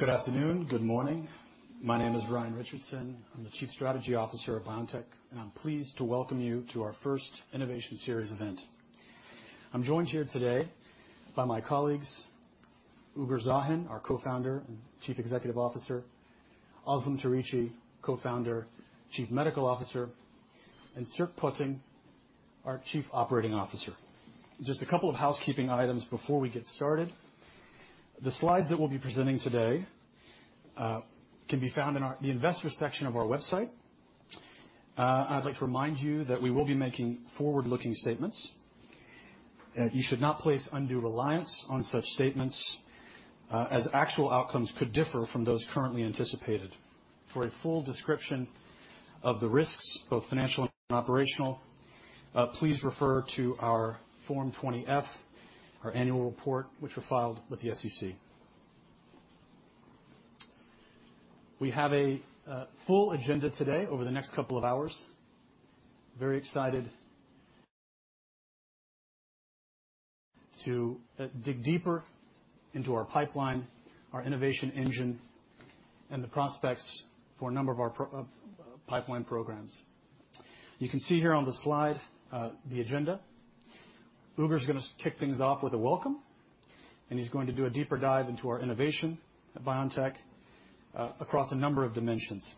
Good afternoon. Good morning. My name is Ryan Richardson. I'm the Chief Strategy Officer at BioNTech, and I'm pleased to welcome you to our first Innovation Series event. I'm joined here today by my colleagues, Ugur Sahin, our Co-founder and Chief Executive Officer, Özlem Türeci, Co-founder, Chief Medical Officer, and Sierk Pötting, our Chief Operating Officer. Just a couple of housekeeping items before we get started. The slides that we'll be presenting today can be found in the investor section of our website. I'd like to remind you that we will be making forward-looking statements, that you should not place undue reliance on such statements, as actual outcomes could differ from those currently anticipated. For a full description of the risks, both financial and operational, please refer to our Form 20-F, our annual report, which were filed with the SEC. We have a full agenda today over the next couple of hours. Very excited to dig deeper into our Pipeline, our innovation engine, and the prospects for a number of our Pipeline programs. You can see here on the slide the agenda. Ugur's gonna kick things off with a welcome, and he's going to do a deeper dive into our innovation at BioNTech across a number of dimensions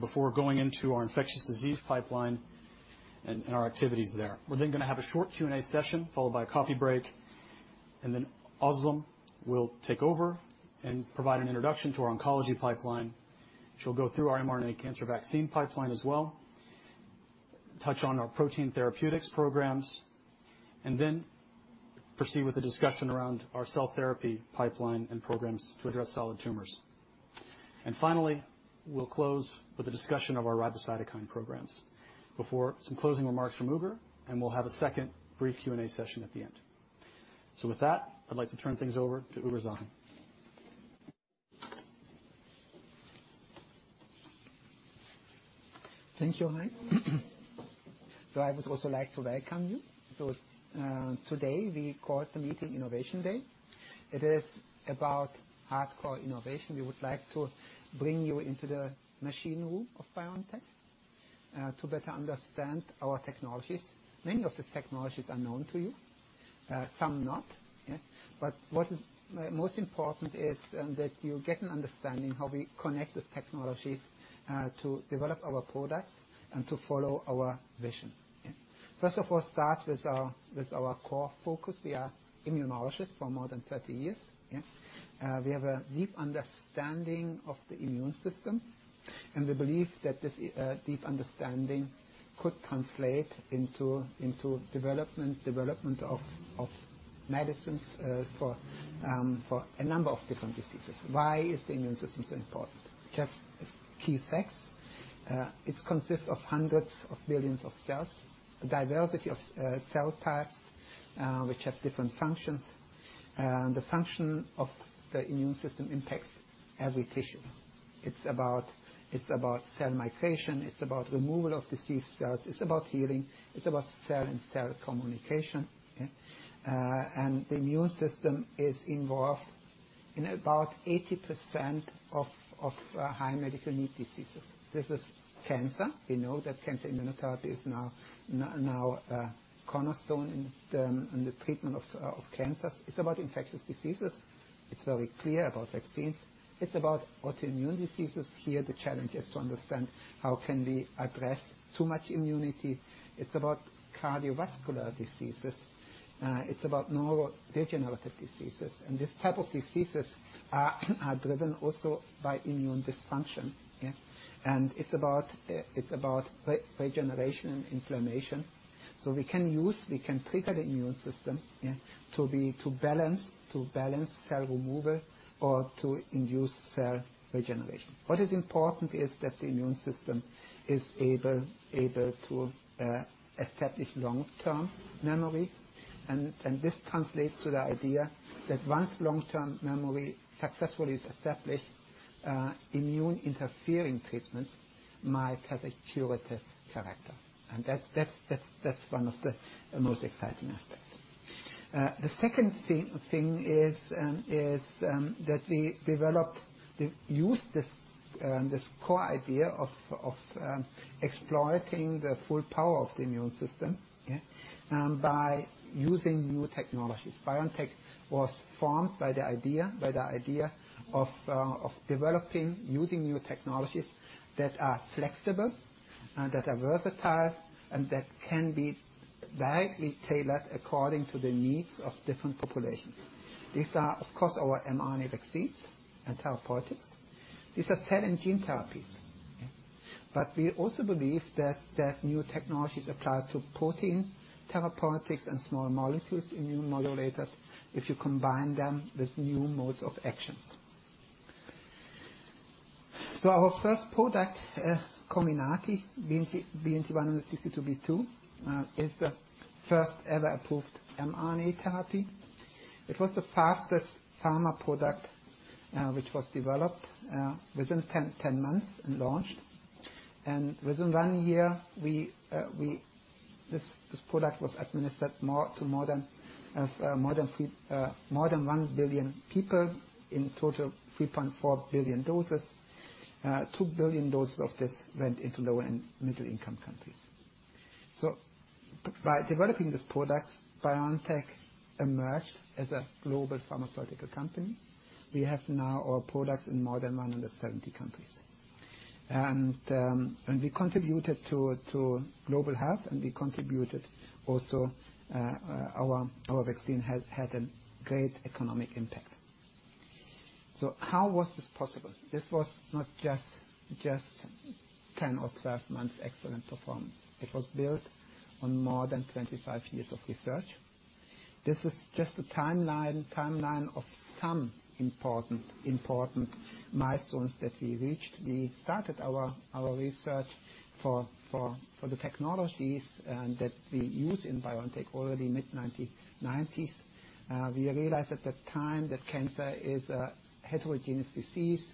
before going into our infectious disease Pipeline and our activities there. We're then gonna have a short Q&A session, followed by a coffee break, and then Özlem will take over and provide an introduction to our oncology Pipeline. She'll go through our mRNA cancer vaccine Pipeline as well, touch on our protein therapeutics programs, and then proceed with the discussion around our cell therapy Pipeline and programs to address solid tumors. Finally, we'll close with a discussion of our RiboCytokine programs before some closing remarks from Ugur, and we'll have a second brief Q&A session at the end. With that, I'd like to turn things over to Ugur Sahin. Thank you, Ryan. I would also like to welcome you. Today we call the meeting Innovation Day. It is about hardcore innovation. We would like to bring you into the machine room of BioNTech to better understand our technologies. Many of these technologies are known to you, some not. What is most important is that you get an understanding how we connect with technologies to develop our products and to follow our vision. First of all, start with our core focus. We are immunologists for more than 30 years. We have a deep understanding of the immune system, and we believe that this deep understanding could translate into development of medicines for a number of different diseases. Why is the immune system so important? Just key facts. It consists of hundreds of billions of cells, a diversity of cell types, which have different functions. The function of the immune system impacts every tissue. It's about cell migration. It's about removal of deceased cells. It's about healing. It's about cell and cell communication. The immune system is involved in about 80% of high medical need diseases. This is cancer. We know that cancer immunotherapy is now a cornerstone in the treatment of cancers. It's about infectious diseases. It's very clear about vaccines. It's about autoimmune diseases. Here, the challenge is to understand how can we address too much immunity. It's about cardiovascular diseases. It's about neurodegenerative diseases. These type of diseases are driven also by immune dysfunction. It's about regeneration and inflammation. We can use, we can trigger the immune system to balance cell removal or to induce cell regeneration. What is important is that the immune system is able to establish long-term memory. This translates to the idea that once long-term memory successfully is established, immune interfering treatments might have a curative character. That's one of the most exciting aspects. The second thing is that we used this core idea of exploiting the full power of the immune system by using new technologies. BioNTech was formed by the idea of developing using new technologies that are flexible and that are versatile and that can be directly tailored according to the needs of different populations. These are, of course, our mRNA vaccines and therapeutics. These are cell and gene therapies. But we also believe that new technologies apply to protein therapeutics and small molecules immunomodulators if you combine them with new modes of action. Our first product, Comirnaty, BNT162b2, is the first ever approved mRNA therapy. It was the fastest pharma product, which was developed within 10 months and launched. Within one year, this product was administered to more than 1 billion people. In total, 3.4 billion doses. 2 billion doses of this went into low and middle income countries. By developing this product, BioNTech emerged as a global pharmaceutical company. We have now our products in more than 170 countries. We contributed to global health, and we contributed- also our vaccine has had a great economic impact. How was this possible? This was not just 10 or 12 months excellent performance. It was built on more than 25 years of research. This is just a timeline of some important milestones that we reached. We started our research for the technologies that we use in BioNTech already mid-1990s. We realized at that time that cancer is a heterogeneous disease,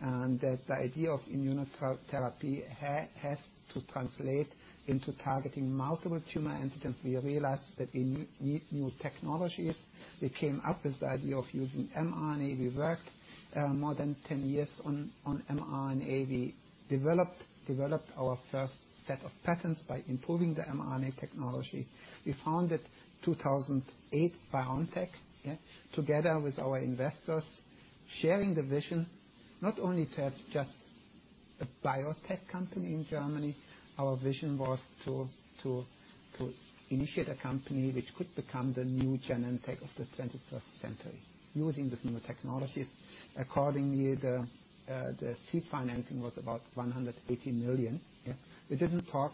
and that the idea of immunotherapy has to translate into targeting multiple tumor antigens. We realized that we need new technologies. We came up with the idea of using mRNA. We worked more than 10 years on mRNA. We developed our first set of patents by improving the mRNA technology. We founded 2008 BioNTech, yeah, together with our investors, sharing the vision not only to have just a biotech company in Germany. Our vision was to initiate a company which could become the new Genentech of the 21st century using these new technologies. Accordingly, the seed financing was about 180 million, yeah. We didn't talk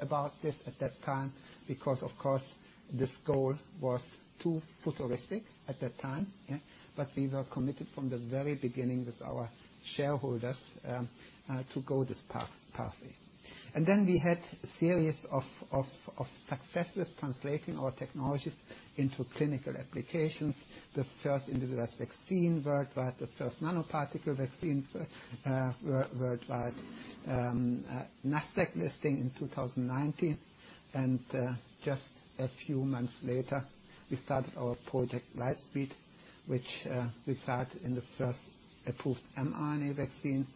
about this at that time because, of course, this goal was too futuristic at that time, yeah. We were committed from the very beginning with our shareholders to go this pathway. We had a series of successes- translating our technologies into clinical applications. The first individualized vaccine worldwide, the first nanoparticle vaccine worldwide. Nasdaq listing in 2019. Just a few months later, we started our Project Lightspeed, which resulted in the first approved mRNA vaccine.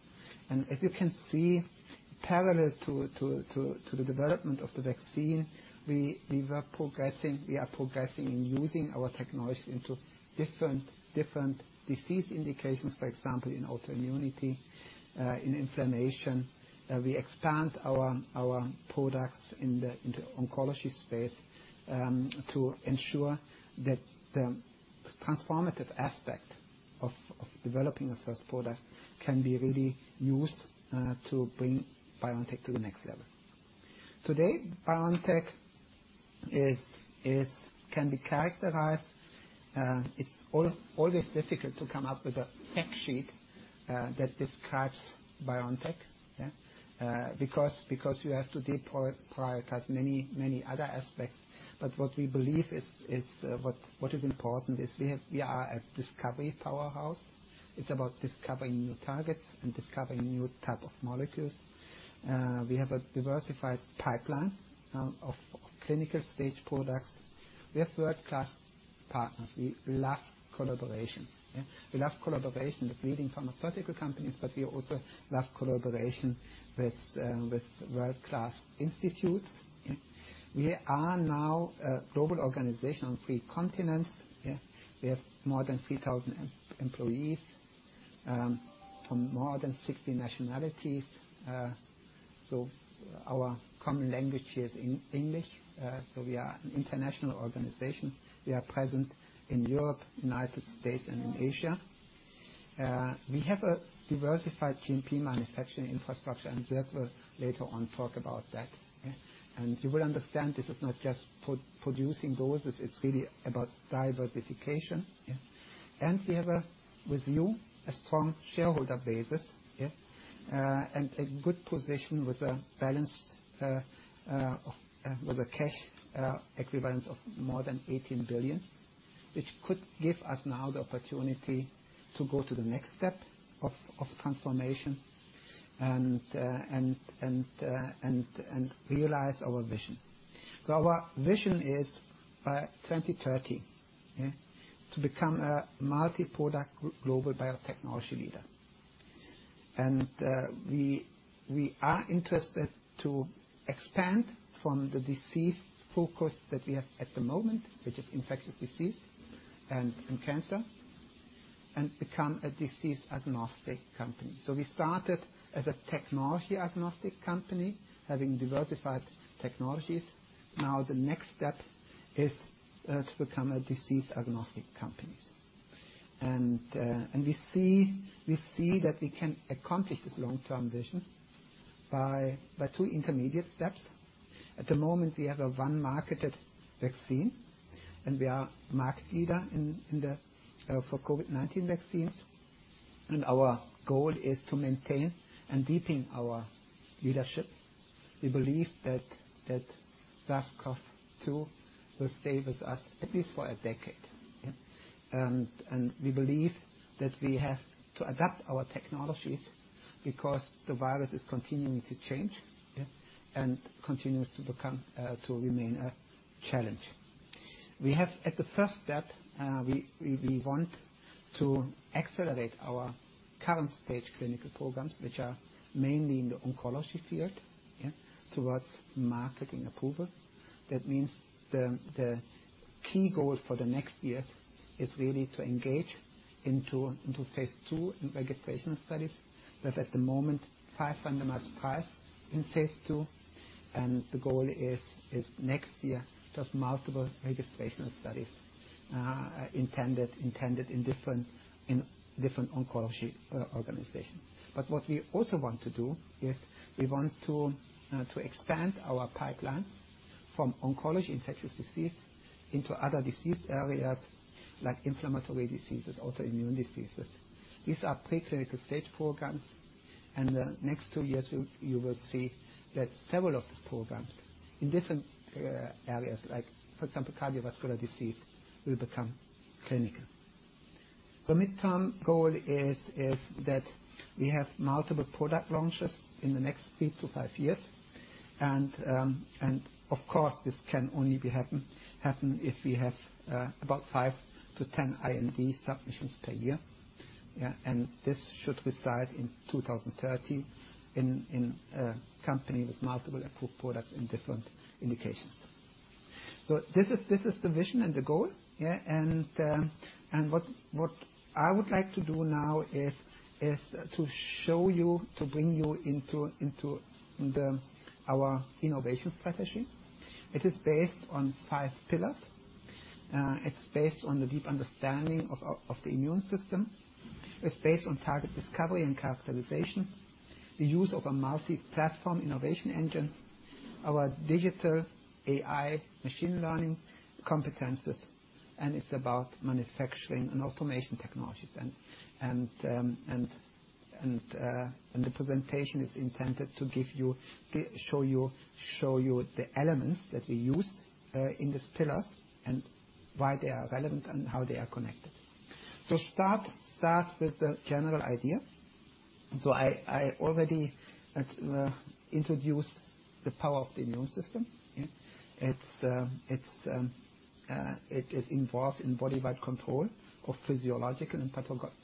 As you can see, parallel to the development of the vaccine, we were progressing. We are progressing in using our technology into different disease indications, for example, in autoimmunity, in inflammation. We expand our products in the oncology space, to ensure that the transformative aspect of developing a first product can be really used, to bring BioNTech to the next level. Today, BioNTech can be characterized- it's always difficult to come up with a fact sheet that describes BioNTech, yeah- because you have to deprioritize many other aspects. What we believe is what is important is we are a discovery powerhouse. It's about discovering new targets and discovering new type of molecules. We have a diversified Pipeline of clinical stage products. We have world-class partners. We love collaboration, yeah. We love collaboration with leading pharmaceutical companies, but we also love collaboration with world-class institutes, yeah. We are now a global organization on three continents, yeah. We have more than 3,000 employees from more than 60 nationalities. Our common language here is English. We are an international organization. We are present in Europe, United States and in Asia. We have a diversified GMP manufacturing infrastructure, and Sierk will later on talk about that, yeah. You will understand this is not just producing doses, it's really about diversification, yeah. We have a, with you, a strong shareholder basis, yeah. A good position with a balanced cash equivalence of more than $18 billion, which could give us now the opportunity to go to the next step of transformation and realize our vision. Our vision is by 2030, yeah, to become a multi-product global biotechnology leader. We are interested to expand from the disease focus that we have at the moment, which is infectious disease and cancer, and become a disease-agnostic company. We started as a technology-agnostic company, having diversified technologies. Now the next step is to become a disease-agnostic company. We see that we can accomplish this long-term vision by two intermediate steps. At the moment, we have one marketed vaccine, and we are the market leader in COVID-19 vaccines. Our goal is to maintain and deepen our leadership. We believe that SARS-CoV-2 will stay with us at least for a decade. We believe that we have to adapt our technologies because the virus is continuing to change and continues to remain a challenge. At the first step, we want to accelerate our current stage clinical programs, which are mainly in the oncology field, towards marketing approval. That means the key goal for the next years is really to engage into phase II registrational studies. There's at the moment five randomized trials in phase II, and the goal is next year to have multiple registrational studies intended in different oncology indications. What we also want to do is we want to expand our Pipeline from oncology and infectious disease into other disease areas like inflammatory diseases, autoimmune diseases. These are preclinical stage programs, and the next two years, you will see that several of these programs in different areas, like, for example, cardiovascular disease, will become clinical. The midterm goal is that we have multiple product launches in the next three-five years, and of course, this can only happen if we have about five-10 IND submissions per year. This should result in 2030 in a company with multiple approved products in different indications. This is the vision and the goal, yeah. What I would like to do now is to show you, to bring you into our innovation strategy. It is based on five pillars. It's based on the deep understanding of the immune system. It's based on target discovery and characterization, the use of a multi-platform innovation engine, our digital AI machine learning competencies, and it's about manufacturing and automation technologies. The presentation is intended to show you the elements that we use in these pillars, and why they are relevant and how they are connected. Start with the general idea. I already introduced the power of the immune system, yeah. It is involved in body-wide control of physiological and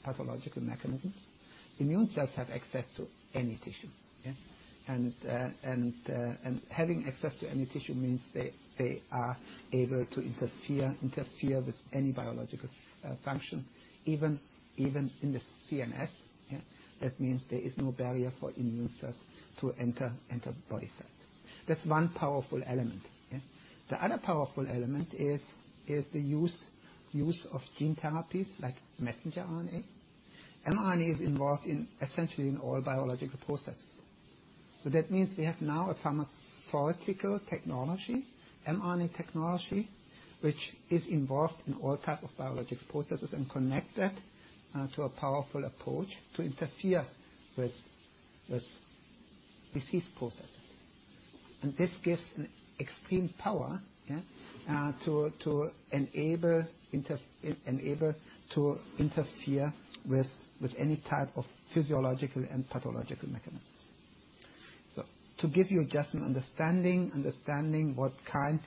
pathological mechanisms. Immune cells have access to any tissue, yeah. Having access to any tissue means they are able to interfere with any biological function, even in the CNS, yeah. That means there is no barrier for immune cells to enter body cells. That's one powerful element, yeah. The other powerful element is the use of gene therapies like messenger RNA. mRNA is involved in essentially in all biological processes. That means we have now a pharmaceutical technology, mRNA technology, which is involved in all type of biological processes and connected to a powerful approach to interfere with disease processes. This gives an extreme power to enable to interfere with any type of physiological and pathological mechanisms. To give you just an understanding what kind-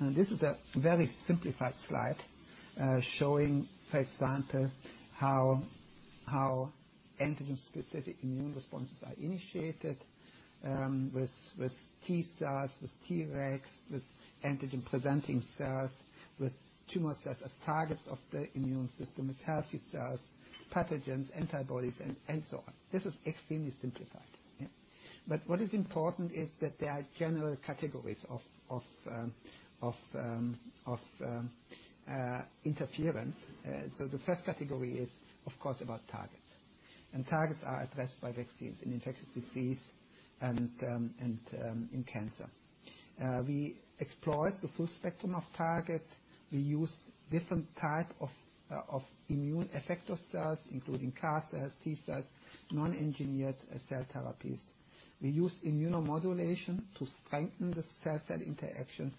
this is a very simplified slide showing, for example, how antigen-specific immune responses are initiated with T cells, with Tregs, with antigen-presenting cells, with tumor cells as targets of the immune system as healthy cells, pathogens, antibodies, and so on. This is extremely simplified. What is important is that there are general categories of interference. The first category is, of course, about targets. Targets are addressed by vaccines in infectious disease and in cancer. We explored the full spectrum of targets. We used different type of immune effector cells, including CAR-T cells, T cells, non-engineered cell therapies. We used immunomodulation to strengthen this cell-cell interactions,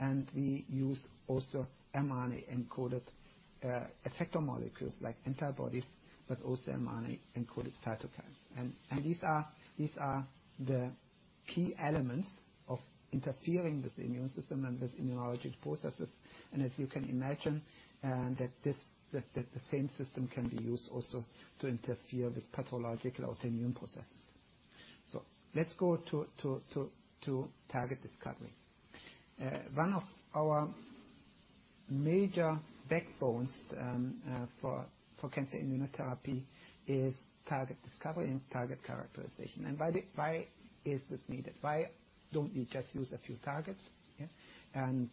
and we used also mRNA-encoded effector molecules like antibodies, but also mRNA-encoded cytokines. These are the key elements of interfering with the immune system and with immunology processes. As you can imagine, the same system can be used also to interfere with pathological autoimmune processes. Let's go to target discovery. One of our major backbones for cancer immunotherapy is target discovery and target characterization. Why is this needed? Why don't we just use a few targets and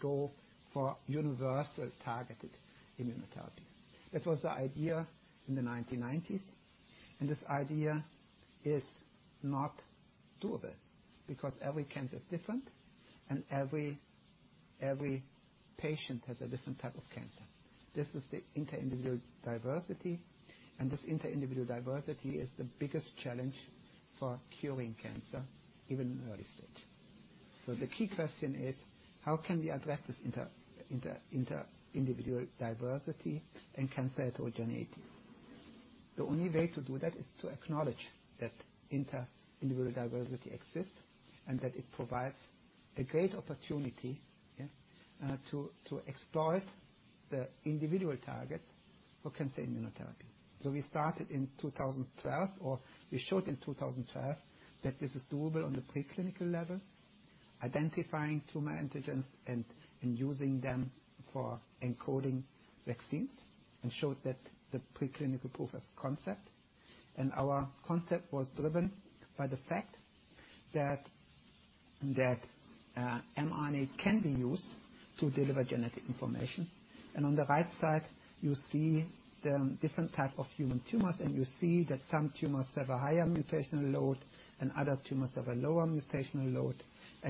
go for universal targeted immunotherapy? That was the idea in the 1990s, and this idea is not doable because every cancer is different and every patient has a different type of cancer. This is the inter-individual diversity, and this inter-individual diversity is the biggest challenge for curing cancer, even in early stage. The key question is: how can we address this inter-individual diversity in cancer heterogeneity? The only way to do that is to acknowledge that inter-individual diversity exists and that it provides a great opportunity to explore the individual targets for cancer immunotherapy. We started in 2012, or we showed in 2012 that this is doable on the preclinical level, identifying tumor antigens and using them for encoding vaccines, and showed that the preclinical proof of concept. Our concept was driven by the fact that mRNA can be used to deliver genetic information. On the right side, you see the different type of human tumors, and you see that some tumors have a higher mutational load and other tumors have a lower mutational load.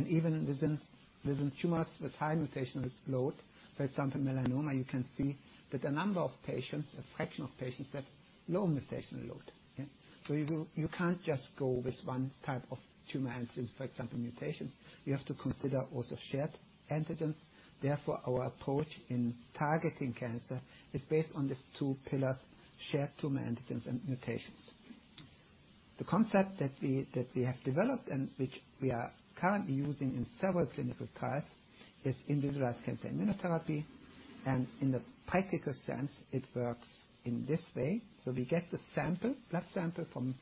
Even within tumors with high mutational load, for example, melanoma, you can see that a number of patients, a fraction of patients, have low mutational load. Yeah. You can't just go with one type of tumor antigens, for example, mutations, you have to consider also shared antigens. Therefore, our approach in targeting cancer is based on these two pillars, shared tumor antigens and mutations. The concept that we have developed and which we are currently using in several clinical trials is individualized cancer immunotherapy. In the practical sense, it works in this way. We get the sample, blood sample from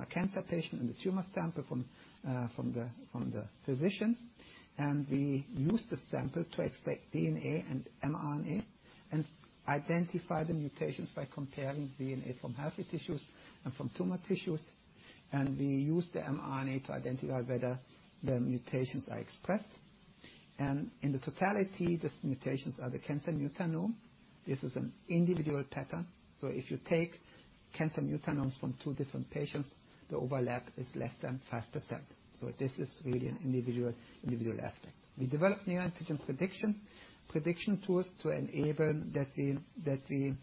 a cancer patient and the tumor sample from the physician. We use the sample to extract DNA and mRNA and identify the mutations by comparing DNA from healthy tissues and from tumor tissues. We use the mRNA to identify whether the mutations are expressed. In the totality, these mutations are the cancer mutanome. This is an individual pattern. If you take cancer mutanomes from two different patients, the overlap is less than 5%. This is really an individual aspect. We develop neoantigen prediction tools to enable that we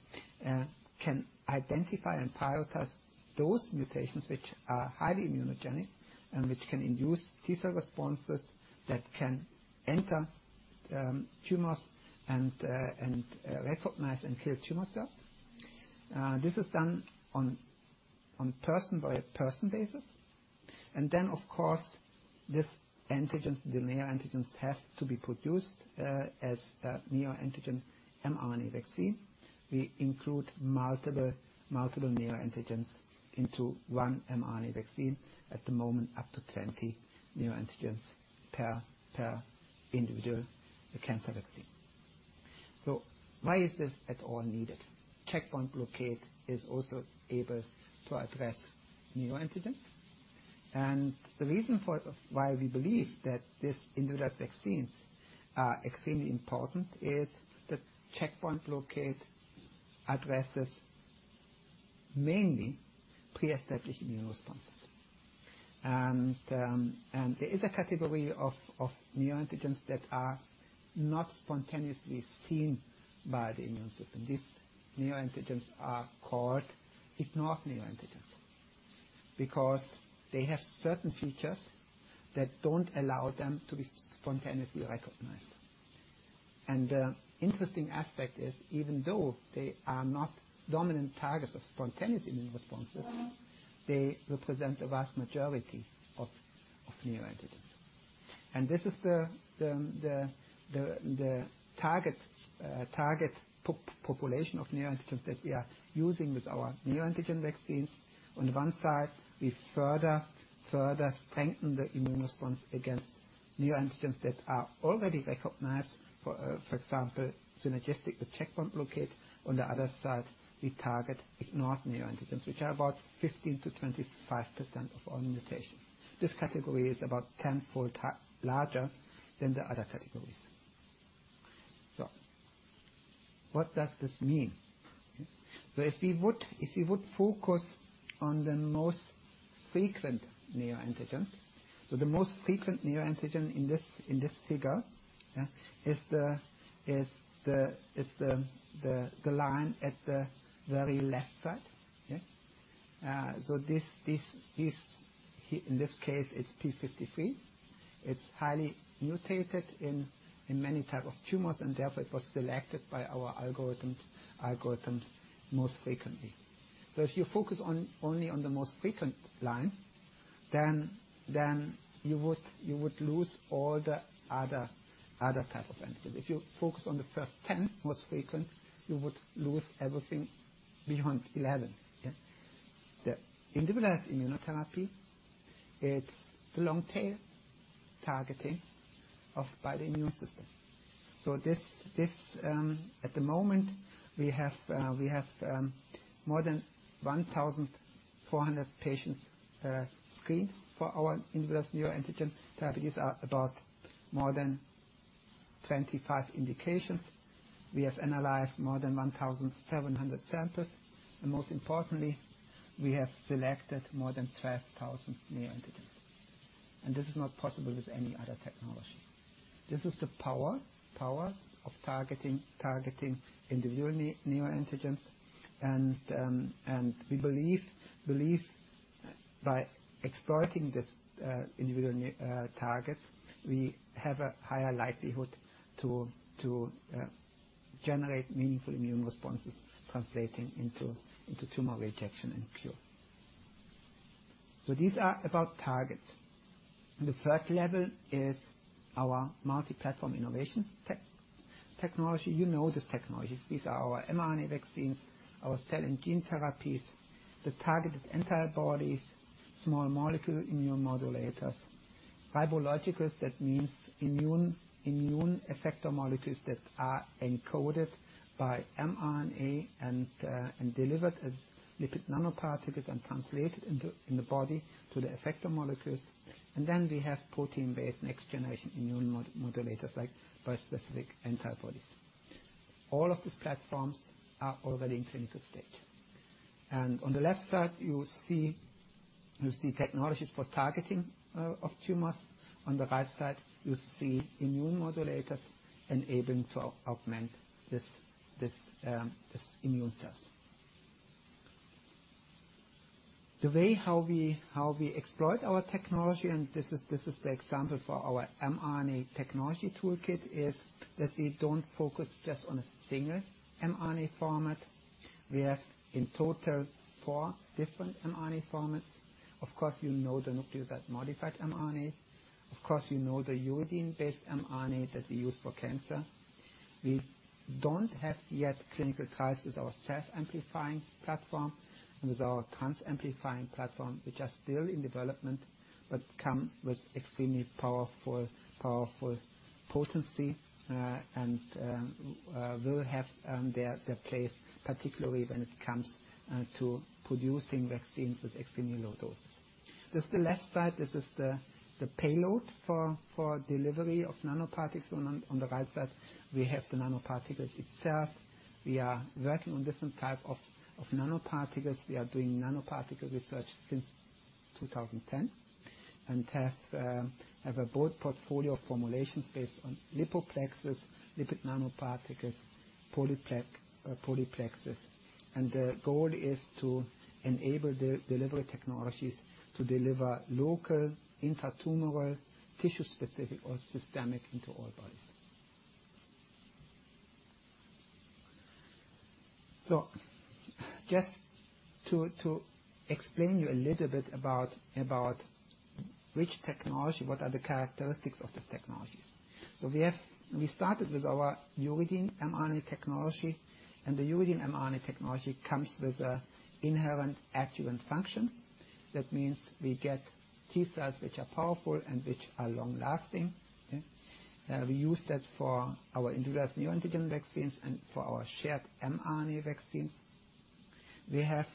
can identify and prioritize those mutations which are highly immunogenic and which can induce T cell responses that can enter tumors and recognize and kill tumor cells. This is done on person-by-person basis. Of course, these antigens, the neoantigens have to be produced as a neoantigen mRNA vaccine. We include multiple neoantigens into one mRNA vaccine. At the moment, up to 20 neoantigens per individual cancer vaccine. Why is this at all needed? Checkpoint blockade is also able to address neoantigens. The reason why we believe that these individualized vaccines are extremely important is that checkpoint blockade addresses mainly pre-established immune responses. There is a category of neoantigens that are not spontaneously seen by the immune system. These neoantigens are called ignored neoantigens because they have certain features that don't allow them to be spontaneously recognized. The interesting aspect is, even though they are not dominant targets of spontaneous immune responses, they represent the vast majority of neoantigens. This is the target population of neoantigens that we are using with our neoantigen vaccines. On one side, we further strengthen the immune response against neoantigens that are already recognized, for example, synergistic with checkpoint blockade. On the other side, we target ignored neoantigens, which are about 15%-25% of all mutations. This category is about tenfold larger than the other categories. What does this mean? If we would focus on the most frequent neoantigens. The most frequent neoantigen in this figure is the line at the very left side. In this case, it's p53. It's highly mutated in many types of tumors, and therefore, it was selected by our algorithms most frequently. If you focus only on the most frequent line, then you would lose all the other types of antigens. If you focus on the first 10 most frequent, you would lose everything beyond 11. The individualized immunotherapy, it's the long tail targeting by the immune system. At the moment, we have more than 1,400 patients screened for our individualized neoantigen therapies in more than 25 indications. We have analyzed more than 1,700 samples, and most importantly, we have selected more than 12,000 neoantigens. This is not possible with any other technology. This is the power of targeting individual neoantigens. We believe by exploiting this individual neoantigen target, we have a higher likelihood to generate meaningful immune responses translating into tumor rejection and cure. These are our targets. The third level is our multi-platform innovation technology- you know these technologies. These are our mRNA vaccines, our cell and gene therapies, the targeted antibodies, small molecule immunomodulators, biologics that means immune immune effector molecules that are encoded by mRNA and delivered as lipid nanoparticles and translated in the body to the effector molecules. We have protein-based next generation immune modulators like bispecific antibodies. All of these platforms are already in clinical stage. On the left side, you see technologies for targeting of tumors. On the right side, you see immune modulators enabling to augment this immune cells. The way how we exploit our technology, this is the example for our mRNA technology toolkit, is that we don't focus just on a single mRNA format. We have in total four different mRNA formats. Of course, you know the nucleotide modified mRNA. Of course, you know the uridine-based mRNA that we use for cancer. We don't have yet clinical trials with our self-amplifying platform and with our trans-amplifying platform, which are still in development, but come with extremely powerful potency, and will have their place, particularly when it comes to producing vaccines with extremely low doses. Just the left side, this is the payload for delivery of nanoparticles. On the right side, we have the nanoparticles itself. We are working on different type of nanoparticles. We are doing nanoparticle research since 2010 and have a broad portfolio of formulations based on lipoplexes, lipid nanoparticles, polyplexes. The goal is to enable the delivery technologies to deliver local, intra-tumoral, tissue-specific or systemic into all bodies. Just to explain to you a little bit about which technology, what are the characteristics of these technologies. We started with our uridine mRNA technology, and the uridine mRNA technology comes with an inherent adjuvant function. That means we get T cells which are powerful and which are long-lasting, okay? We use that for our individualized neoantigen vaccines and for our shared mRNA vaccine. We have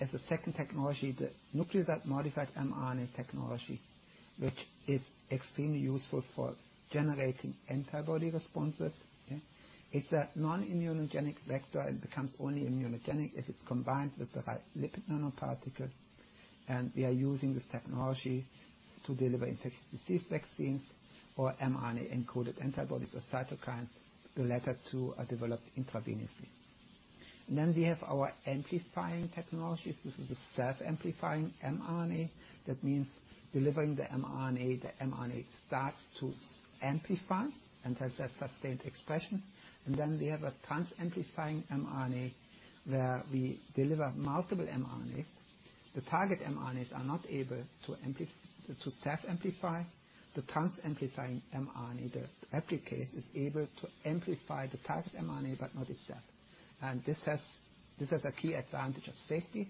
as a second technology, the nucleotide modified mRNA technology, which is extremely useful for generating antibody responses, okay? It's a non-immunogenic vector and becomes only immunogenic if it's combined with the right lipid nanoparticle. We are using this technology to deliver infectious disease vaccines or mRNA-encoded antibodies or cytokines. The latter two are developed intravenously. We have our amplifying technologies. This is a self-amplifying mRNA. That means delivering the mRNA, the mRNA starts to amplify and has a sustained expression. Then we have a trans-amplifying mRNA, where we deliver multiple mRNAs. The target mRNAs are not able to self-amplify. The trans-amplifying mRNA, the replicase, is able to amplify the target mRNA, but not itself. This has a key advantage of safety,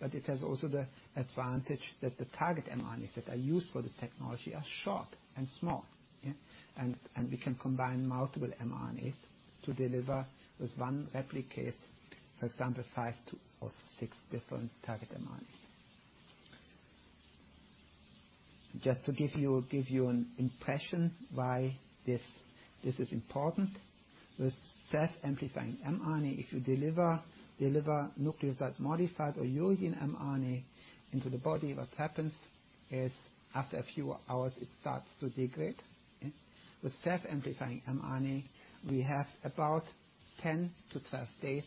but it has also the advantage that the target mRNAs that are used for this technology are short and small, yeah. We can combine multiple mRNAs to deliver with one replicase, for example, five or six different target mRNAs. Just to give you an impression why this is important. With self-amplifying mRNA, if you deliver nucleotide-modified or uridine mRNA into the body, what happens is, after a few hours, it starts to degrade, okay? With self-amplifying mRNA, we have about 10-12 days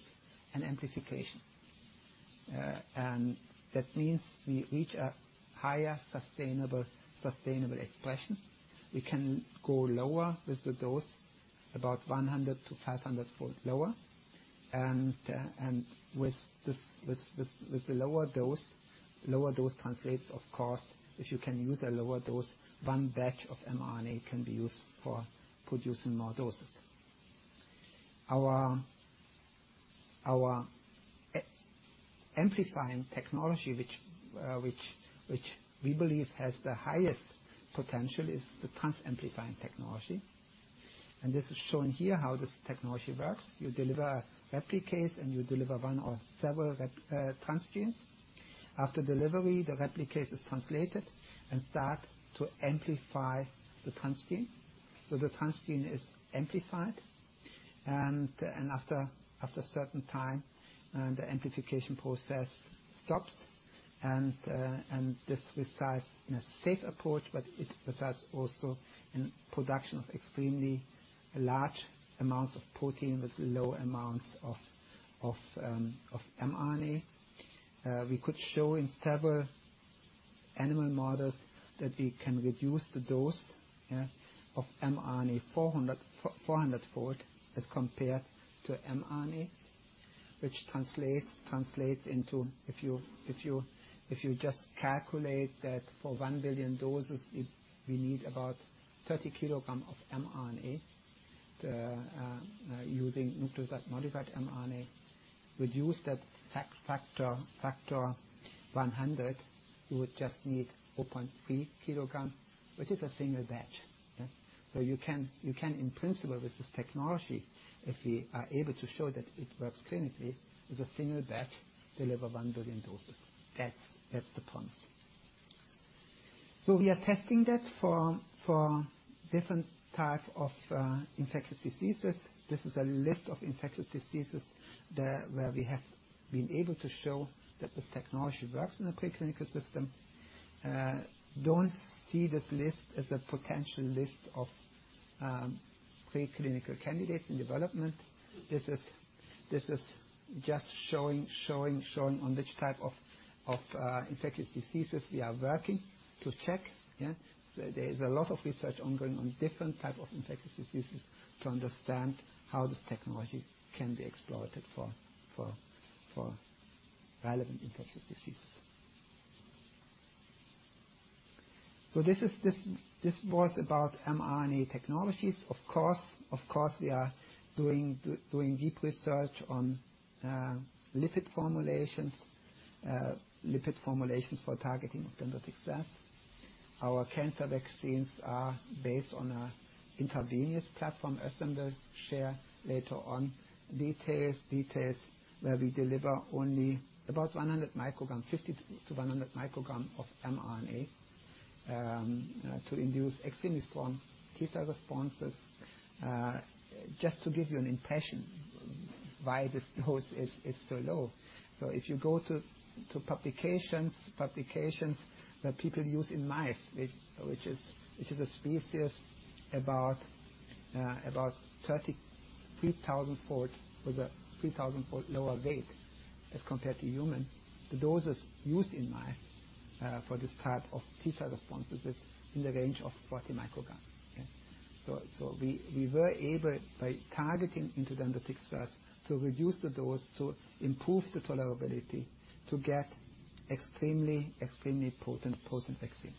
of amplification. That means we reach a higher sustainable expression. We can go lower with the dose, about 100-500 fold lower. With the lower dose translates, of course, if you can use a lower dose, one batch of mRNA can be used for producing more doses. Our amplifying technology, which we believe has the highest potential is the trans-amplifying technology. This is shown here how this technology works. You deliver a replicase, and you deliver one or several transgenes. After delivery, the replicase is translated and start to amplify the transgene. The transgene is amplified. After certain time, the amplification process stops. This results in a safe approach, but it results also in production of extremely large amounts of protein with low amounts of mRNA. We could show in several animal models that we can reduce the dose of mRNA 400-fold as compared to mRNA, which translates into- if you just calculate that for 1 billion doses, we need about 30 Kgs of mRNA. Using nucleotide-modified mRNA, reduce that factor 100, you would just need 0.3 Kg, which is a single batch. You can in principle, with this technology, if we are able to show that it works clinically, with a single batch, deliver 1 billion doses. That's the promise. We are testing that for different type of infectious diseases. This is a list of infectious diseases there where we have been able to show that this technology works in a preclinical system. Don't see this list as a potential list of preclinical candidates in development. This is just showing on which type of infectious diseases we are working to check. Yeah. There is a lot of research ongoing on different type of infectious diseases to understand how this technology can be exploited for relevant infectious diseases. This was about mRNA technologies. Of course, we are doing deep research on lipid formulations- lipid formulations for targeting dendritic cells. Our cancer vaccines are based on an intravenous platform. Özlem will share later on details where we deliver only about 100 mcg, 50-100 mcg of mRNA, to induce extremely strong T cell responses. Just to give you an impression why this dose is so low. If you go to publications that people use in mice, which is a species about 33,000-fold or 3,000-fold lower weight as compared to humans. The doses used in mice for this type of T cell responses is in the range of 40 mcg. We were able, by targeting into dendritic cells, to reduce the dose to improve the tolerability to get extremely potent vaccine.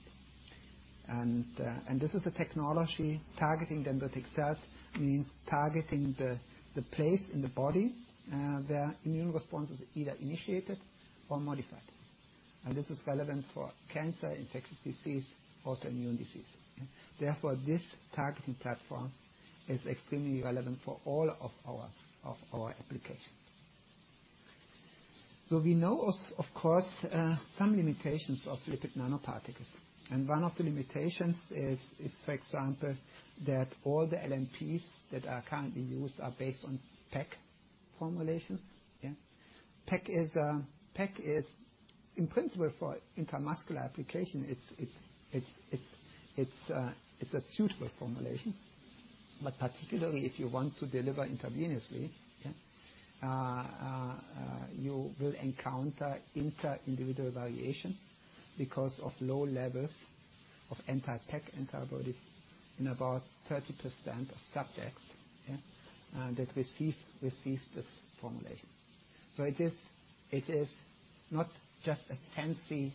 This is a technology. Targeting dendritic cells means targeting the place in the body where immune response is either initiated or modified. This is relevant for cancer, infectious disease, also immune diseases. Therefore, this targeting platform is extremely relevant for all of our applications. We know of course some limitations of lipid nanoparticles. One of the limitations is, for example, that all the LNPs that are currently used are based on PEG formulation. PEG is. In principle, for intramuscular application, it's a suitable formulation. But particularly if you want to deliver intravenously, you will encounter inter-individual variation because of low levels of anti-PEG antibodies in about 30% of subjects that receive this formulation. It is not just a fancy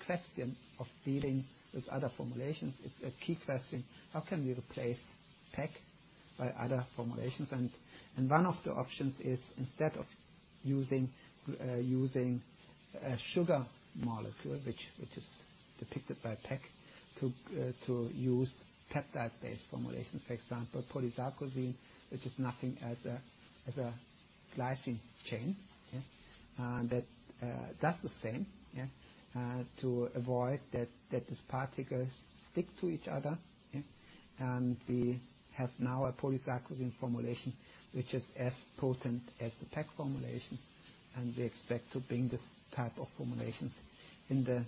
question of dealing with other formulations. It's a key question. How can we replace PEG by other formulations? One of the options is instead of using a sugar molecule, which is depicted by PEG, to use peptide-based formulations. For example, polysarcosine, which is nothing but a glycine chain. That's the same. To avoid that these particles stick to each other. We have now a polysarcosine formulation, which is as potent as the PEG formulation, and we expect to bring this type of formulations in the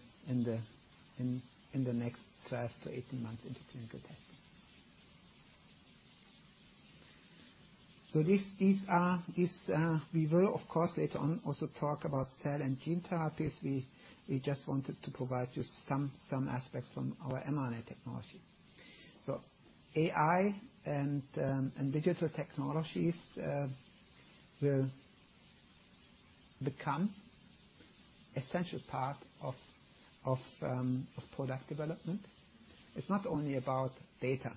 next 12 to 18 months into clinical testing. These are- we will, of course, later on, also talk about cell and gene therapies. We just wanted to provide you some aspects from our mRNA technology. AI and digital technologies will become essential part of product development. It's not only about data,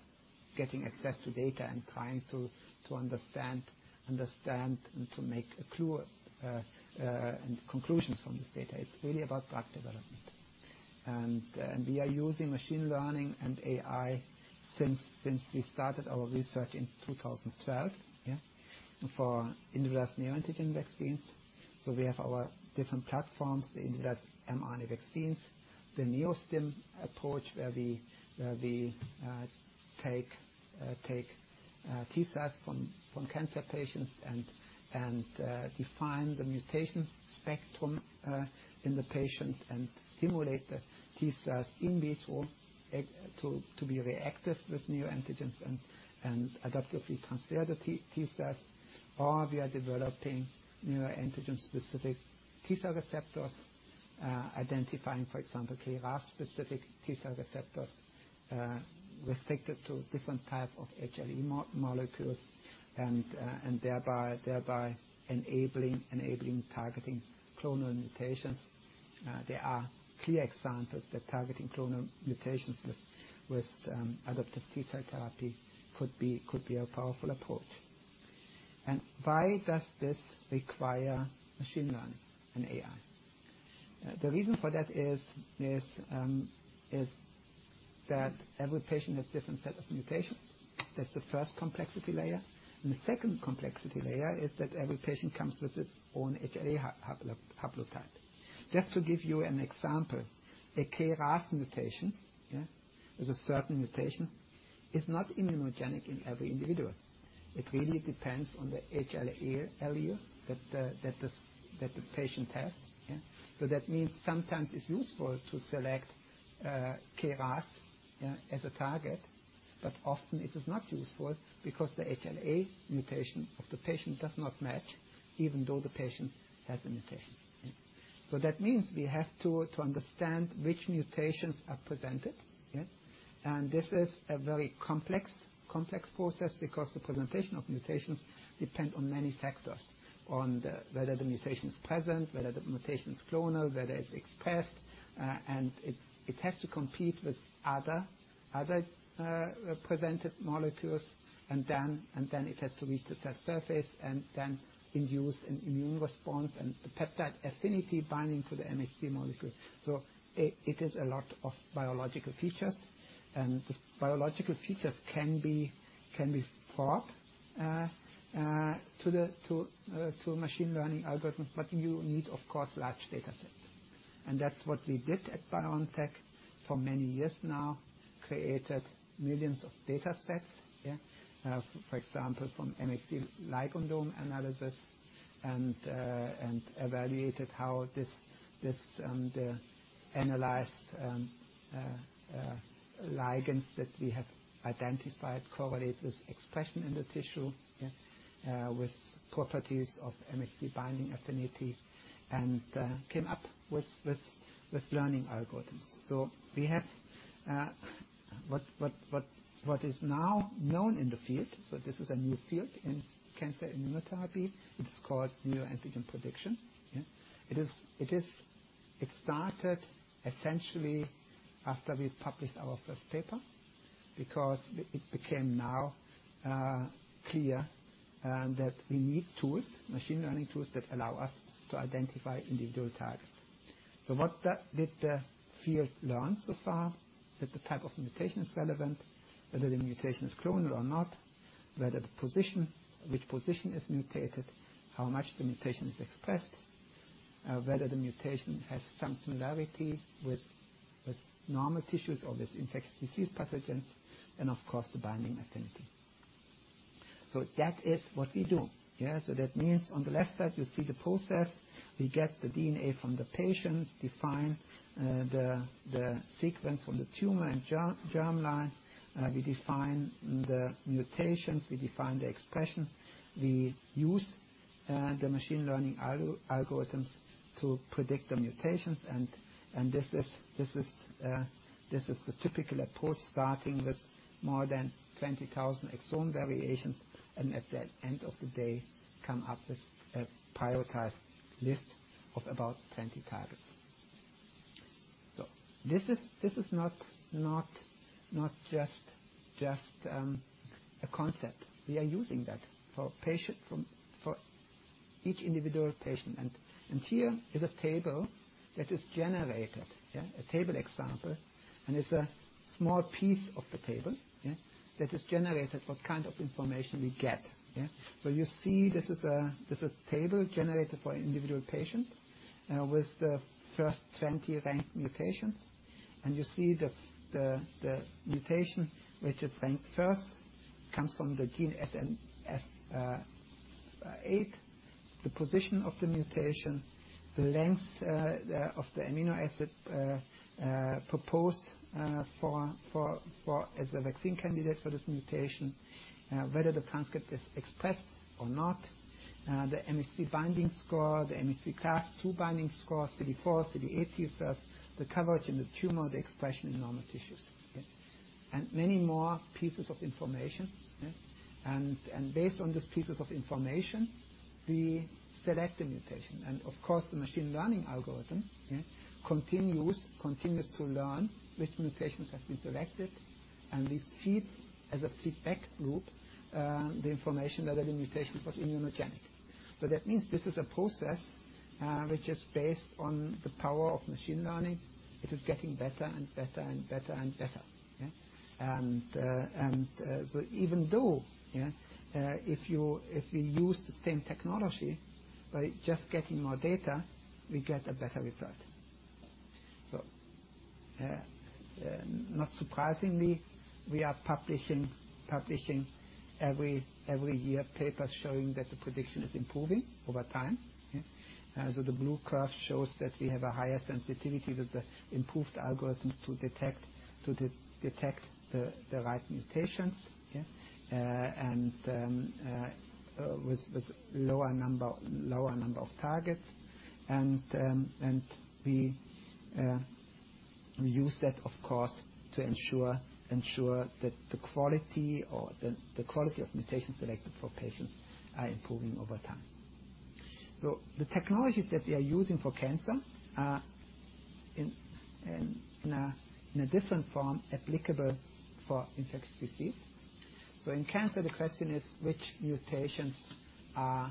getting access to data, and trying to understand and to make a clue and conclusions from this data. It's really about driving and we are using machine learning and AI since we started our research in 2012, yeah. For individualized neoantigen vaccines, we have our different platforms, the individualized mRNA vaccines, the NEO-STIM approach, where we take T cells from cancer patients and define the mutation spectrum in the patient and stimulate the T cells in vitro to be reactive with neoantigens and adaptively transfer the T cells. We are developing neoantigen-specific T-cell receptors, identifying, for example, KRAS-specific T-cell receptors, restricted to different types of HLA molecules and thereby enabling targeting clonal mutations. There are clear examples that targeting clonal mutations with adaptive T-cell therapy could be a powerful approach. Why does this require machine learning and AI? The reason for that is that every patient has different set of mutations. That's the first complexity layer. The second complexity layer is that every patient comes with his own HLA haplotype. Just to give you an example, a KRAS mutation is a certain mutation, is not immunogenic in every individual. It really depends on the HLA allele that the patient has. That means sometimes it's useful to select KRAS as a target, but often it is not useful because the HLA mutation of the patient does not match even though the patient has the mutation. That means we have to understand which mutations are presented. This is a very complex process because the presentation of mutations depend on many factors- whether the mutation is present, whether the mutation is clonal, whether it's expressed, and it has to compete with other presented molecules and then it has to reach the cell surface and then induce an immune response and the peptide affinity binding to the MHC molecule. It is a lot of biological features, and these biological features can be brought to machine learning algorithms, but you need, of course, large datasets. That's what we did at BioNTech for many years now, created millions of datasets. For example, from MHC ligandome analysis and evaluated how this the analyzed ligands that we have identified correlate with expression in the tissue, with properties of MHC binding affinity and came up with learning algorithms. We have what is now known in the field- this is a new field in cancer immunotherapy- it is called neoantigen prediction. It is- it started essentially after we published our first paper because it became now clear that we need tools, machine learning tools that allow us to identify individual targets. What did the field learn so far? That the type of mutation is relevant, whether the mutation is clonal or not, whether which position is mutated, how much the mutation is expressed, whether the mutation has some similarity with normal tissues or with infectious disease pathogens, and of course, the binding affinity. That is what we do. Yeah. That means on the left side, you see the process. We get the DNA from the patient, define the sequence from the tumor and germline. We define the mutations, we define the expression. We use the machine learning algorithms to predict the mutations. This is the typical approach, starting with more than 20,000 exome variations, and at the end of the day, come up with a prioritized list of about 20 targets. This is not just a concept. We are using that for each individual patient. Here is a table that is generated. A table example- it's a small piece of the table that is generated what kind of information we get. You see this is a table generated for individual patient with the first 20 ranked mutations. You see the mutation, which is ranked first, comes from the gene SNF8. The position of the mutation, the length of the amino acid proposed for as a vaccine candidate for this mutation, whether the transcript is expressed or not, the MHC binding score, the MHC class two binding score, CD four, CD8 T cell, the coverage in the tumor, the expression in normal tissues. Okay. Many more pieces of information. Yeah. Based on these pieces of information, we select a mutation. Of course, the machine learning algorithm, yeah, continues to learn which mutations have been selected, and we feed as a feedback loop, the information that a mutation was immunogenic. That means this is a process, which is based on the power of machine learning. It is getting better and better and better and better. Yeah? Even though if we use the same technology by just getting more data, we get a better result. Not surprisingly, we are publishing every year papers showing that the prediction is improving over time. As so the blue curve shows that we have a higher sensitivity with the improved algorithms to detect the right mutations, and with lower number of targets. We use that, of course, to ensure that the quality of mutations selected for patients are improving over time. The technologies that we are using for cancer are in a different form applicable for infectious disease. In cancer, the question is which mutations are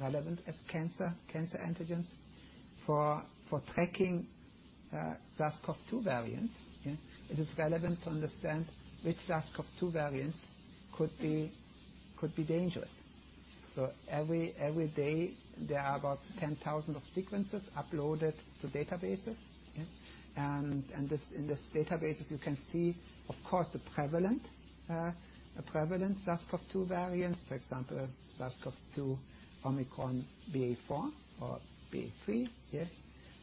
relevant as cancer antigens for tracking SARS-CoV-2 variants. It is relevant to understand which SARS-CoV-2 variants could be dangerous. Every day, there are about 10,000 sequences uploaded to databases. In these databases you can see, of course, the prevalent SARS-CoV-2 variants, for example, SARS-CoV-2 Omicron BA.4 or BA.3.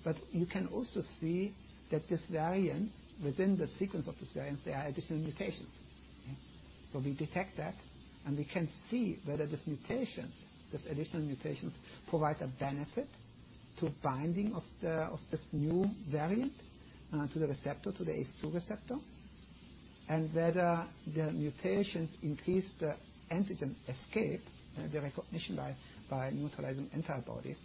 But you can also see that these variants, within the sequence of these variants, there are additional mutations. We detect that, and we can see whether these mutations, these additional mutations provide a benefit to binding of this new variant to the receptor, to the ACE2 receptor, and whether the mutations increase the antigen escape, the recognition by neutralizing antibodies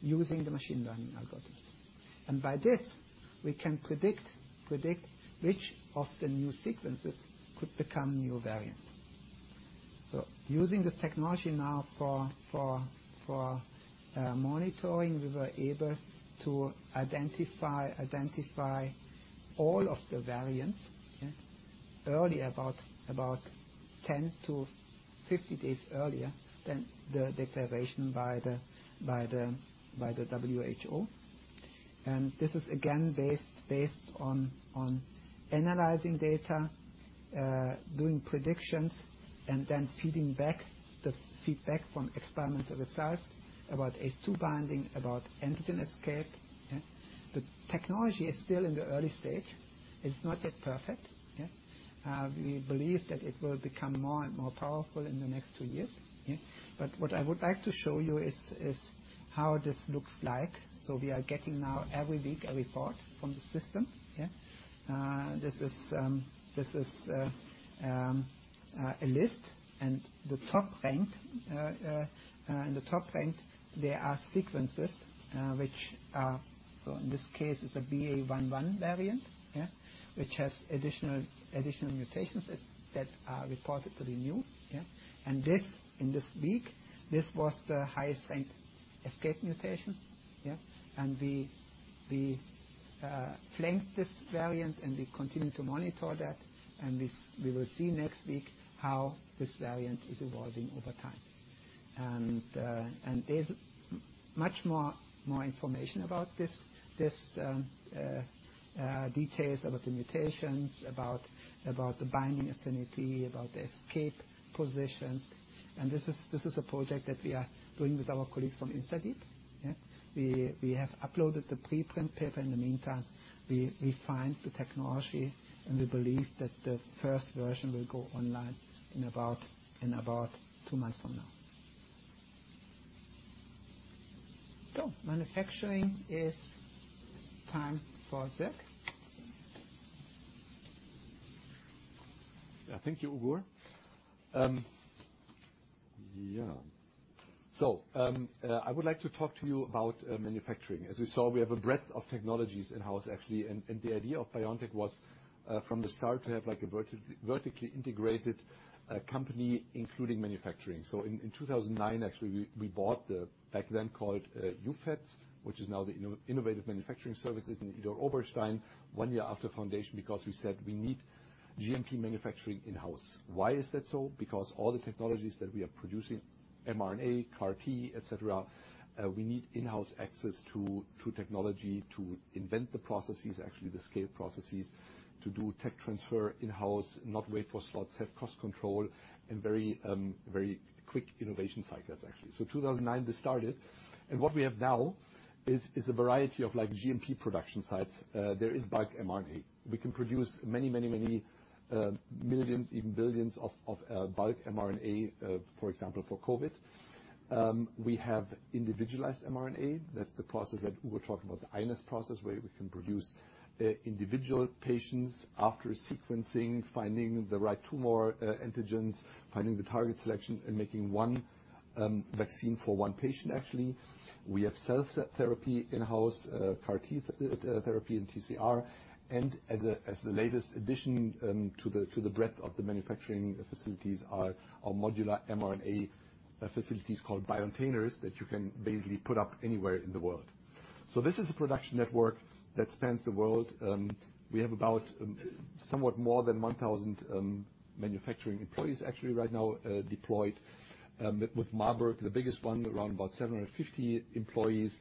using the machine learning algorithms. By this, we can predict which of the new sequences could become new variants. Using this technology now for monitoring, we were able to identify all of the variants early, about 10-50 days earlier than the declaration by the WHO. This is again based on analyzing data, doing predictions, and then feeding back the feedback from experimental results about ACE2 binding, about antigen escape. The technology is still in the early stage. It's not yet perfect. We believe that it will become more and more powerful in the next two years. What I would like to show you is how this looks like. We are getting now every week a report from the system. This is a list and the top-ranked, there are sequences which are- in this case, it's a BA.1.1 variant, which has additional mutations that are reported to be new. This, in this week, this was the highest ranked escape mutation. We flagged this variant, and we continue to monitor that. We will see next week how this variant is evolving over time. There's much more information about this, details about the mutations, about the binding affinity, about the escape positions. This is a project that we are doing with our colleagues from InstaDeep. We have uploaded the preprint paper in the meantime. We find the technology, and we believe that the first version will go online in about two months from now. Manufacturing- its time for Sierk Pötting. Yeah. Thank you, Ugur. I would like to talk to you about manufacturing. As we saw, we have a breadth of technologies in-house actually. The idea of BioNTech was from the start to have like a vertically integrated company, including manufacturing. In 2009, actually, we bought the back then called EUFETS, which is now the Innovative Manufacturing Services in Idar-Oberstein, one year after foundation, because we said we need GMP manufacturing in-house. Why is that so? Because all the technologies that we are producing, mRNA, CAR-T, et cetera, we need in-house access to technology to invent the processes, actually the scale processes, to do tech transfer in-house, not wait for slots, have cost control and very quick innovation cycles, actually. In 2009, this started. What we have now is a variety of like GMP production sites. There is bulk mRNA- we can produce many millions, even billions of bulk mRNA, for example, for COVID. We have individualized mRNA- that's the process that Ugur talked about, the iNeST process, where we can produce for individual patients after sequencing, finding the right tumor antigens, finding the target selection, and making one vaccine for one patient, actually. We have cell therapy in-house, CAR-T therapy and TCR. And, as the latest addition to the breadth of the manufacturing facilities are modular mRNA facilities called BioNTainers that you can basically put up anywhere in the world. This is a production network that spans the world. We have about somewhat more than 1,000 manufacturing employees actually right now deployed with Marburg, the biggest one, around 750 employees.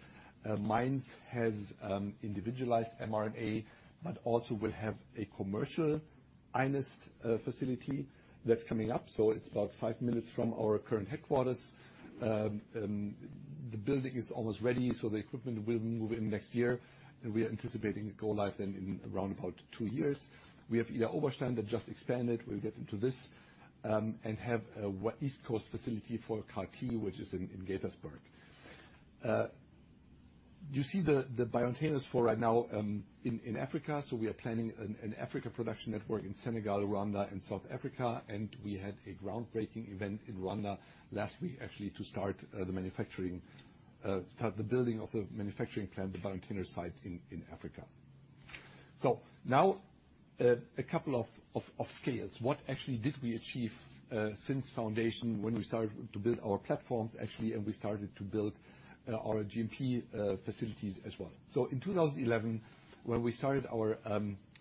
Mainz has individualized mRNA, but also will have a commercial innovative facility that's coming up, so it's about 5 minutes from our current headquarters. The building is almost ready, so the equipment will move in next year. We are anticipating go live then in around two years. We have Idar-Oberstein that just expanded. We'll get into this. We have an East Coast facility for CAR-T, which is in Gaithersburg. You see the BioNTainers for right now in Africa. We are planning an Africa production network in Senegal, Rwanda, and South Africa, and we had a groundbreaking event in Rwanda last week actually to start the manufacturing, the building of the manufacturing plant, the BioNTainers sites in Africa. Now a couple of scales. What actually did we achieve since foundation when we started to build our platforms actually, and we started to build our GMP facilities as well. In 2011, when we started our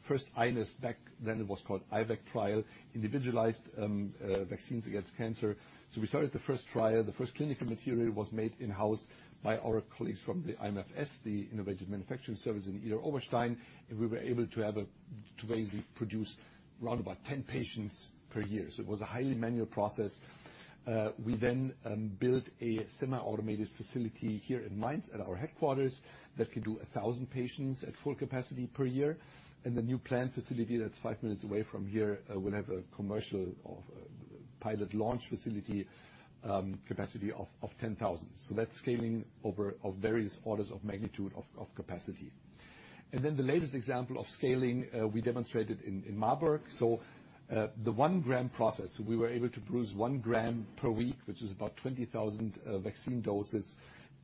first iNeST, back then it was called IVAC trial, Individualized Vaccines Against Cancer. We started the first trial. The first clinical material was made in-house by our colleagues from the IMS, the Innovative Manufacturing Service in Idar-Oberstein, and we were able to basically produce around 10 patients per year. It was a highly manual process. We then built a semi-automated facility here in Mainz at our headquarters that could do 1,000 patients at full capacity per year. The new plant facility that's five minutes away from here will have a commercial pilot launch facility capacity of 10,000. That's scaling over various orders of magnitude of capacity. The latest example of scaling we demonstrated in Marburg. The one-gram process, we were able to produce one gram per week, which is about 20,000 vaccine doses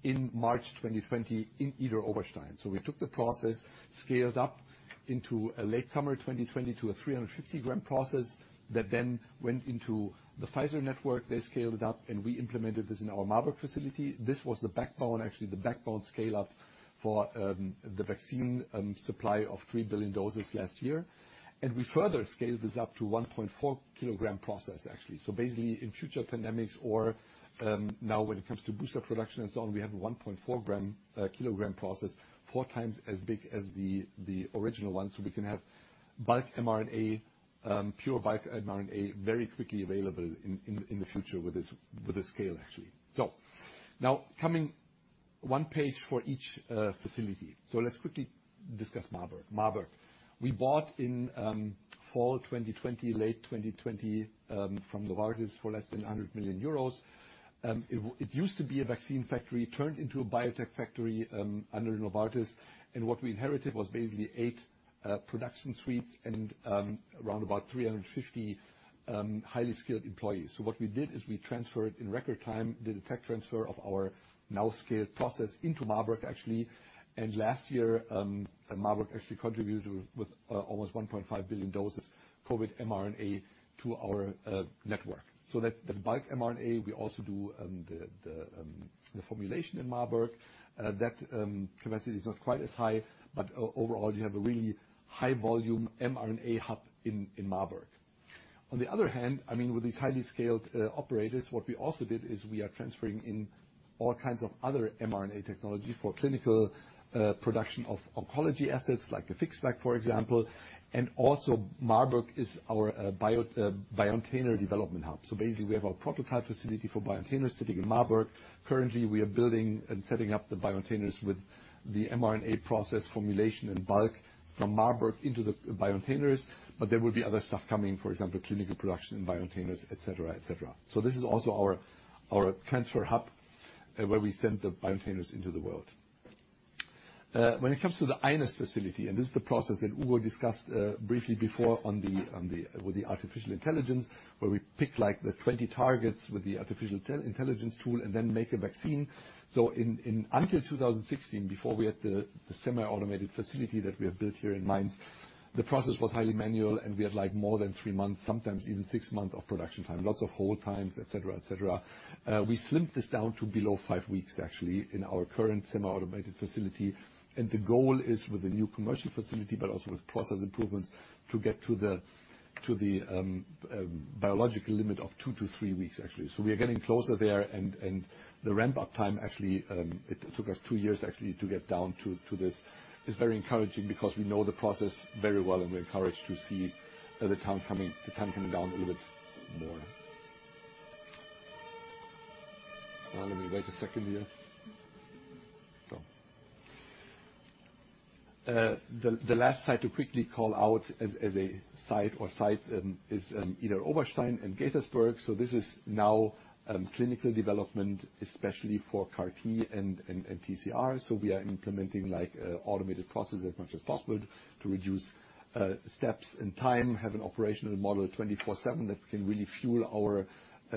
in March 2020 in Idar-Oberstein. We took the process, scaled up in late summer 2020 to a 350-gram process that then went into the Pfizer network. They scaled it up, and we implemented this in our Marburg facility. This was the backbone, actually the backbone scale-up for the vaccine supply of 3 billion doses last year. We further scaled this up to 1.4 Kg process, actually. Basically, in future pandemics or now when it comes to booster production and so on, we have a 1.4 g- Kg process, 4x as big as the original one. We can have bulk mRNA, pure bulk mRNA, very quickly available in the future with this scale, actually. Now coming one page for each facility. Let's quickly discuss Marburg. Marburg we bought in fall 2020, late 2020, from Novartis for less than 100 million euros. It used to be a vaccine factory turned into a biotech factory under Novartis. What we inherited was basically eight production suites and around about 350 highly skilled employees. What we did is we transferred in record time, did a tech transfer of our now scaled process into Marburg, actually. Last year, Marburg actually contributed with almost 1.5 billion doses COVID mRNA to our network. That's the bulk mRNA. We also do the formulation in Marburg. That capacity is not quite as high, but overall, you have a really high volume mRNA hub in Marburg. On the other hand, I mean, with these highly scaled operators, what we also did is we are transferring in all kinds of other mRNA technology for clinical production of oncology assets like FixVac, for example. Marburg is our BioNTainers development hub. Basically we have our prototype facility for BioNTainers sitting in Marburg. Currently, we are building and setting up the BioNTainers with the mRNA process formulation in bulk from Marburg into the BioNTainers, but there will be other stuff coming, for example, clinical production in BioNTainers, et cetera, et cetera. This is also our transfer hub where we send the BioNTainers into the world. When it comes to the iNeST facility, this is the process that Ugur discussed briefly before on the with the artificial intelligence, where we pick like the 20 targets with the artificial intelligence tool and then make a vaccine. Until 2016, before we had the semi-automated facility that we have built here in Mainz, the process was highly manual, and we had like more than three months, sometimes even six months of production time, lots of hold times, et cetera. We slimmed this down to below 5 weeks actually in our current semi-automated facility. The goal is with the new commercial facility, but also with process improvements to get to the biological limit of two-three weeks, actually. We are getting closer there and the ramp-up time, actually, it took us two years actually to get down to this. It's very encouraging because we know the process very well and we're encouraged to see the time coming down a little bit more. Now let me wait a second here. The last site to quickly call out as a site or sites is Idar-Oberstein and Gaithersburg. This is now clinical development, especially for CAR-T and TCR. We are implementing like automated processes as much as possible to reduce steps and time, have an operational model 24/7 that can really fuel our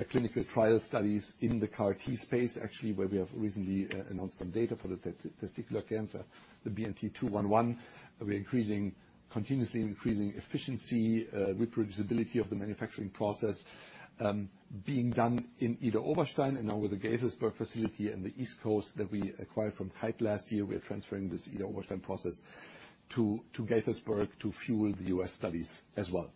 clinical trial studies in the CAR-T space, actually, where we have recently announced some data for the testicular cancer. The BNT211, we're increasing, continuously increasing efficiency, reproducibility of the manufacturing process, being done in Idar-Oberstein and now with the Gaithersburg facility and the East Coast that we acquired from Kite last year. We're transferring this Idar-Oberstein process to Gaithersburg to fuel the U.S. studies as well.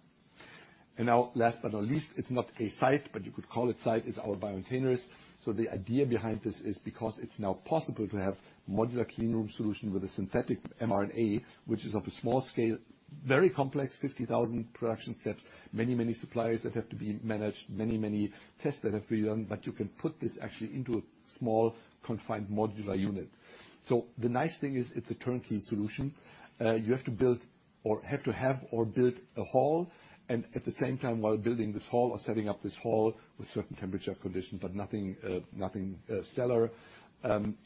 Now last but not least, it's not a site, but you could call it site, is our BioNTainers. The idea behind this is because it's now possible to have modular clean room solution with a synthetic mRNA, which is of a small scale, very complex, 50,000 production steps, many, many suppliers that have to be managed, many, many tests that have to be done- you can put this actually into a small, confined, modular unit. The nice thing is it's a turnkey solution. You have to build a hall, and at the same time, while building this hall or setting up this hall with certain temperature conditions, but nothing, stellar,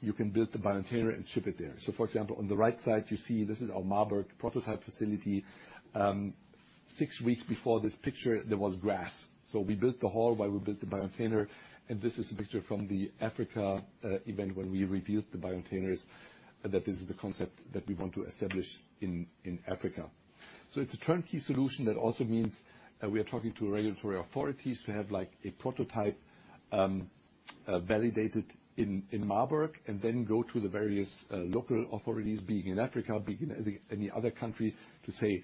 you can build the BioNTainer and ship it there. For example, on the right side, you see this is our Marburg prototype facility. Six weeks before this picture, there was grass. We built the hall while we built the BioNTainer. This is a picture from the Africa event when we revealed the BioNTainers, that this is the concept that we want to establish in Africa. It's a turnkey solution. That also means we are talking to regulatory authorities to have, like, a prototype validated in Marburg and then go to the various local authorities, being in Africa, being in any other country, to say,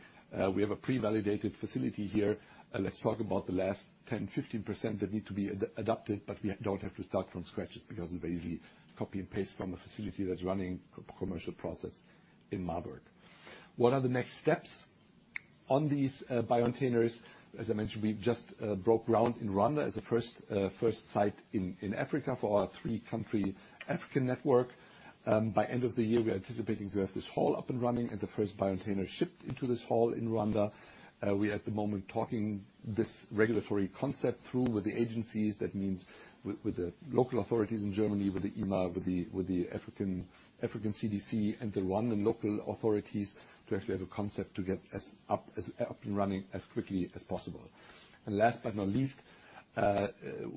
"We have a pre-validated facility here. Let's talk about the last 10%-15% that needs to be adapted, but we don't have to start from scratch." It's because it's basically copy and paste from a facility that's running a commercial process in Marburg. What are the next steps on these BioNTainers? As I mentioned, we just broke ground in Rwanda as the first site in Africa for our three-country African network. By end of the year, we are anticipating to have this hall up and running and the first BioNTainer shipped into this hall in Rwanda. We at the moment talking this regulatory concept through with the agencies. That means with the local authorities in Germany, with the EMA, with the African CDC, and the Rwandan local authorities to actually have a concept to get it up and running as quickly as possible. Last but not least,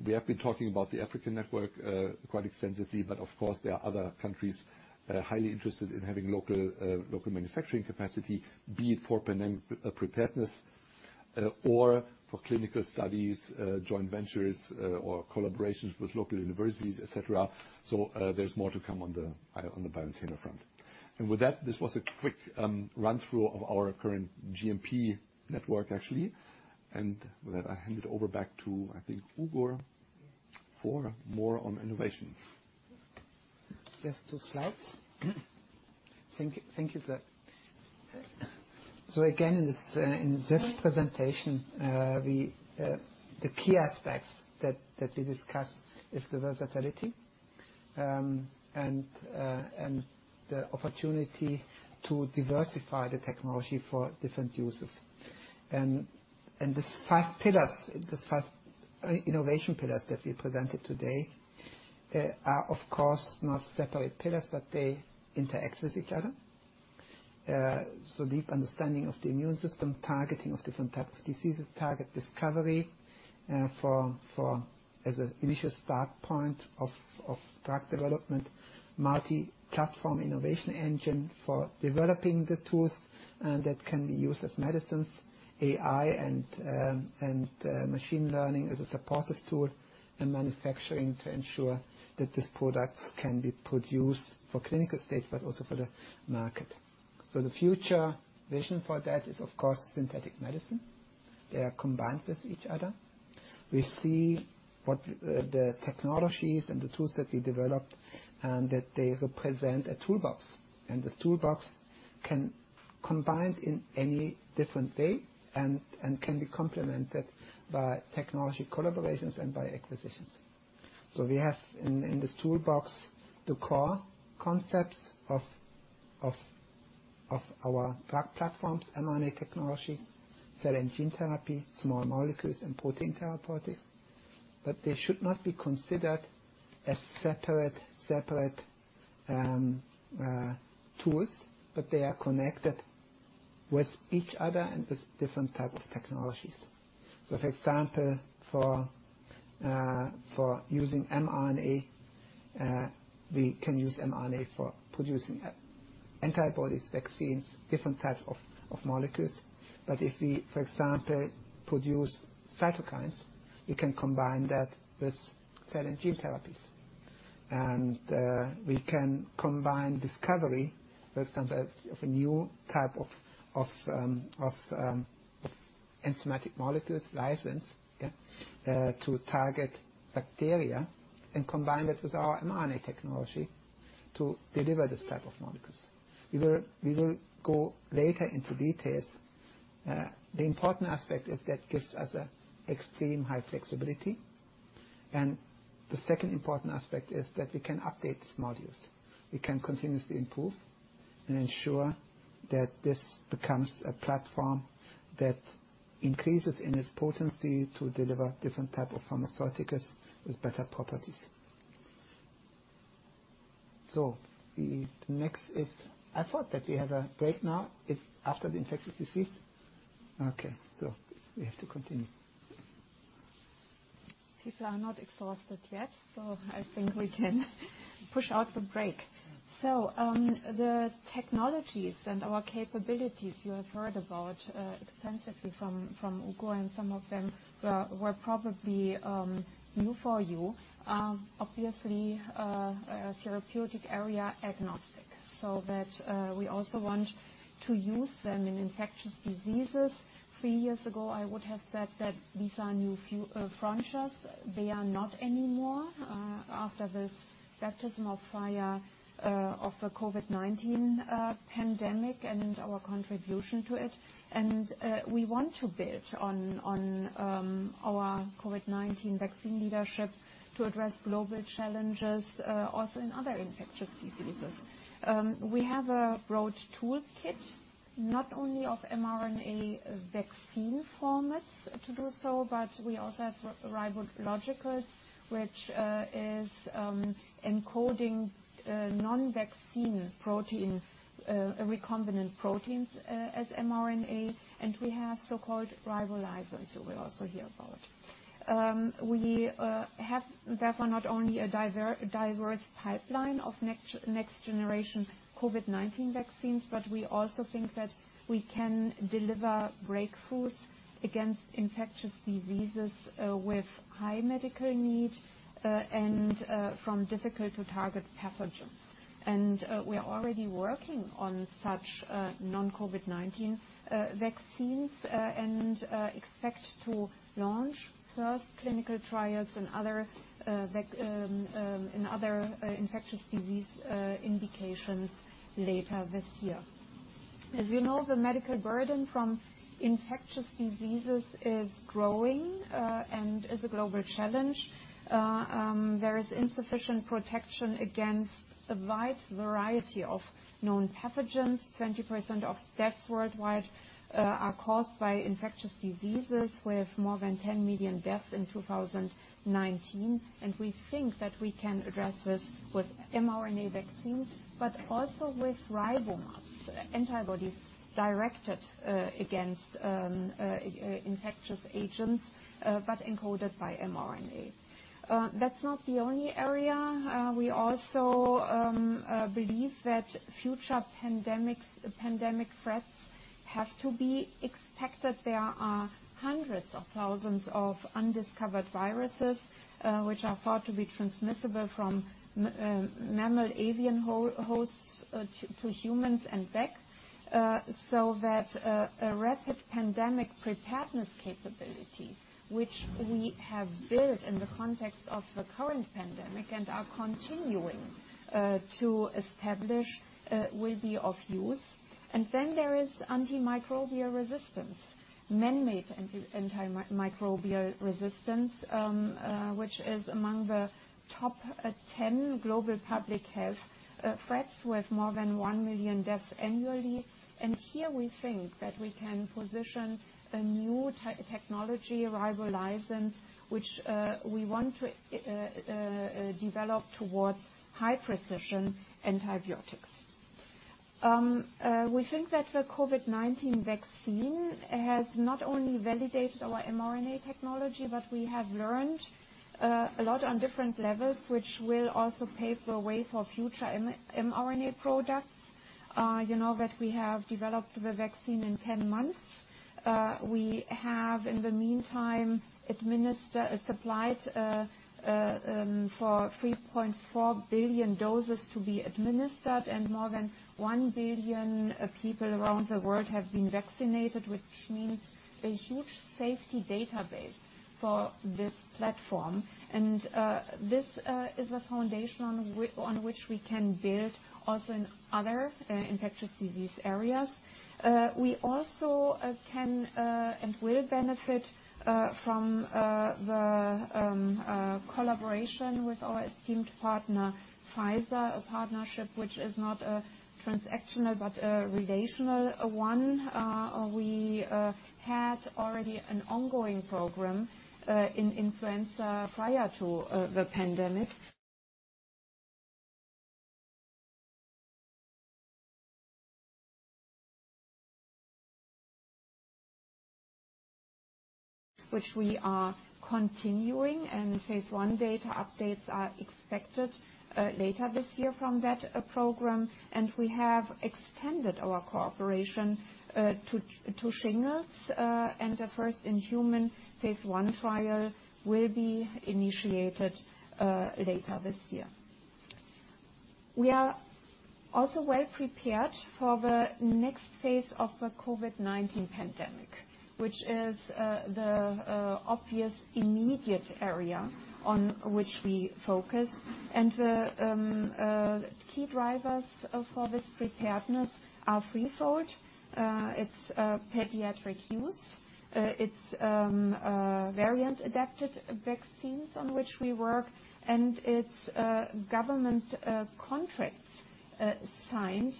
we have been talking about the African network quite extensively, but of course there are other countries highly interested in having local manufacturing capacity, be it for pandemic preparedness or for clinical studies, joint ventures or collaborations with local universities, et cetera. There's more to come on the BioNTainers front. With that, this was a quick run-through of our current GMP network, actually. With that, I hand it over back to, I think, Ugur, for more on innovation. Just two slides. Thank you, Sierk. Again, in Sierk's presentation, the key aspects that we discussed is the versatility, and the opportunity to diversify the technology for different uses. These five innovation pillars that we presented today are of course not separate pillars, but they interact with each other. Deep understanding of the immune system, targeting of different types of diseases, target discovery for as an initial start point of drug development, multi-platform innovation engine for developing the tools that can be used as medicines, AI and machine learning as a supportive tool, and manufacturing to ensure that these products can be produced for clinical stage, but also for the market. The future vision for that is, of course, synthetic medicine. They are combined with each other. We see the technologies and the tools that we developed, and that they represent a toolbox. This toolbox can combine in any different way and can be complemented by technology collaborations and by acquisitions. We have in this toolbox the core concepts of our drug platforms, mRNA technology, cell and gene therapy, small molecules and protein therapeutics. They should not be considered as separate tools, but they are connected with each other and with different types of technologies. For example, for using mRNA, we can use mRNA for producing antibodies, vaccines, different types of molecules. If we, for example, produce cytokines, we can combine that with cell and gene therapies. We can combine discovery, for example, of a new type of enzymatic molecules, lysins, to target bacteria and combine it with our mRNA technology to deliver this type of molecules. We will go later into details. The important aspect is that gives us a extreme high flexibility. The second important aspect is that we can update these modules. We can continuously improve and ensure that this becomes a platform that increases in its potency to deliver different type of pharmaceuticals with better properties. The next is- I thought that we have a break now- it's after the infectious disease. Okay, we have to continue. People are not exhausted yet, so I think we can push out the break. The technologies and our capabilities you have heard about extensively from Ugur, and some of them were probably new for you. Obviously are therapeutic area agnostic, so that we also want to use them in infectious diseases. Three years ago, I would have said that these are new frontiers. They are not anymore after this baptism of fire of the COVID-19 pandemic and our contribution to it. We want to build on our COVID-19 vaccine leadership to address global challenges also in other infectious diseases. We have a broad toolkit, not only of mRNA vaccine formats to do so, but we also have ribologicals, which is encoding non-vaccine protein recombinant proteins as mRNA, and we have so-called Ribolysins, you will also hear about. We have therefore not only a diverse Pipeline of next generation COVID-19 vaccines, but we also think that we can deliver breakthroughs against infectious diseases with high medical need and from difficult to target pathogens. We are already working on such non-COVID-19 vaccines and expect to launch first clinical trials and other infectious disease indications later this year. As you know, the medical burden from infectious diseases is growing and is a global challenge. There is insufficient protection against a wide variety of known pathogens. 20% of deaths worldwide are caused by infectious diseases, with more than 10 million deaths in 2019, and we think that we can address this with mRNA vaccines, but also with RiboMabs, antibodies directed against infectious agents, but encoded by mRNA. That's not the only area. We also believe that future pandemics, pandemic threats have to be expected. There are hundreds of thousands of undiscovered viruses, which are thought to be transmissible from mammal avian hosts to humans and back. A rapid pandemic preparedness capability, which we have built in the context of the current pandemic and are continuing to establish, will be of use. There is antimicrobial resistance. Man-made antimicrobial resistance, which is among the top 10 global public health threats, with more than 1 million deaths annually. Here we think that we can position a new technology Ribolysins, which we want to develop towards high-precision antibiotics. We think that the COVID-19 vaccine has not only validated our mRNA technology, but we have learned a lot on different levels, which will also pave the way for future mRNA products. You know that we have developed the vaccine in 10 months. We have, in the meantime, supplied for 3.4 billion doses to be administered, and more than 1 billion people around the world have been vaccinated, which means a huge safety database for this platform. This is a foundation on which we can build also in other infectious disease areas. We also can and will benefit from the collaboration with our esteemed partner, Pfizer, a partnership which is not a transactional, but a relational one. We had already an ongoing program in influenza prior to the pandemic. Which we are continuing, and phase I data updates are expected later this year from that program. We have extended our cooperation to shingles, and the first-in-human phase I trial will be initiated later this year. We are also well prepared for the next phase of the COVID-19 pandemic, which is the obvious immediate area on which we focus. The key drivers for this preparedness are threefold. It's pediatric use. It's variant-adapted vaccines on which we work, and it's government contracts signed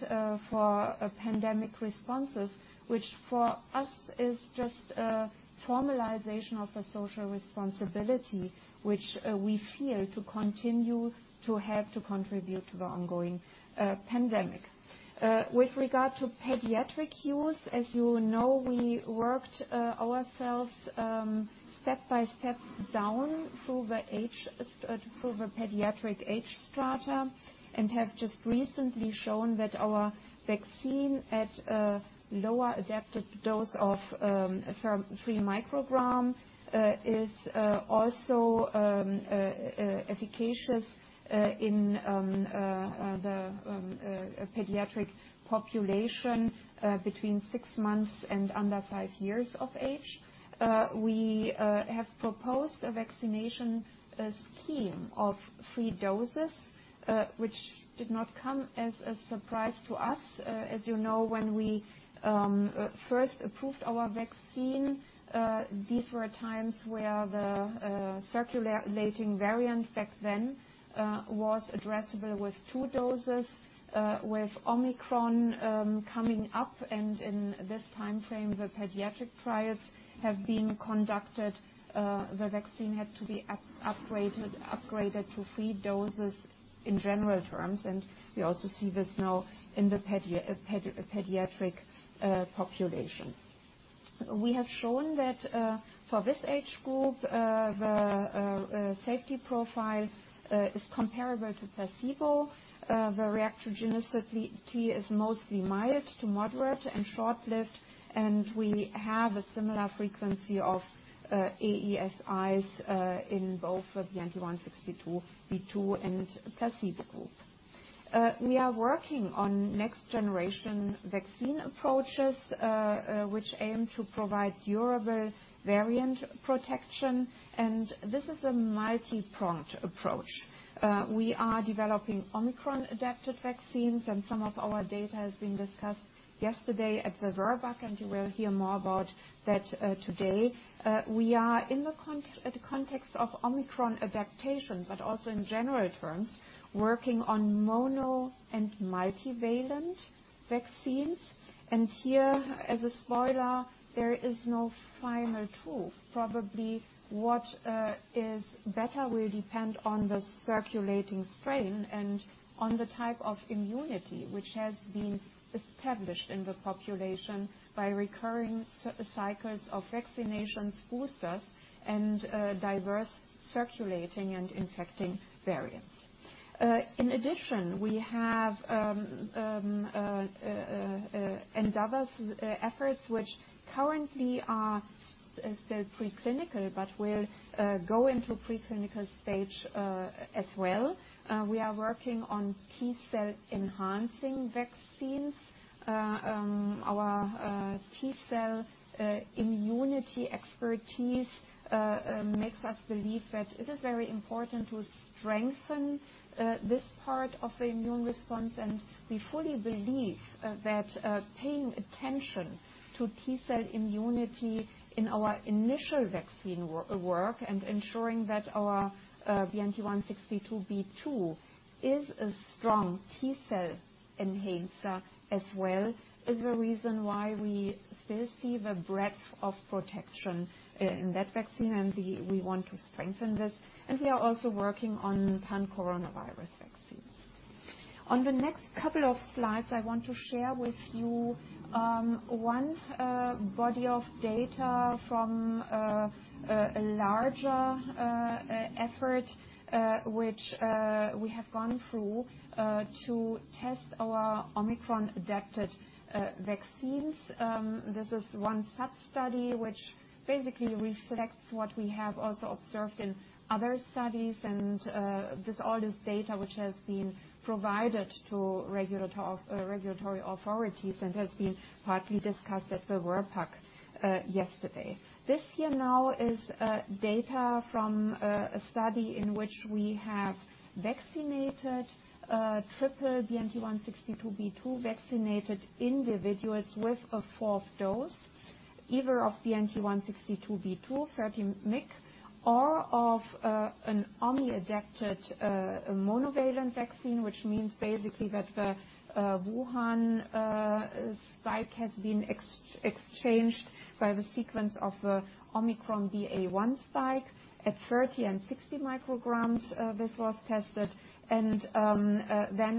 for pandemic responses, which for us is just a formalization of a social responsibility which we feel to continue to have to contribute to the ongoing pandemic. With regard to pediatric use, as you know, we worked ourselves step by step down through the pediatric age strata, and have just recently shown that our vaccine at a lower adapted dose of 3 mcg is also efficacious in the pediatric population between six months and under five years of age. We have proposed a vaccination scheme of three doses, which did not come as a surprise to us. As you know, when we first approved our vaccine, these were times where the circulating variant back then was addressable with two doses. With Omicron coming up and in this timeframe, the pediatric trials have been conducted, the vaccine had to be upgraded to three doses in general terms, and we also see this now in the pediatric population. We have shown that for this age group the safety profile is comparable to placebo. The reactogenicity is mostly mild to moderate and short-lived, and we have a similar frequency of AESI in both the BNT162b2 and placebo group. We are working on next generation vaccine approaches which aim to provide durable variant protection, and this is a multipronged approach. We are developing Omicron-adapted vaccines, and some of our data has been discussed yesterday at the VRBPAC, and you will hear more about that, today. We are in the context of Omicron adaptation, but also in general terms, working on mono and multivalent vaccines. Here, as a spoiler, there is no final truth. Probably what is better will depend on the circulating strain and on the type of immunity which has been established in the population by recurring cycles of vaccinations, boosters and diverse circulating and infecting variants. In addition, we have endeavors, efforts which currently are still preclinical, but will go into clinical stage, as well. We are working on T cell enhancing vaccines. Our T cell immunity expertise makes us believe that it is very important to strengthen this part of the immune response. We fully believe that paying attention to T cell immunity in our initial vaccine work, and ensuring that our BNT162b2 is a strong T cell enhancer as well, is the reason why we still see the breadth of protection in that vaccine. We want to strengthen this. We are also working on pan-coronavirus vaccines. On the next couple of slides, I want to share with you one body of data from a larger effort which we have gone through to test our Omicron-adapted vaccines. This is one sub-study which basically reflects what we have also observed in other studies. This all this data which has been provided to regulatory authorities and has been partly discussed at the VRBPAC yesterday. This here now is data from a study in which we have vaccinated triple BNT162b2 vaccinated individuals with a fourth dose, either of BNT162b2 30 mcg, or of an Omicron-adapted monovalent vaccine, which means basically that the Wuhan spike has been exchanged by the sequence of the Omicron BA.1 spike. At 30 and 60 mcg, this was tested. Then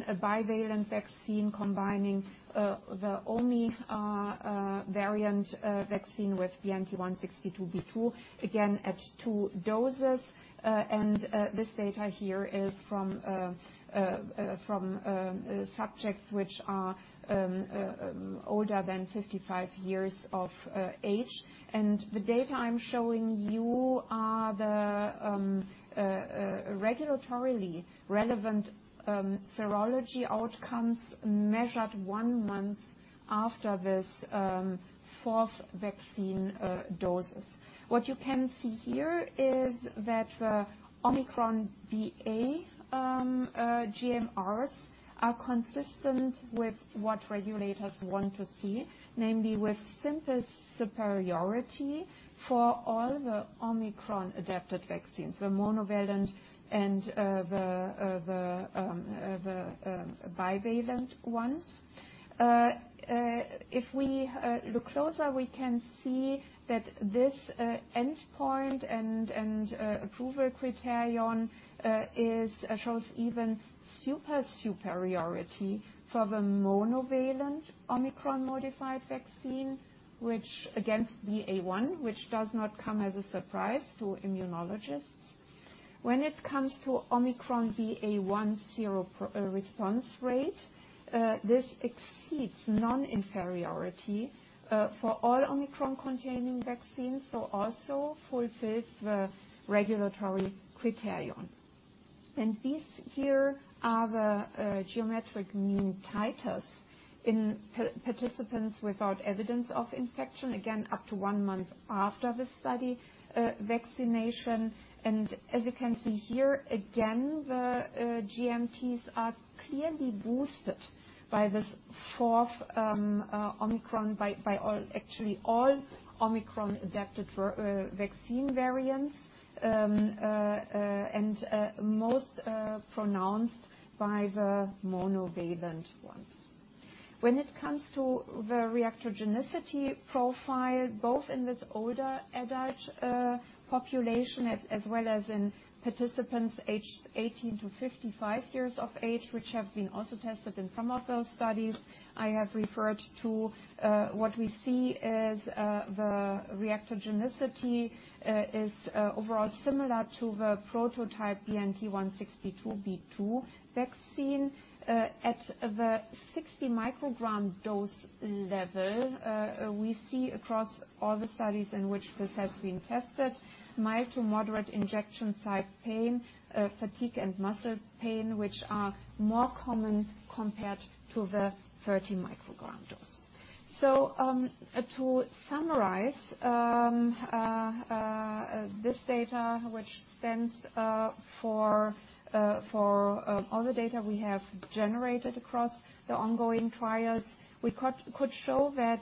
a bivalent vaccine combining the Omicron variant vaccine with BNT162b2, again at two doses. This data here is from subjects who are older than 55 years of age. The data I'm showing you are the regulatory relevant serology outcomes measured one month after this fourth vaccine doses. What you can see here is that the Omicron BA.1 GMRs are consistent with what regulators want to see, namely with simple superiority for all the Omicron-adapted vaccines, the monovalent and the bivalent ones. If we look closer, we can see that this endpoint and approval criterion shows even superiority for the monovalent Omicron-modified vaccine, which against BA.1, which does not come as a surprise to immunologists. When it comes to Omicron BA.1 sero response rate, this exceeds non-inferiority for all Omicron-containing vaccines, so also fulfills the regulatory criterion. These here are the geometric mean titers in participants without evidence of infection, again, up to one month after the study vaccination. As you can see here, again, the GMTs are clearly boosted by this fourth Omicron by all- actually all Omicron-adapted vaccine variants. Most pronounced by the monovalent ones. When it comes to the reactogenicity profile, both in this older adult population as well as in participants aged 18 to 55 years of age, which have been also tested in some of those studies I have referred to. What we see is the reactogenicity is overall similar to the prototype BNT162b2 vaccine. At the 60 mcg dose level, we see across all the studies in which this has been tested, mild to moderate injection site pain, fatigue and muscle pain, which are more common compared to the 30 mcg dose. To summarize, this data which stands for all the data we have generated across the ongoing trials. We could show that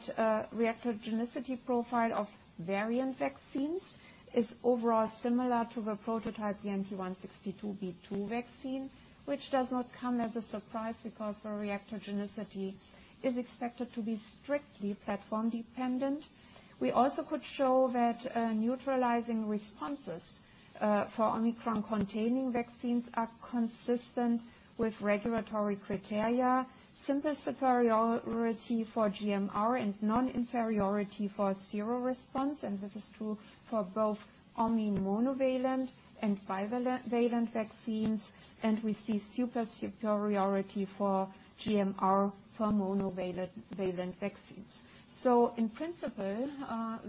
reactogenicity profile of variant vaccines is overall similar to the prototype BNT162b2 vaccine, which does not come as a surprise because the reactogenicity is expected to be strictly platform dependent. We also could show that neutralizing responses for Omicron-containing vaccines are consistent with regulatory criteria. [Simple]-superiority for GMR and non-inferiority for sero response, and this is true for both Omicron monovalent and bivalent vaccines, and we see superiority for GMR for Omicron monovalent vaccines. In principle,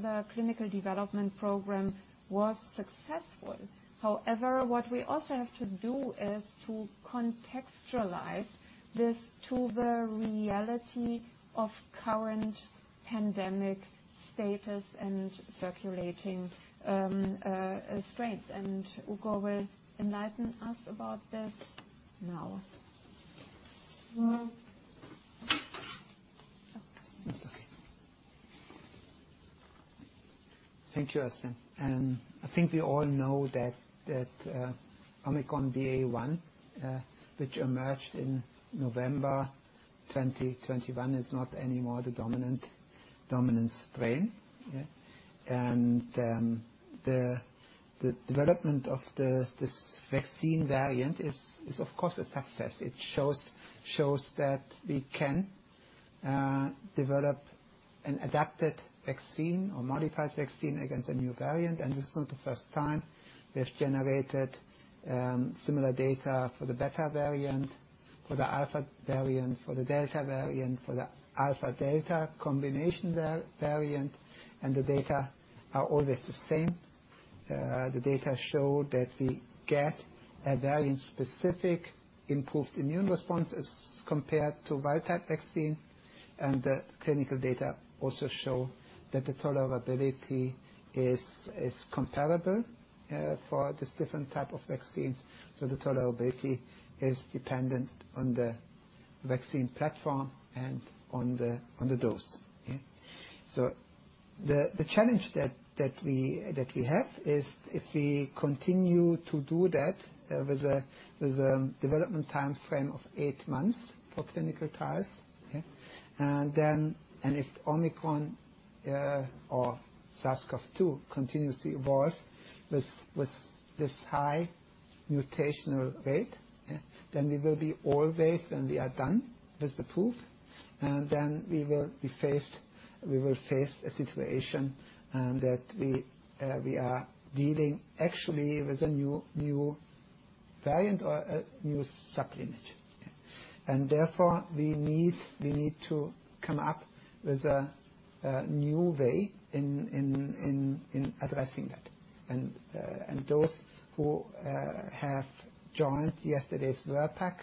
the clinical development program was successful. However, what we also have to do is to contextualize this to the reality of current pandemic status and circulating strains. Ugur will enlighten us about this now. It's okay. Thank you, Özlem. I think we all know that Omicron BA.1, which emerged in November 2021, is not anymore the dominant strain, yeah? The development of this vaccine variant is of course a success. It shows that we can develop an adapted vaccine or modified vaccine against a new variant. This is not the first time we have generated similar data for the Beta variant, for the Alpha variant, for the Delta variant, for the Alpha Delta combination variant, and the data are always the same. The data show that we get a variant-specific improved immune response as compared to wild type vaccine. The clinical data also show that the tolerability is comparable for these different type of vaccines. The tolerability is dependent on the vaccine platform and on the dose, yeah? The challenge that we have is if we continue to do that with a development timeframe of eight months for clinical trials, yeah. If Omicron or SARS-CoV-2 continues to evolve with this high mutational rate, yeah, then we will always be when we are done with the proof, and then we will face a situation that we are dealing actually with a new variant or a new sub-lineage. Therefore, we need to come up with a new way in addressing that. Those who have joined yesterday's VRBPAC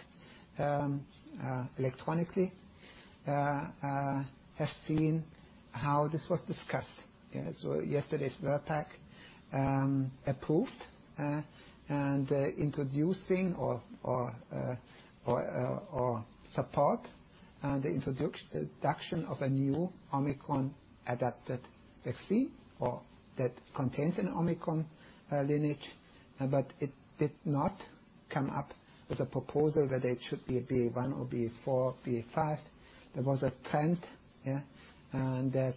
electronically have seen how this was discussed. Yeah. Yesterday's VRBPAC approved and support the introduction of a new Omicron-adapted vaccine that contains an Omicron lineage, but it did not come up with a proposal that it should be a BA.1 or BA.4, BA.5. There was a trend, and that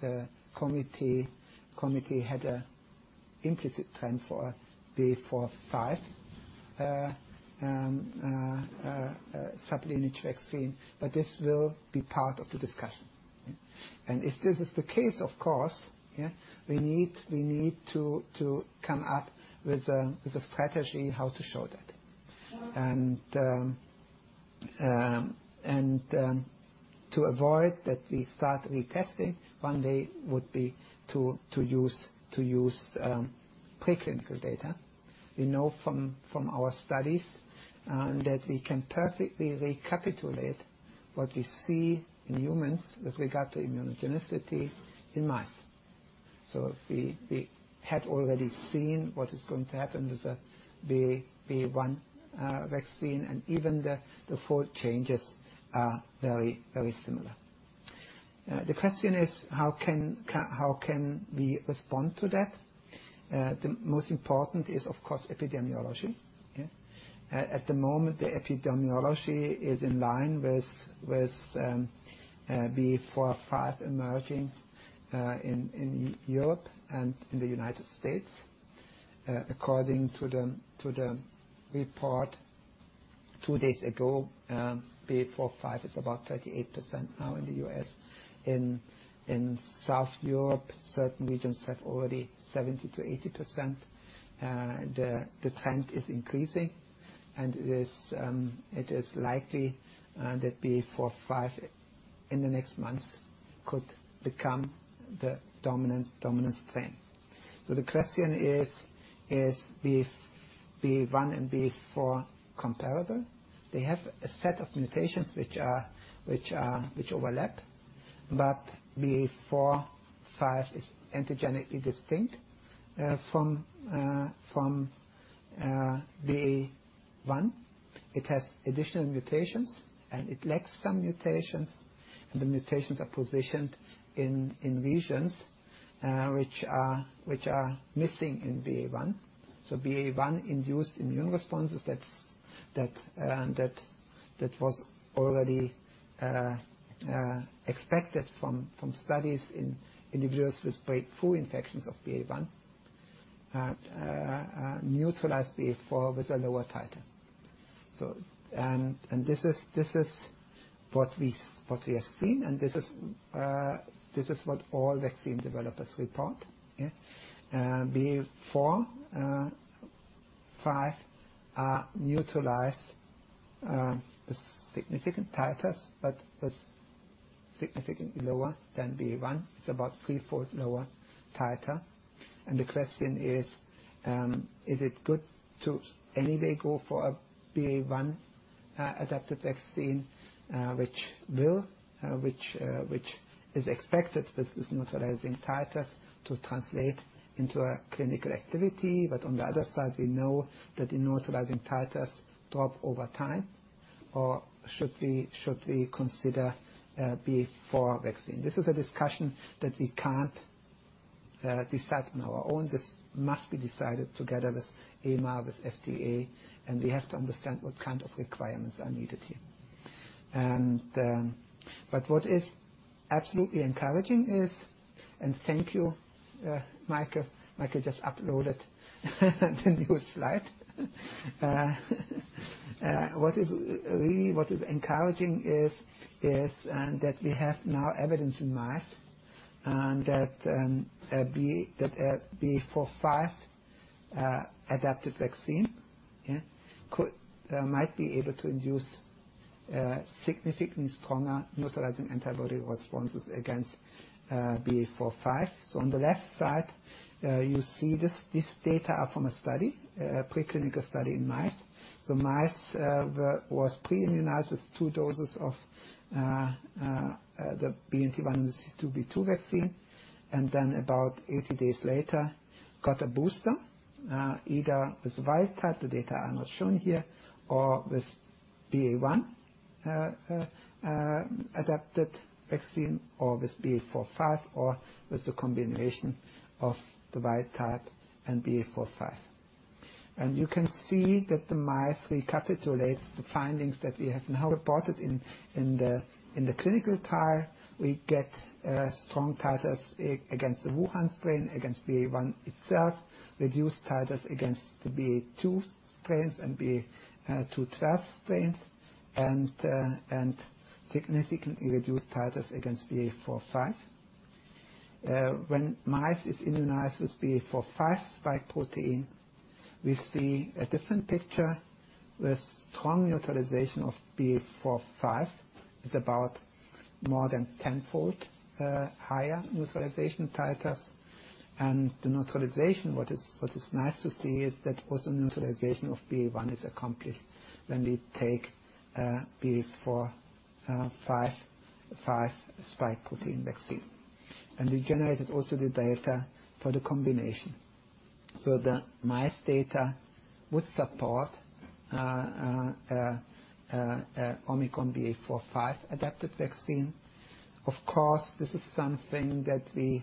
the committee had an implicit trend for BA.4, BA.5, a supplement vaccine, but this will be part of the discussion. If this is the case, of course, we need to come up with a strategy how to show that. To avoid that we start retesting one day would be to use preclinical data. We know from our studies that we can perfectly recapitulate what we see in humans with regard to immunogenicity in mice. We had already seen what is going to happen with the BA.1 vaccine, and even the four changes are very, very similar. The question is how can we respond to that? The most important is of course epidemiology. Yeah. At the moment, the epidemiology is in line with BA.4 BA.5 emerging in Europe and in the United States according to the report two days ago, BA.4, BA.5 is about 38% now in the US. In South Europe, certain regions have already 70%-80%. The trend is increasing, and it is likely that BA.4, BA.5 in the next months could become the dominant strain. The question, is BA.1 and BA.4 comparable? They have a set of mutations which overlap. BA.4, BA.5 is antigenically distinct from BA.1. It has additional mutations, and it lacks some mutations, and the mutations are positioned in regions which are missing in BA.1. BA.1 induced immune responses that was already expected from studies in individuals with breakthrough infections of BA.1 neutralized BA.4 with a lower titer. This is what we have seen, and this is what all vaccine developers report. BA.4, BA.5 are neutralized with significant titers, but with significantly lower than BA.1. It's about three-fold lower titer. The question is it good to anyway go for a BA.1 adapted vaccine, which is expected with this neutralizing titers to translate into a clinical activity. But on the other side, we know that the neutralizing titers drop over time. Or should we consider a BA.4 vaccine? This is a discussion that we can't decide on our own. This must be decided together with EMA, with FDA, and we have to understand what kind of requirements are needed here. What is absolutely encouraging is- thank you, Michael. Michael just uploaded the newest slide. What is encouraging is that we have now evidence in mice, and that a BA.4, BA.5 adapted vaccine might be able to induce significantly stronger neutralizing antibody responses against BA.4, BA.5. On the left side you see this- these data are from a preclinical study in mice. Mice were pre-immunized with two doses of the BNT162b2 vaccine, and then about 80 days later got a booster either with wild type, the data I'm not showing here, or with BA.1 adapted vaccine or with BA.4, BA.5 or with a combination of the wild type and BA.4, BA.5. You can see that the mice recapitulates the findings that we have now reported. In the clinical trial, we get strong titers against the Wuhan strain, against BA.1 itself, reduced titers against the BA.2 strains and BA.2.12 strains, and significantly reduced titers against BA.4, BA.5. When mice is immunized with BA.4, BA.5 spike protein, we see a different picture with strong neutralization of BA.4, BA.5. It's about more than 10-fold higher neutralization titers. The neutralization, what is nice to see is that also neutralization of BA.1 is accomplished when we take a BA.4, BA.5 spike protein vaccine. We generated also the data for the combination. The mice data would support a Omicron BA.4, BA.5 adapted vaccine. Of course, this is something that we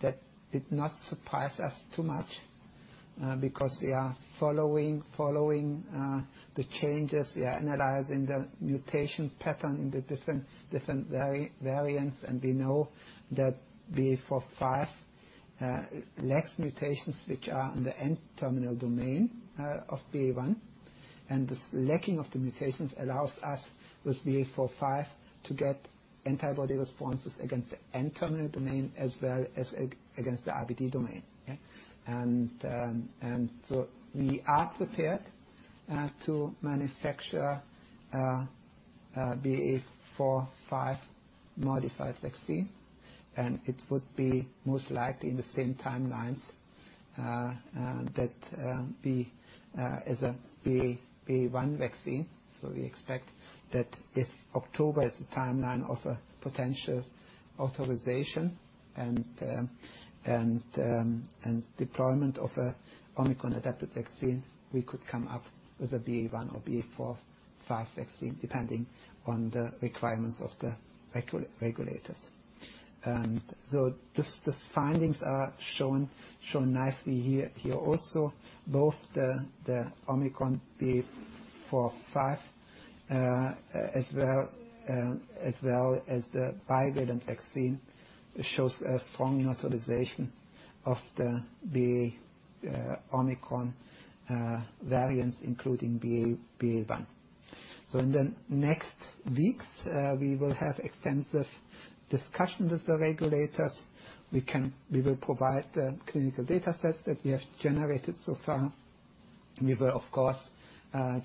that did not surprise us too much, because we are following the changes. We are analyzing the mutation pattern in the different variants, and we know that BA.4, BA.5 lacks mutations which are in the N-terminal domain of BA.1. This lacking of the mutations allows us with BA.4, BA.5 to get antibody responses against the N-terminal domain as well as against the RBD domain. We are prepared to manufacture a BA.4, BA.5 modified vaccine, and it would be most likely in the same timelines that as a BA.1 vaccine. We expect that if October is the timeline of a potential authorization and deployment of a Omicron-adapted vaccine, we could come up with a BA.1 or BA.4, BA.5 vaccine, depending on the requirements of the regulators. This findings are shown nicely here. Here also, both the Omicron BA.4, BA.5, as well as the bivalent vaccine shows a strong neutralization of the Omicron variants, including BA.1. In the next weeks, we will have extensive discussions with the regulators. We will provide the clinical data sets that we have generated so far. We will, of course,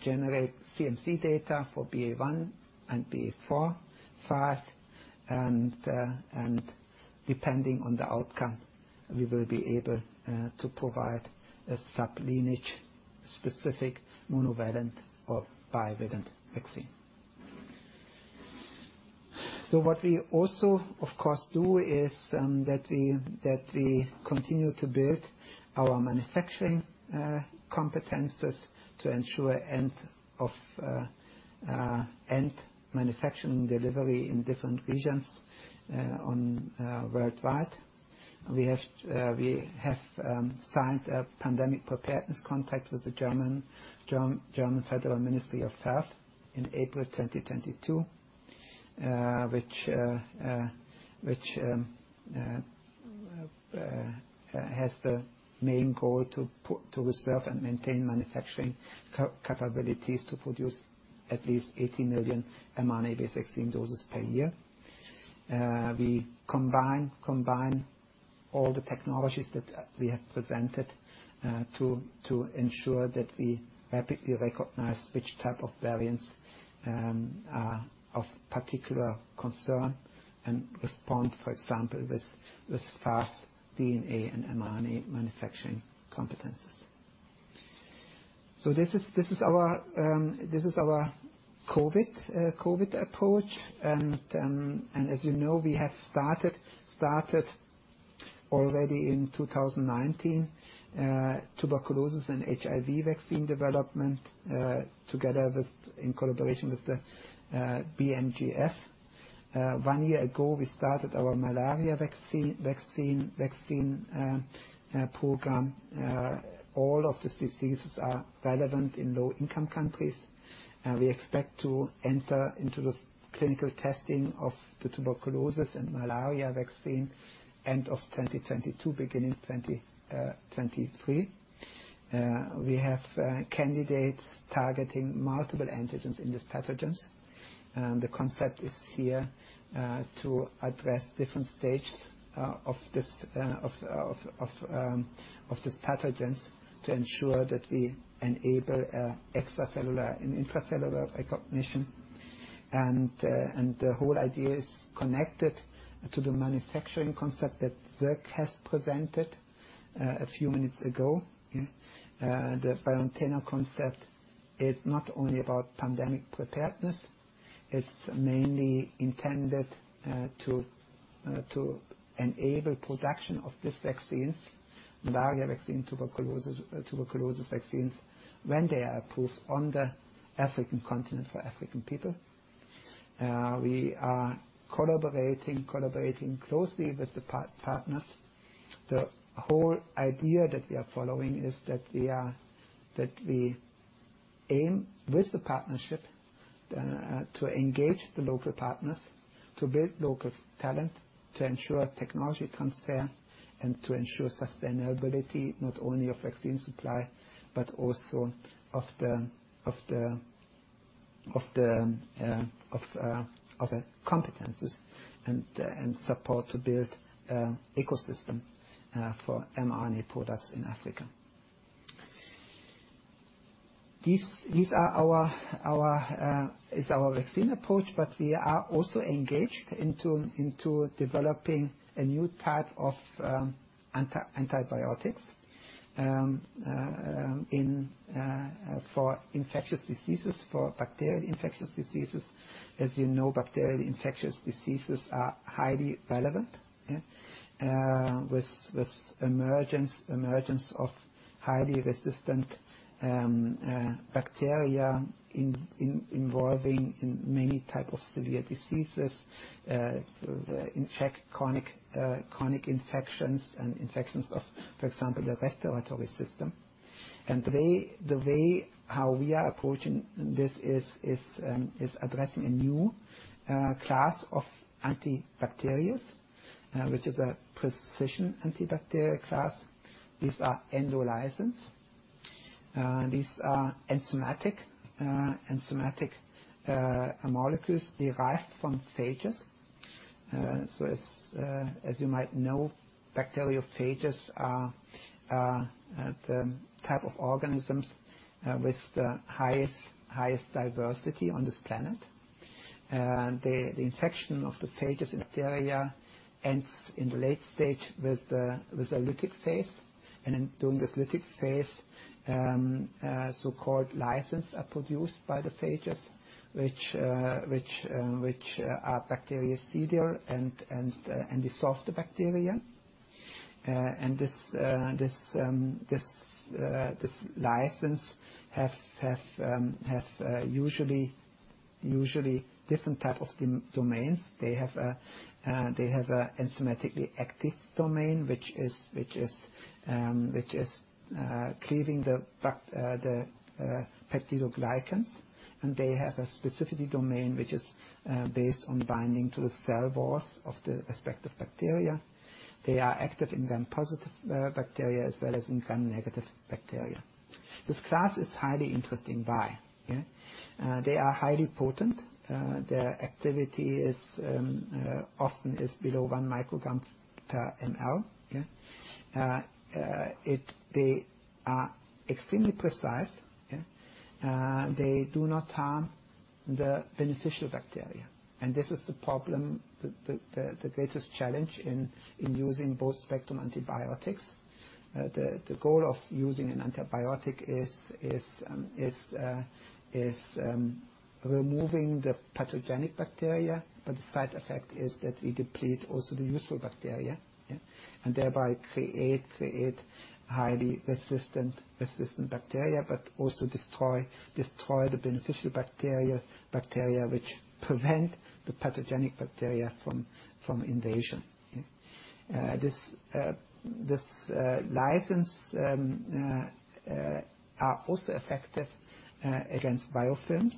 generate CMC data for BA.1 and BA.4, BA.5. Depending on the outcome, we will be able to provide a sub-lineage specific monovalent or bivalent vaccine. What we also, of course, do is that we continue to build our manufacturing competencies to ensure end-to-end manufacturing delivery in different regions worldwide. We have signed a pandemic preparedness contract with the German Federal Ministry of Health in April 2022, which has the main goal to reserve and maintain manufacturing capabilities to produce at least 80 million mRNA-based vaccine doses per year. We combine all the technologies that we have presented to ensure that we rapidly recognize which type of variants are of particular concern and respond, for example, with fast DNA and mRNA manufacturing competencies. This is our COVID approach. As you know, we have started already in 2019 tuberculosis and HIV vaccine development together with, in collaboration with the BMGF. One year ago, we started our malaria vaccine program. All of these diseases are relevant in low-income countries. We expect to enter into the clinical testing of the tuberculosis and malaria vaccine end of 2022, beginning 2023. We have candidates targeting multiple antigens in these pathogens. The concept is here to address different stages of these pathogens to ensure that we enable extracellular and intracellular recognition. The whole idea is connected to the manufacturing concept that Sierk has presented a few minutes ago. The BioNTech concept is not only about pandemic preparedness, it's mainly intended to enable production of these vaccines, malaria vaccine, tuberculosis vaccines, when they are approved on the African continent for African people. We are collaborating closely with the partners. The whole idea that we are following is that we aim with the partnership to engage the local partners, to build local talent, to ensure technology transfer, and to ensure sustainability, not only of vaccine supply, but also of the competencies and support to build ecosystem for mRNA products in Africa. This is our vaccine approach, but we are also engaged in developing a new type of antibiotics for infectious diseases, for bacterial infectious diseases. As you know, bacterial infectious diseases are highly relevant with emergence of highly resistant bacteria involving in many type of severe diseases, chronic infections and infections of, for example, the respiratory system. The way how we are approaching this is addressing a new class of antibacterials, which is a precision antibacterial class. These are endolysins. These are enzymatic molecules derived from phages. So as you might know, bacterial phages are the type of organisms with the highest diversity on this planet. The infection of the phages in bacteria ends in the late stage with a lytic phase. During the lytic phase, so-called lysins are produced by the phages, which are bactericidal and dissolve the bacteria. These lysins have usually different type of domains. They have an enzymatically active domain, which is cleaving the peptidoglycans. They have a specificity domain, which is based on binding to the cell walls of the respective bacteria. They are active in Gram-positive bacteria as well as in Gram-negative bacteria. This class is highly interesting, why? They are highly potent. Their activity is often below 1 mcg per ml. They are extremely precise. They do not harm the beneficial bacteria. This is the problem, the greatest challenge in using broad-spectrum antibiotics. The goal of using an antibiotic is removing the pathogenic bacteria, but the side effect is that it depletes also the useful bacteria, yeah, and thereby create highly resistant bacteria, but also destroy the beneficial bacteria which prevent the pathogenic bacteria from invasion. Yeah. This lysins are also effective against biofilms.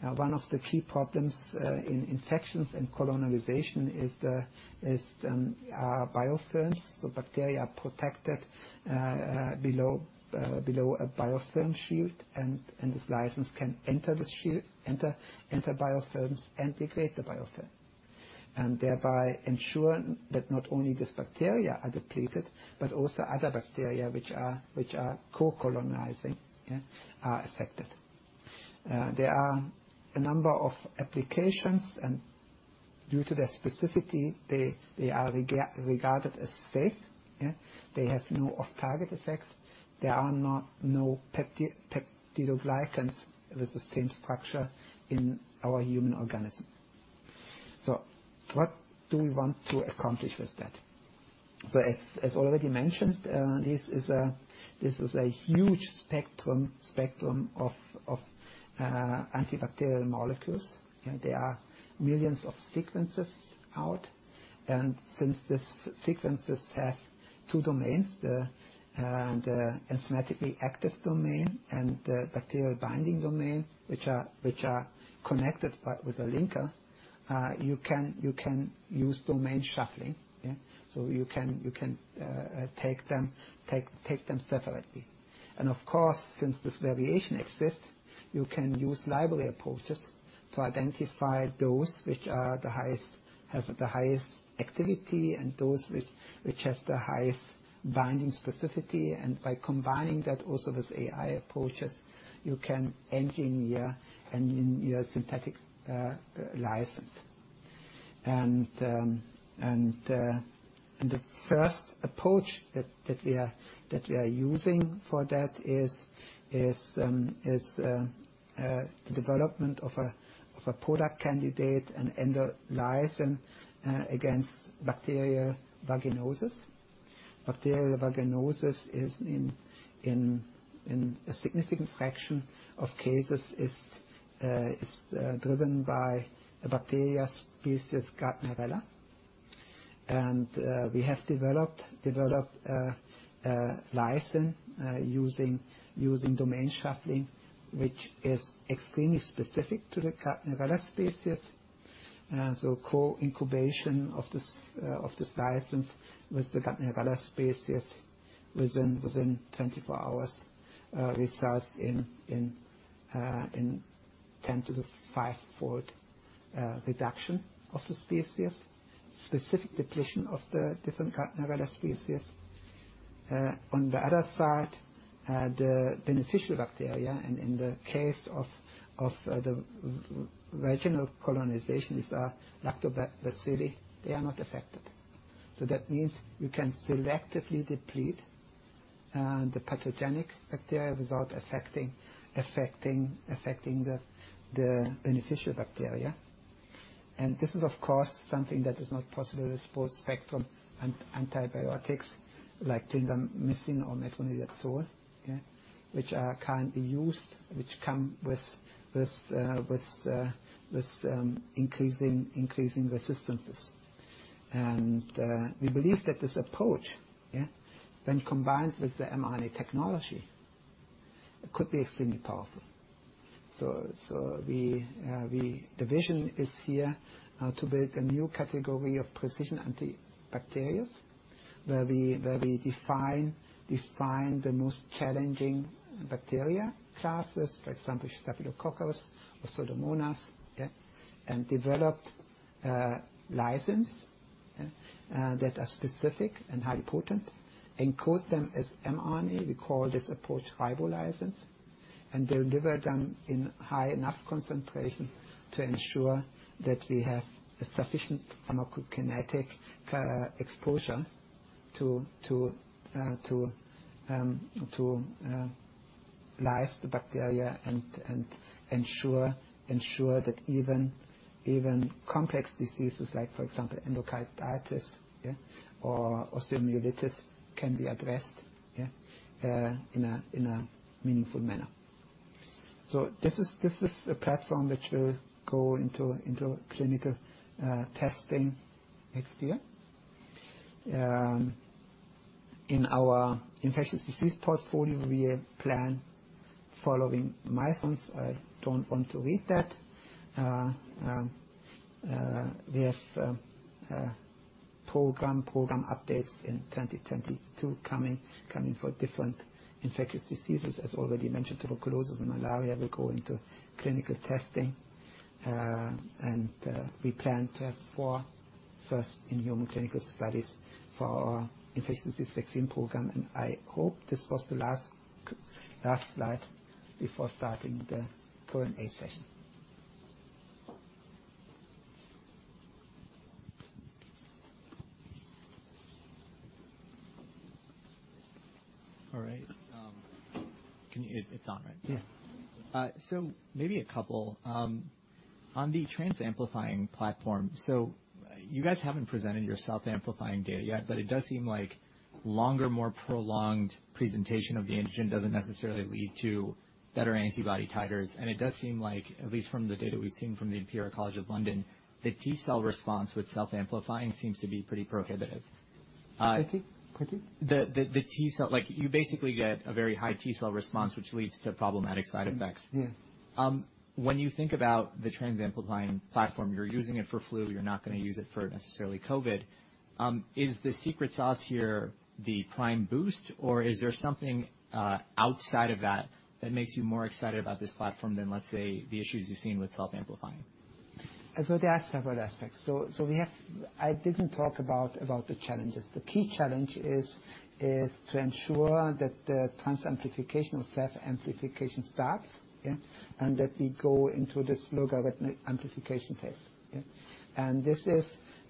One of the key problems in infections and colonization is the biofilms. Bacteria are protected below a biofilm shield, and this lysins can enter the shield, enter biofilms and degrade the biofilm, and thereby ensuring that not only these bacteria are depleted, but also other bacteria which are co-colonizing are affected. There are a number of applications and due to their specificity, they are regarded as safe. They have no off-target effects. There are no peptidoglycans with the same structure in our human organism. What do we want to accomplish with that? As already mentioned, this is a huge spectrum of antibacterial molecules. There are millions of sequences out. Since these sequences have two domains, the enzymatically active domain and the bacterial binding domain, which are connected by a linker, you can use domain shuffling. Yeah. You can take them separately. Of course, since this variation exists, you can use library approaches to identify those which have the highest activity and those which have the highest binding specificity. By combining that also with AI approaches, you can engineer a, you know, synthetic lysins. The first approach that we are using for that is the development of a product candidate, an endolysin, against bacterial vaginosis. Bacterial vaginosis is, in a significant fraction of cases, driven by a bacteria species Gardnerella. We have developed a lysin using domain shuffling, which is extremely specific to the Gardnerella species. Co-incubation of this lysins with the Gardnerella species within 24 hours results in 10^5-fold reduction of the species, specific depletion of the different Gardnerella species. On the other side, the beneficial bacteria and in the case of the vaginal colonization Lactobacillus, they are not affected. That means you can selectively deplete the pathogenic bacteria without affecting the beneficial bacteria. This is, of course, something that is not possible with broad-spectrum antibiotics like tinidazole or metronidazole, yeah, which are currently used, which come with increasing resistances. We believe that this approach, when combined with the mRNA technology, it could be extremely powerful. The vision is here to build a new category of precision antibacterials where we define the most challenging bacteria classes, for example, Staphylococcus or Pseudomonas, yeah, and develop lysins that are specific and highly potent, encode them as mRNA. We call this approach Ribolysins, and deliver them in high enough concentration to ensure that we have a sufficient pharmacokinetic exposure to lyse the bacteria and ensure that even complex diseases like, for example, endocarditis or osteomyelitis can be addressed in a meaningful manner. This is a platform that will go into clinical testing next year. In our infectious disease portfolio, we plan following milestones- I don't want to read that. We have program updates in 2022 coming for different infectious diseases. As already mentioned, tuberculosis and malaria will go into clinical testing. We plan to have four first-in-human clinical studies for our infectious disease vaccine program. I hope this was the last slide before starting the Q&A session. All right. It's on, right? Yeah. Maybe a couple. On the trans-amplifying platform, you guys haven't presented your self-amplifying data yet, but it does seem like longer, more prolonged presentation of the antigen doesn't necessarily lead to better antibody titers. It does seem like, at least from the data we've seen from the Imperial College London, the T cell response with self-amplifying seems to be pretty prohibitive. Pardon? The T cell, like you basically get a very high T cell response, which leads to problematic side effects. Yeah. When you think about the trans-amplifying platform, you're using it for flu, you're not gonna use it necessarily for COVID. Is the secret sauce here the prime-boost, or is there something outside of that that makes you more excited about this platform than, let's say, the issues you've seen with self-amplifying? There are several aspects. We have. I didn't talk about the challenges. The key challenge is to ensure that the trans-amplification or self-amplification starts, and that we go into this logarithmic amplification phase.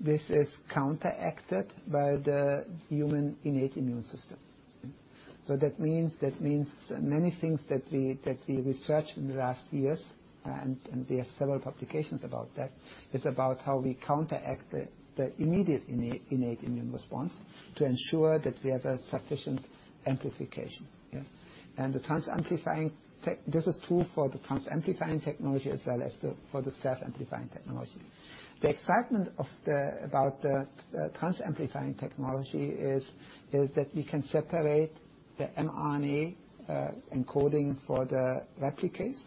This is counteracted by the human innate immune system. That means many things that we researched in the last years, and we have several publications about that, is about how we counteract the immediate innate immune response to ensure that we have a sufficient amplification. This is true for the trans-amplifying technology as well as for the self-amplifying technology. The excitement about the trans-amplifying technology is that we can separate the mRNA encoding for the replicase.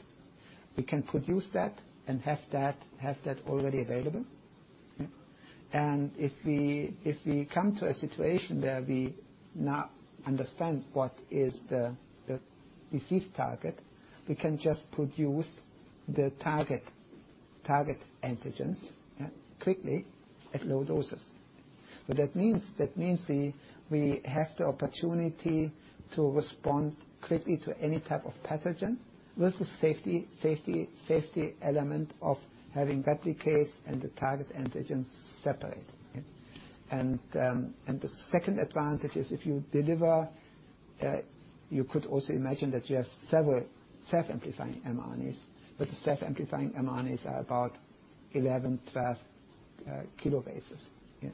We can produce that and have that already available. If we come to a situation where we not understand what is the disease target, we can just produce the target antigens, yeah, quickly at low doses. That means we have the opportunity to respond quickly to any type of pathogen with the safety element of having replicase and the target antigens separate. Yeah. The second advantage is if you deliver, you could also imagine that you have several self-amplifying mRNAs. But the self-amplifying mRNAs are about 11-12 kb. Yeah.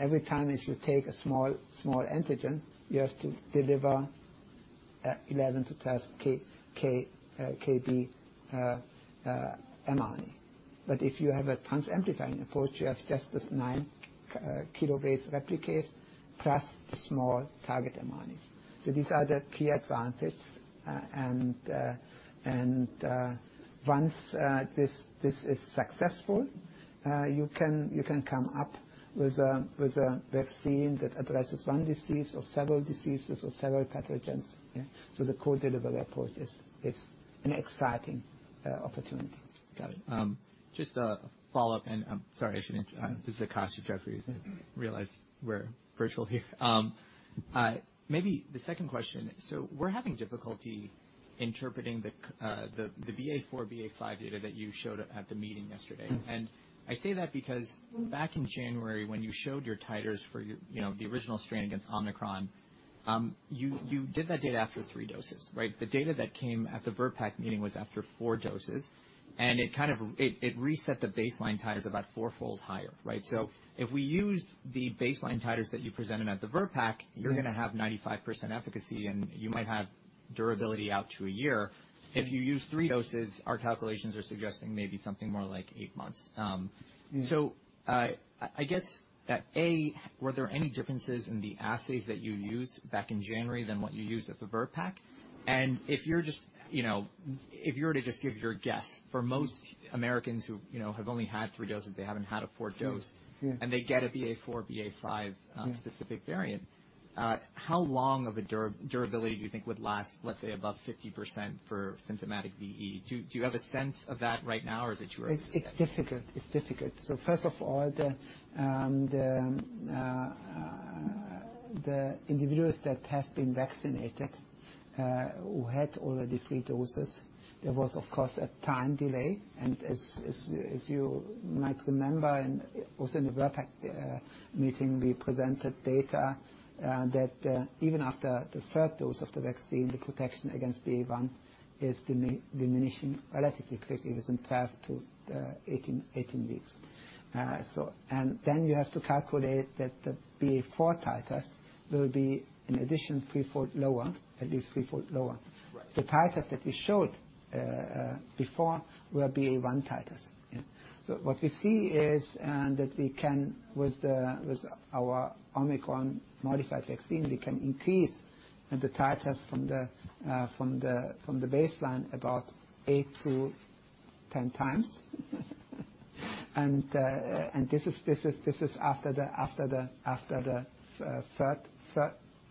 Every time if you take a small antigen, you have to deliver 11-12 kb mRNA. But if you have a trans-amplifying approach, you have just this 9 kb replicase plus the small target mRNAs. These are the key advantage. Once this is successful, you can come up with a vaccine that addresses one disease or several diseases or several pathogens. Yeah. The co-delivery approach is an exciting opportunity. Got it. Just a follow-up, sorry. This is Akash from Jefferies. I realize we're virtual here. Maybe the second question. We're having difficulty interpreting the BA.4, BA.5 data that you showed at the meeting yesterday. I say that because back in January when you showed your titers for your, you know, the original strain against Omicron, you did that data after three doses, right? The data that came at the VRBPAC meeting was after four doses, and it kind of reset the baseline titers about fourfold higher, right? So if we use the baseline titers that you presented at the VRBPAC you're gonna have 95% efficacy, and you might have durability out to a year. If you use three doses, our calculations are suggesting maybe something more like eight months. I guess, were there any differences in the assays that you used back in January than what you used at the VRBPAC? If you're just, you know, if you were to just give your guess for most Americans who, you know, have only had three doses, they haven't had a fourth dose. They get a BA.4, BA.5 specific variant, how long of a durability do you think would last, let's say, above 50% for symptomatic VE? Do you have a sense of that right now, or is it too early to say? It's difficult. First of all, the individuals that have been vaccinated who had already 3 doses, there was, of course, a time delay. As you might remember, and also in the VRBPAC meeting, we presented data that even after the third dose of the vaccine, the protection against BA.1 is diminishing relatively quickly within 12 to 18 weeks. Then you have to calculate that the BA.4 titers will be an additional three-fold lower, at least three-fold lower. Right. The titers that we showed before were BA.1 titers. Yeah. What we see is that we can, with our Omicron-modified vaccine, increase the titers from the baseline about 8x-10x. This is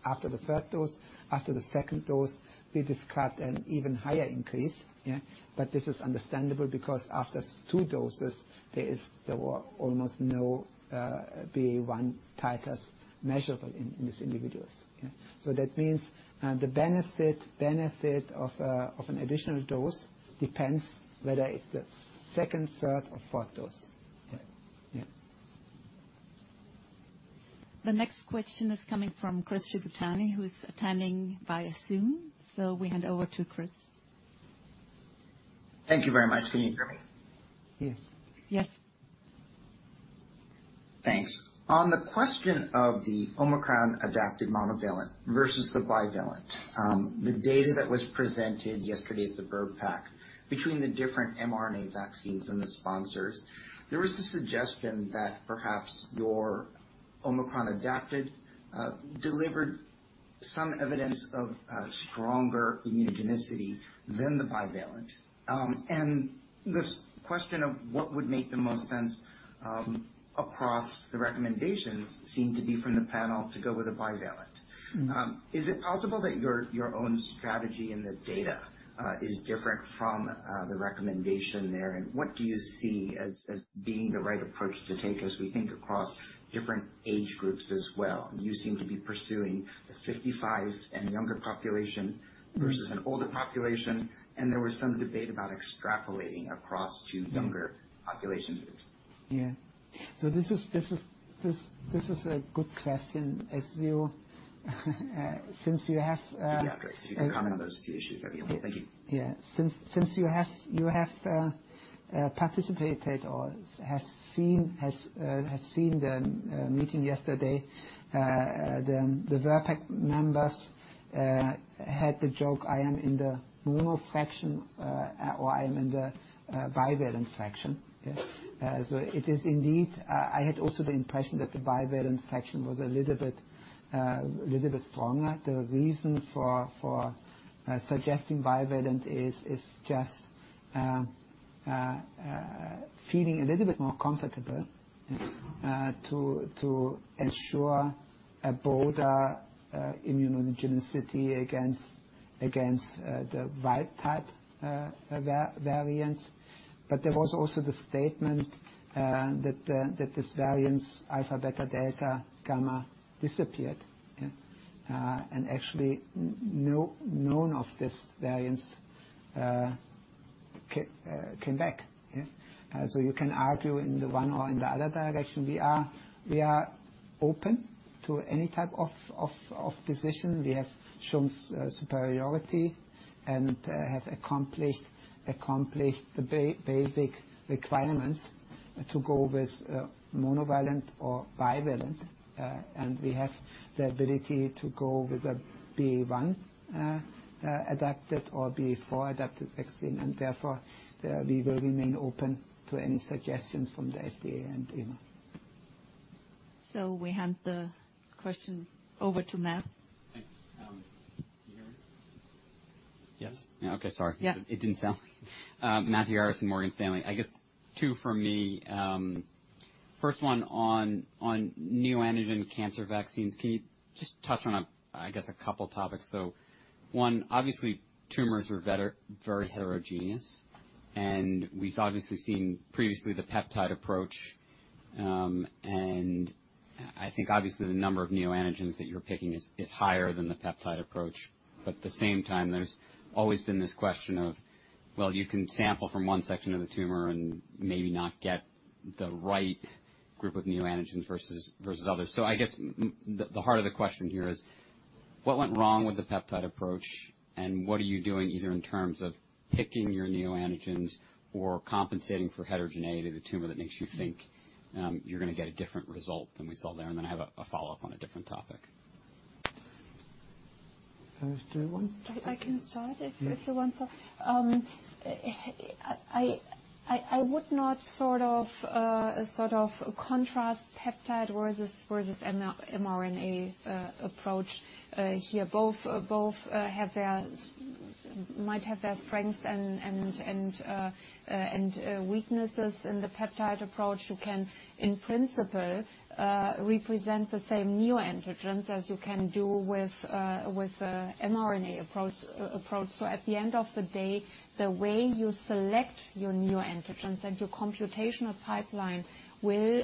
after the third dose. After the second dose, we described an even higher increase, yeah. But this is understandable because after two doses, there were almost no BA.1 titers measurable in these individuals. Yeah. That means the benefit of an additional dose depends whether it's the second, third or fourth dose. Yeah. Yeah. The next question is coming from Chris Shibutani, who's attending via Zoom. We hand over to Chris. Thank you very much. Can you hear me? Yes. Yes. Thanks. On the question of the Omicron-adapted monovalent versus the bivalent, the data that was presented yesterday at the VRBPAC between the different mRNA vaccines and the sponsors, there was a suggestion that perhaps your Omicron-adapted delivered some evidence of stronger immunogenicity than the bivalent. This question of what would make the most sense across the recommendations seemed to be from the panel to go with a bivalent. Is it possible that your own strategy and the data is different from the recommendation there? What do you see as being the right approach to take as we think across different age groups as well? You seem to be pursuing the 55s and younger population versus an older population, and there was some debate about extrapolating across to younger population groups. Yeah. This is a good question as you, since you have... If you could address, if you could comment on those two issues, that'd be helpful. Thank you. ...yeah. Since you have participated or have seen the meeting yesterday, the VRBPAC members had the joke- I am in the monovalent fraction or I am in the bivalent fraction. Yeah. So it is indeed, I had also the impression that the bivalent fraction was a little bit stronger. The reason for suggesting bivalent is just feeling a little bit more comfortable to ensure a broader immunogenicity against the wild type variants. There was also the statement that these variants Alpha, Beta, Delta, Gamma disappeared. Actually none of these variants came back. Yeah. You can argue in the one or in the other direction. We are open to any type of decision. We have shown superiority and have accomplished the basic requirements to go with monovalent or bivalent. We have the ability to go with a BA.1 adapted or BA.4 adapted vaccine, and therefore we will remain open to any suggestions from the FDA and EMA. We hand the question over to Matt. Thanks. Can you hear me? Yes. Yeah. Okay, sorry. Yeah. Matthew Harris from Morgan Stanley. I guess two from me. First one on neoantigen cancer vaccines. Can you just touch on a couple topics? One, obviously tumors are very heterogeneous, and we've obviously seen previously the peptide approach. I think obviously the number of neoantigens that you're picking is higher than the peptide approach. But at the same time, there's always been this question of, well, you can sample from one section of the tumor and maybe not get the right group of neoantigens versus others. I guess the heart of the question here is what went wrong with the peptide approach, and what are you doing either in terms of picking your neoantigens or compensating for heterogeneity of the tumor that makes you think, you're gonna get a different result than we saw there? Then I have a follow-up on a different topic. I can start if you want so. I would not sort of contrast peptide versus mRNA approach here. Both have their might have their strengths and weaknesses. In the peptide approach, you can, in principle, represent the same neoantigens as you can do with a mRNA approach. At the end of the day, the way you select your neoantigens and your computational pipeline will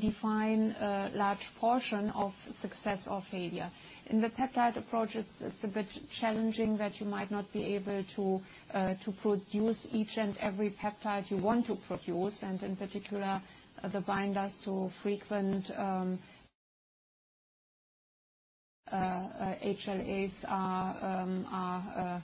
define a large portion of success or failure. In the peptide approach, it's a bit challenging that you might not be able to produce each and every peptide you want to produce, and in particular, the binders to frequent HLAs are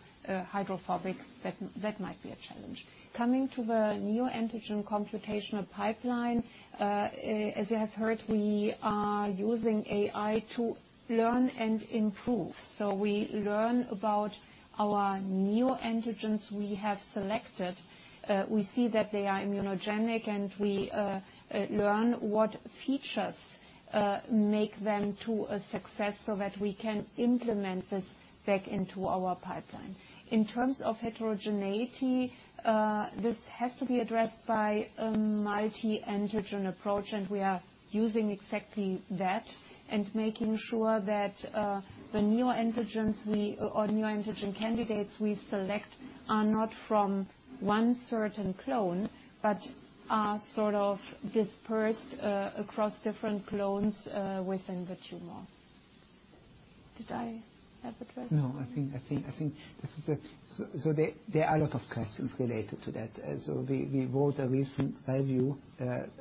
hydrophobic. That might be a challenge. Coming to the neoantigen computational pipeline, as you have heard, we are using AI to learn and improve. We learn about our neoantigens we have selected. We see that they are immunogenic, and we learn what features make them to a success so that we can implement this back into our Pipeline. In terms of heterogeneity, this has to be addressed by a multi-antigen approach, and we are using exactly that, and making sure that the neoantigens we or neoantigen candidates we select are not from one certain clone, but are sort of dispersed across different clones within the tumor. No, I think this is a- there are a lot of questions related to that. We wrote a recent review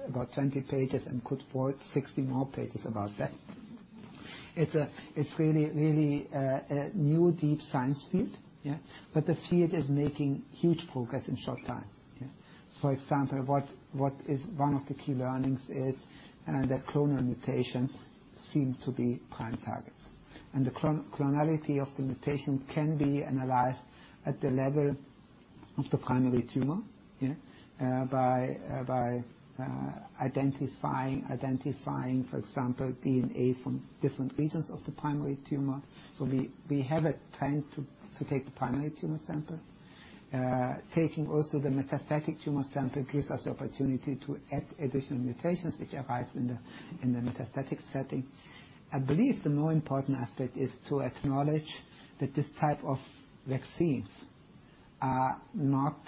about 20 pages and could write 60 more pages about that. It's really a new deep science field. The field is making huge progress in short time. For example, one of the key learnings is that clonal mutations seem to be prime targets. The clonality of the mutation can be analyzed at the level of the primary tumor by identifying, for example, DNA from different regions of the primary tumor. We have a trend to take the primary tumor sample. Taking also the metastatic tumor sample gives us the opportunity to add additional mutations which arise in the metastatic setting. I believe the more important aspect is to acknowledge that this type of vaccines are not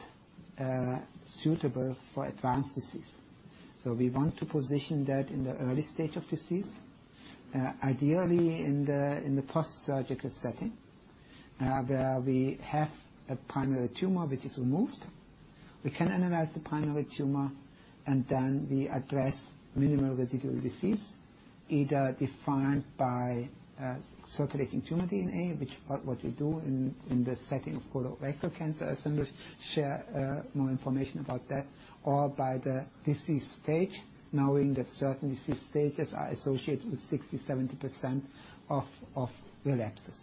suitable for advanced disease. We want to position that in the early stage of disease, ideally in the post-surgical setting, where we have a primary tumor which is removed. We can analyze the primary tumor, and then we address minimal residual disease, either defined by circulating tumor DNA, which are what we do in the setting of colorectal cancer, as Özlem share more information about that, or by the disease stage, knowing that certain disease stages are associated with 60%-70% of relapses.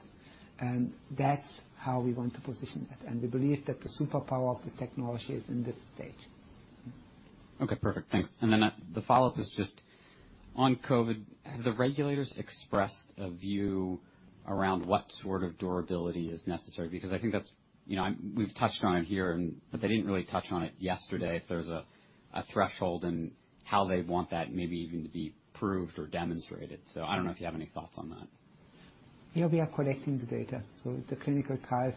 That's how we want to position that. We believe that the superpower of this technology is in this stage. Okay. Perfect. Thanks. The follow-up is just on COVID-19. Have the regulators expressed a view around what sort of durability is necessary? Because I think that's, you know, we've touched on it here but they didn't really touch on it yesterday if there's a threshold and how they'd want that maybe even to be proved or demonstrated. I don't know if you have any thoughts on that. Yeah, we are collecting the data. The clinical trials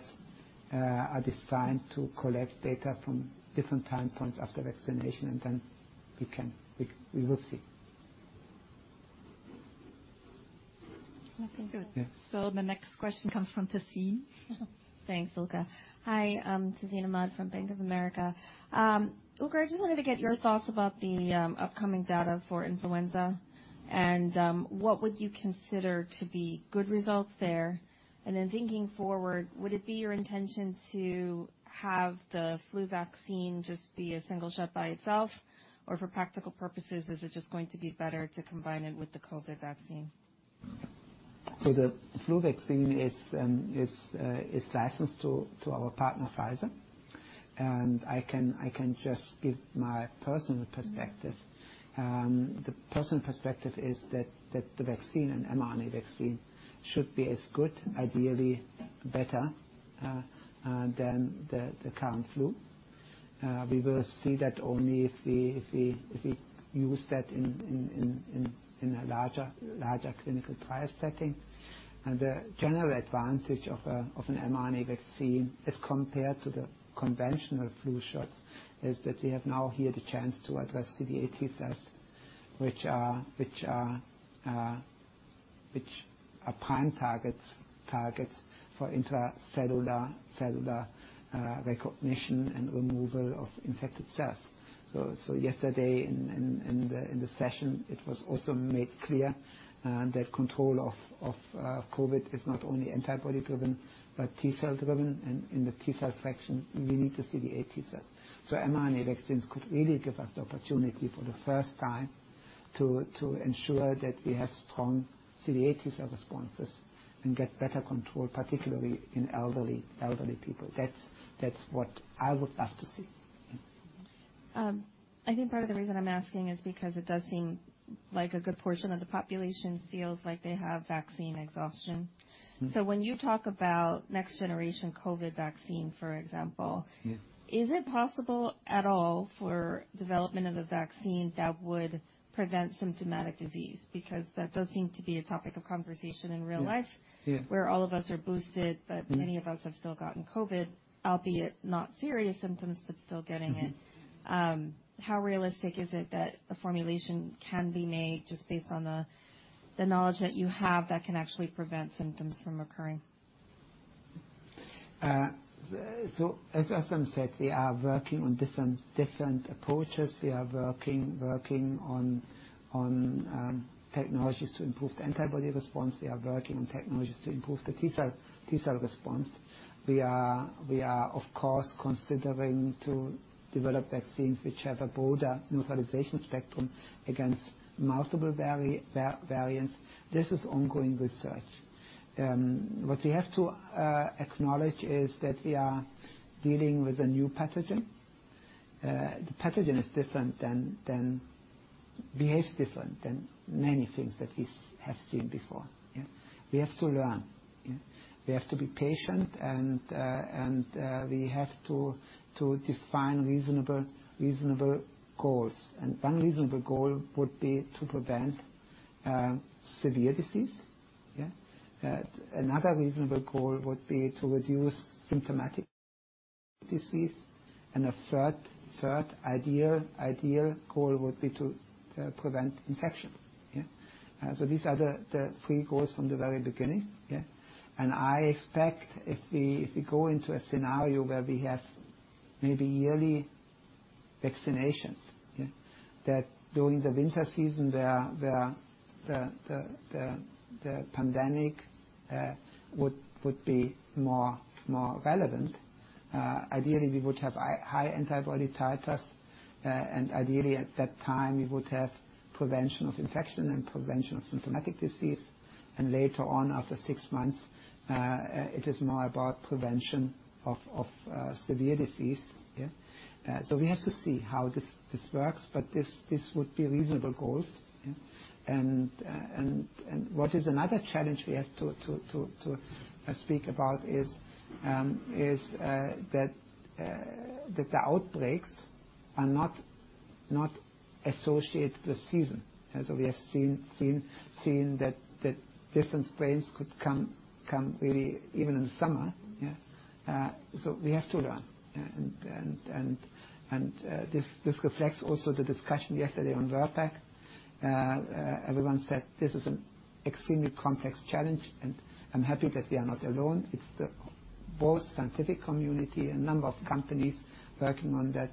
are designed to collect data from different time points after vaccination, and then we can- we will see. I think. Yeah. The next question comes from Tazeen. Thanks, Ugur. Hi, I'm Tazeen Ahmad from Bank of America. Ugur, I just wanted to get your thoughts about the upcoming data for influenza and what would you consider to be good results there? Thinking forward, would it be your intention to have the flu vaccine just be a single shot by itself? For practical purposes, is it just going to be better to combine it with the COVID vaccine? The flu vaccine is licensed to our partner, Pfizer. I can just give my personal perspective. The personal perspective is that the vaccine, an mRNA vaccine, should be as good, ideally better, than the current flu. We will see that only if we use that in a larger clinical trial setting. The general advantage of an mRNA vaccine as compared to the conventional flu shot is that we have here the chance to address CD8 T cells, which are prime targets for intracellular recognition and removal of infected cells. Yesterday in the session, it was also made clear that control of COVID is not only antibody-driven but T cell driven. In the T cell fraction, we need tthe CD8 T-cells. mRNA vaccines could really give us the opportunity for the first time to ensure that we have strong CD8 T cell responses and get better control, particularly in elderly people. That's what I would love to see. I think part of the reason I'm asking is because it does seem like a good portion of the population feels like they have vaccine exhaustion. When you talk about next generation COVID vaccine, for example, is it possible at all for development of a vaccine that would prevent symptomatic disease? Because that does seem to be a topic of conversation in real life, where all of us are boosted. Many of us have still gotten COVID, albeit not serious symptoms, but still getting it. How realistic is it that a formulation can be made just based on the knowledge that you have that can actually prevent symptoms from occurring? As Özlem said, we are working on different approaches. We are working on technologies to improve the antibody response. We are working on technologies to improve the T cell response. We are of course considering to develop vaccines which have a broader neutralization spectrum against multiple variants. This is ongoing research. What we have to acknowledge is that we are dealing with a new pathogen. The pathogen is different than, behaves different than many things that we have seen before. We have to learn. \We have to be patient and we have to define reasonable goals. One reasonable goal would be to prevent severe disease. Another reasonable goal would be to reduce symptomatic disease. A third ideal goal would be to prevent infection. So these are the three goals from the very beginning. I expect if we go into a scenario where we have maybe yearly vaccinations that during the winter season, the pandemic would be more relevant. Ideally, we would have high antibody titers. Ideally at that time we would have prevention of infection and prevention of symptomatic disease. Later on, after six months, it is more about prevention of severe disease. So we have to see how this works, but this would be reasonable goals. What is another challenge we have to speak about is that the outbreaks are not associated with season. We have seen that different strains could come really even in the summer. Yeah. We have to learn. Yeah. This reflects also the discussion yesterday on VRBPAC. Everyone said this is an extremely complex challenge, and I'm happy that we are not alone. It's the whole scientific community and a number of companies working on that.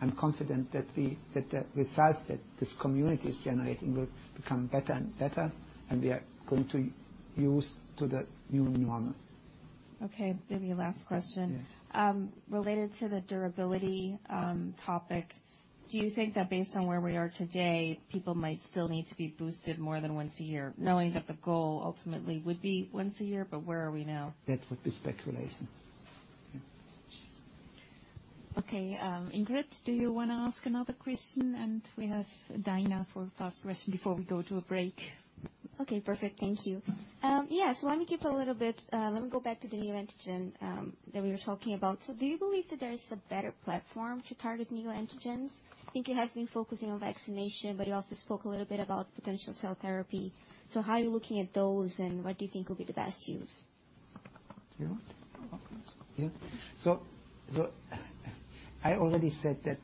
I'm confident that the results that this community is generating will become better and better, and we are going to get used to the new normal. Okay. Maybe a last question. Yes. Related to the durability topic, do you think that based on where we are today, people might still need to be boosted more than once a year? Knowing that the goal ultimately would be once a year, but where are we now? That would be speculation. Yeah. Okay. Ingrid, do you wanna ask another question? We have Daina for the last question before we go to a break. Okay, perfect. Thank you. Yeah. Let me keep a little bit, let me go back to the neoantigen that we were talking about. Do you believe that there is a better platform to target neoantigens? I think you have been focusing on vaccination, but you also spoke a little bit about potential cell therapy. How are you looking at those, and what do you think will be the best use? I already said that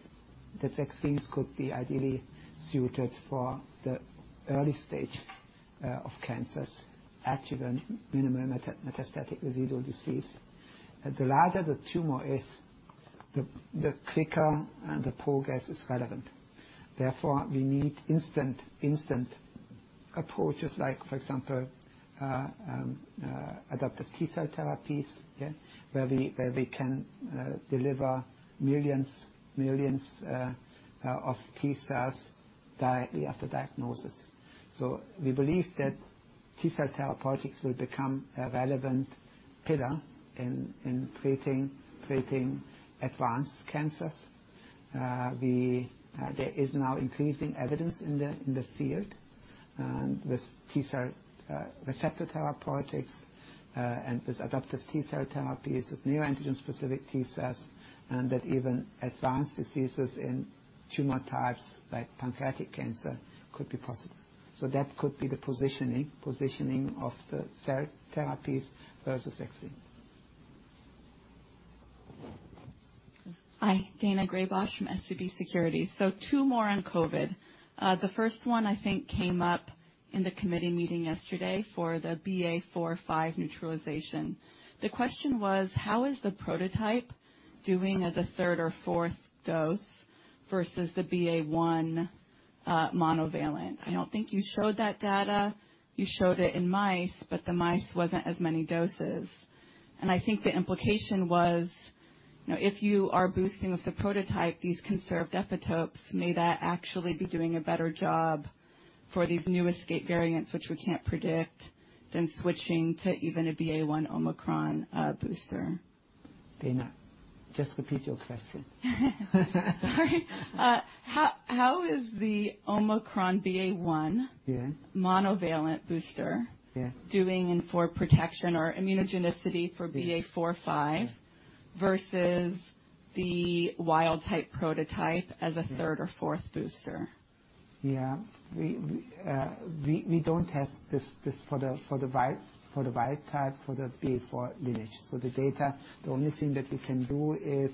the vaccines could be ideally suited for the early stage of cancers, actually when minimal metastatic residual disease. The larger the tumor is, the quicker and the poorer the prognosis. Therefore, we need intensive approaches like, for example, adaptive T cell therapies. Where we can deliver millions of T cells directly after diagnosis. We believe that T cell therapeutics will become a relevant pillar in treating advanced cancers. There is now increasing evidence in the field, and with T cell receptor therapeutics, and with adaptive T cell therapies with neoantigen-specific T cells, and that even advanced diseases in tumor types like pancreatic cancer could be possible. That could be the positioning of the cell therapies versus vaccine. Hi. Daina Graybosch from SVB Securities. Two more on COVID. The first one I think came up in the committee meeting yesterday for the BA.4, BA.5 neutralization. The question was: How is the prototype doing as a third or fourth dose versus the BA.1 monovalent. I don't think you showed that data. You showed it in mice, but the mice wasn't as many doses. I think the implication was, you know, if you are boosting with the prototype, these conserved epitopes, may that actually be doing a better job for these new escape variants, which we can't predict, than switching to even a BA.1 Omicron booster. Daina, just repeat your question. Sorry. How is the Omicron BA.1 monovalent booster doing on protection or immunogenicity for BA.4, BA.5 versus the wild-type prototype as a third or fourth booster? Yeah. We don't have this for the wild type for the BA.4 lineage. The data, the only thing that we can do is,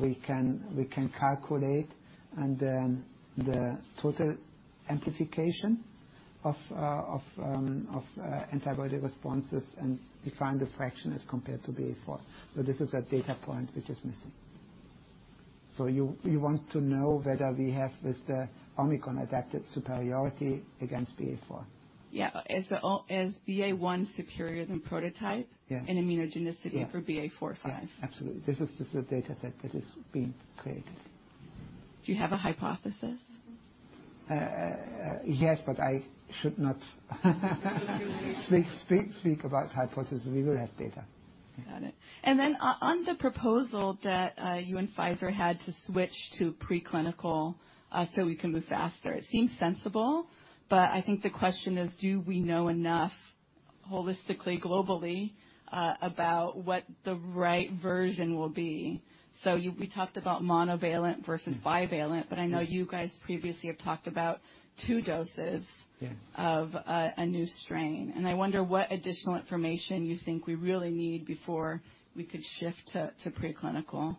we can calculate and then the total amplification of antibody responses, and we find the fraction as compared to BA.4. This is a data point which is missing. You want to know whether we have with the Omicron adapted superiority against BA.4? Yeah. Is BA.1 superior than prototype... Yeah. ...in immunogenicity for BA.4, BA.5? Yeah. Absolutely. This is a data set that is being created. Do you have a hypothesis? Yes, but I should not speak about hypothesis. We will have data. Got it. On the proposal that you and Pfizer had to switch to preclinical so we can move faster, it seems sensible, but I think the question is do we know enough holistically, globally, about what the right version will be. We talked about monovalent versus bivalent, but I know you guys previously have talked about two doses of a new strain. I wonder what additional information you think we really need before we could shift to preclinical.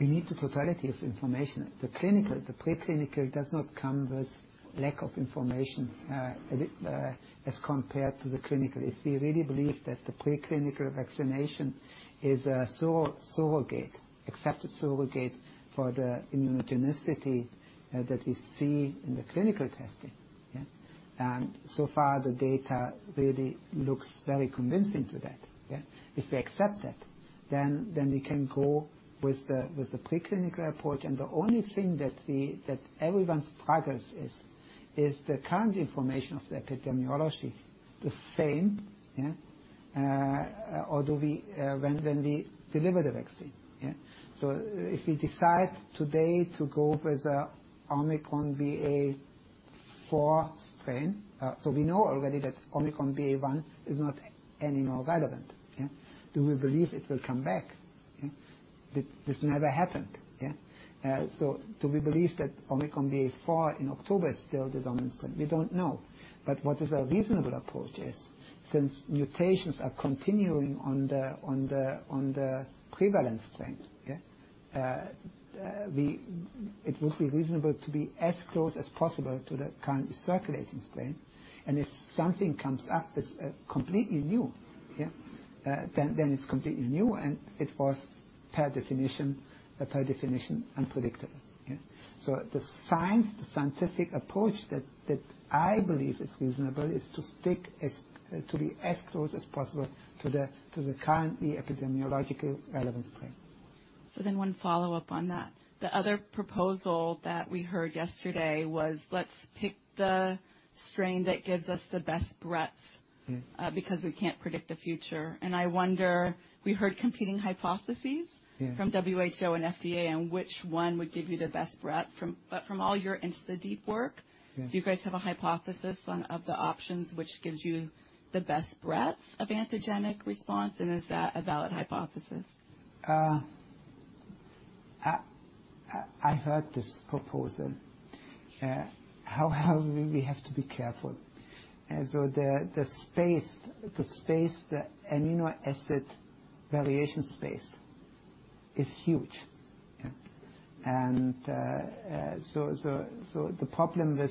We need the totality of information. The preclinical does not come with lack of information, as it as compared to the clinical. If we really believe that the preclinical vaccination is a surrogate, accepted surrogate for the immunogenicity that we see in the clinical testing. So far, the data really looks very convincing to that. If we accept that, then we can go with the preclinical approach. The only thing that everyone struggles is the current information of the epidemiology the same, although we when we deliver the vaccine. If we decide today to go with the Omicron BA.4 strain, we know already that Omicron BA.1 is not any more relevant. Do we believe it will come back? This never happened. Do we believe that Omicron BA.4 in October is still the dominant strain? We don't know. What is a reasonable approach is, since mutations are continuing on the prevalent strain, it would be reasonable to be as close as possible to the currently circulating strain. If something comes up that's completely new, then it's completely new, and it was per definition unpredictable. The science, the scientific approach that I believe is reasonable is to be as close as possible to the currently epidemiologically relevant strain. One follow-up on that. The other proposal that we heard yesterday was, let's pick the strain that gives us the best breadth, because we can't predict the future. I wonder, we heard competing hypotheses. Yeah. From WHO and FDA on which one would give you the best breadth from. From all your input into the deep work... Yeah. ...do you guys have a hypothesis on one of the options which gives you the best breadth of antigenic response? Is that a valid hypothesis? I heard this proposal. However, we have to be careful. The amino acid variation space is huge, yeah. So the problem with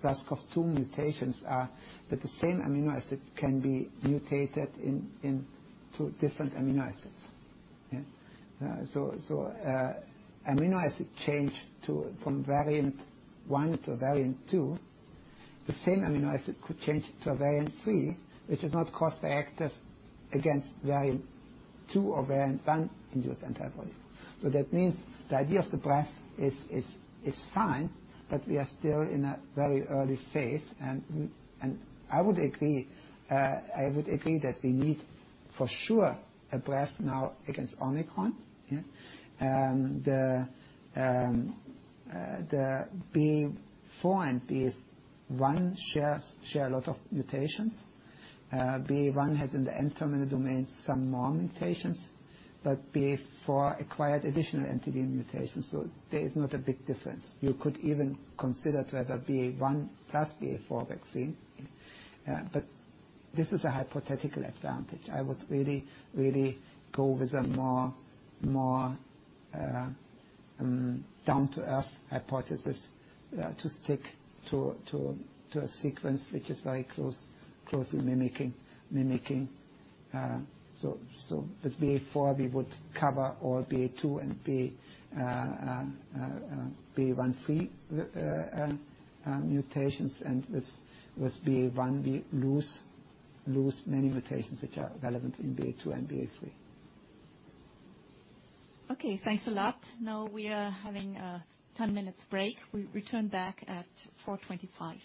SARS-CoV-2 mutations are that the same amino acid can be mutated in two different amino acids, yeah. Amino acid change from variant one to variant two, the same amino acid could change to a variant three, which is not cross-reactive against variant one or variant two induced antibodies. That means the idea of the breadth is fine, but we are still in a very early phase. I would agree that we need for sure a breadth now against Omicron, yeah. The BA.4 and BA.1 share a lot of mutations. BA.1 has in the N-terminal domain some more mutations, but BA.4 acquired additional antigen mutations, so there is not a big difference. You could even consider to have a BA.1 plus BA.4 vaccine. This is a hypothetical advantage. I would really go with a more down to earth hypothesis to stick to a sequence which is very close, closely mimicking. With BA.4 we would cover all BA.2 and BA.1, BA.3 mutations, and with BA.1 we lose many mutations which are relevant in BA.2 and BA.3. Okay, thanks a lot. Now we are having a 10 minutes break. We return back at 4:25 P.M. You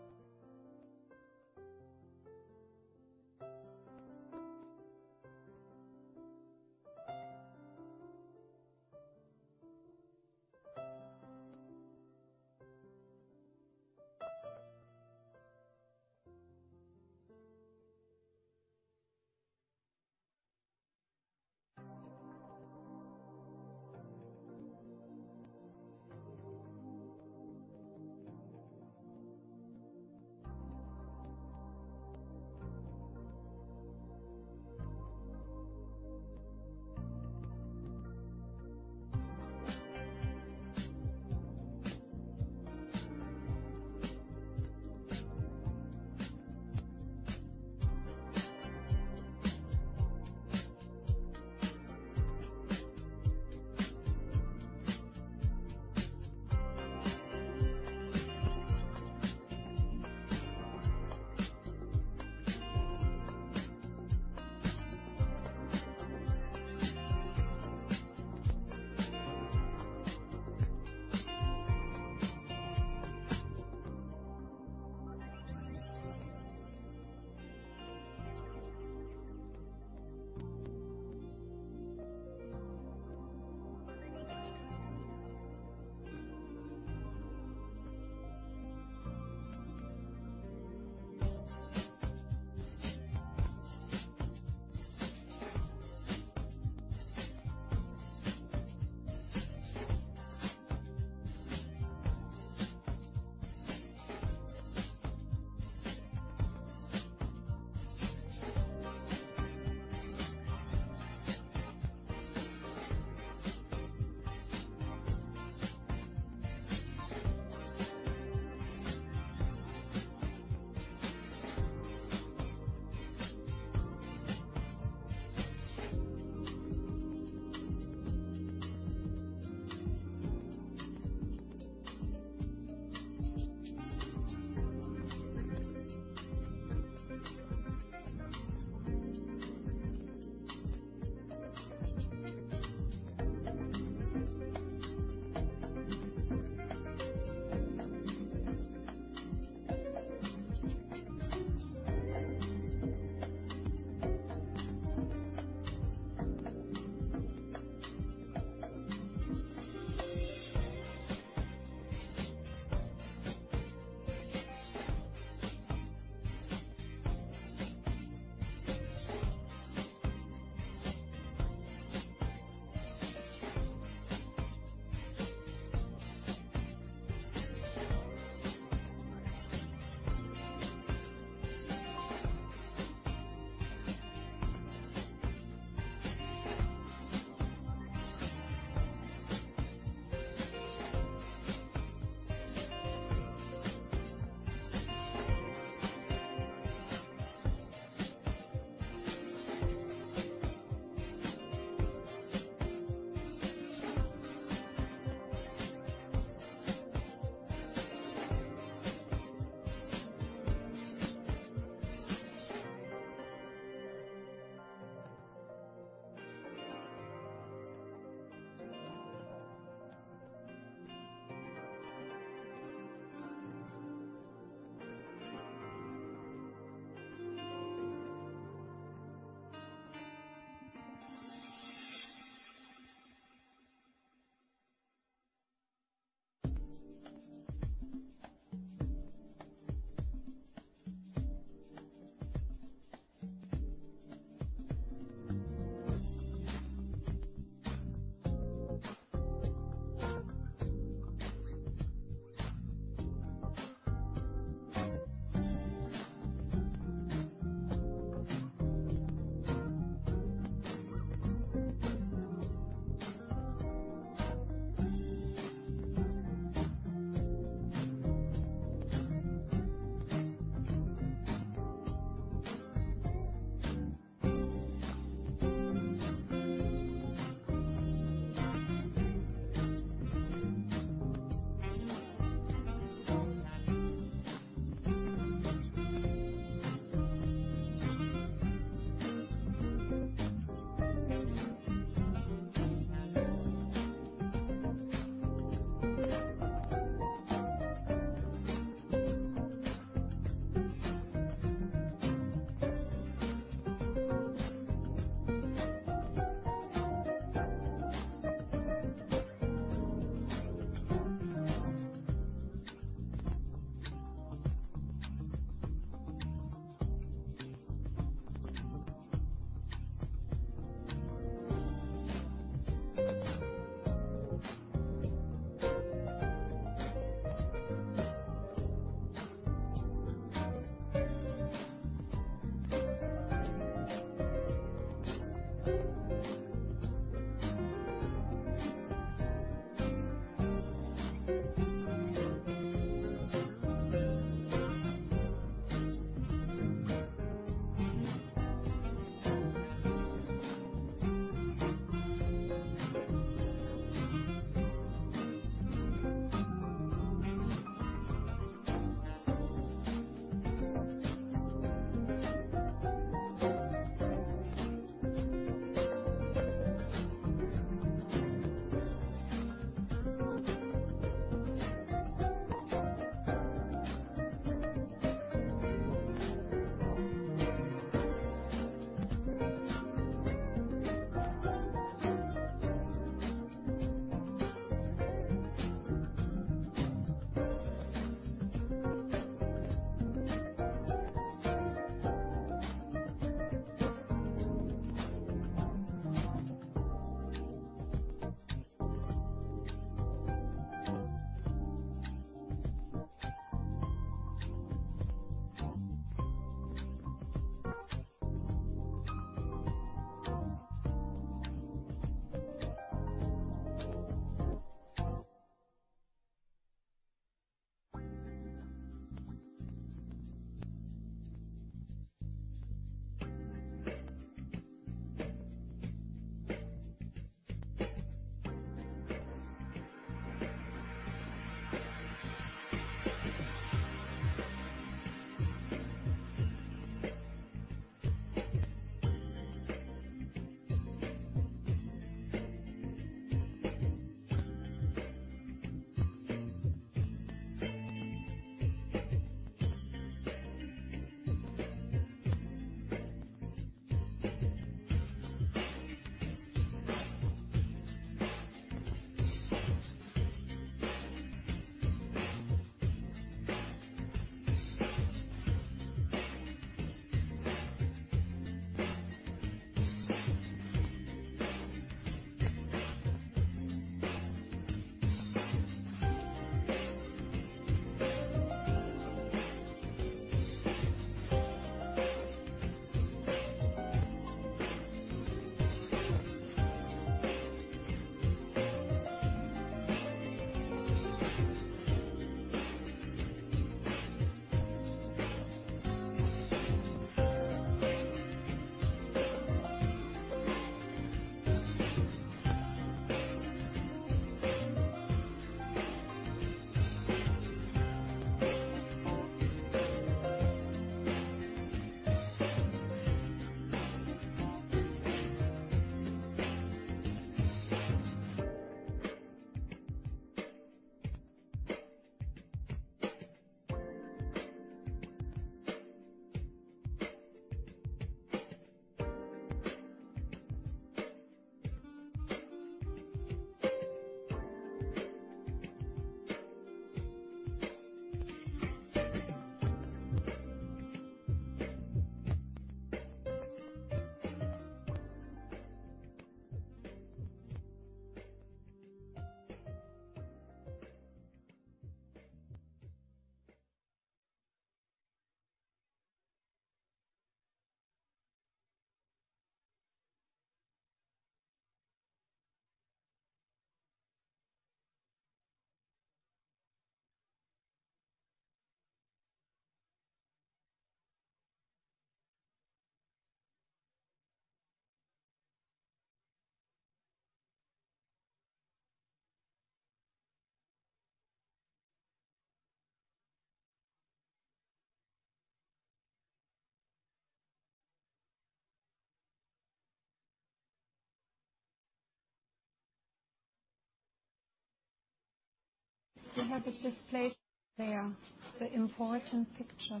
have a display there, the important picture.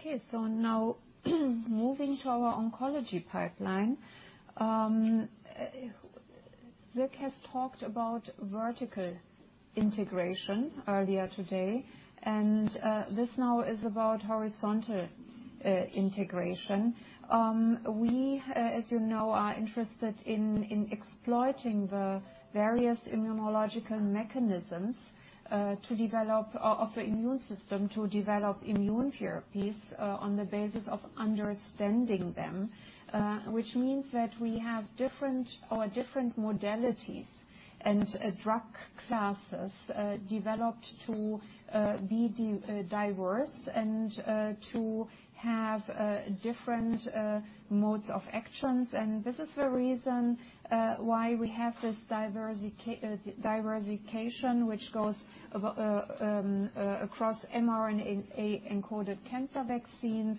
Okay, so now moving to our oncology Pipeline. Sierk has talked about vertical integration earlier today, and this now is about horizontal integration. We, as you know, are interested in exploiting the various immunological mechanisms of the immune system to develop immune therapies on the basis of understanding them. Which means that we have different modalities and drug classes developed to be diverse and to have different modes of actions. This is the reason why we have this diversification which goes across mRNA-encoded cancer vaccines,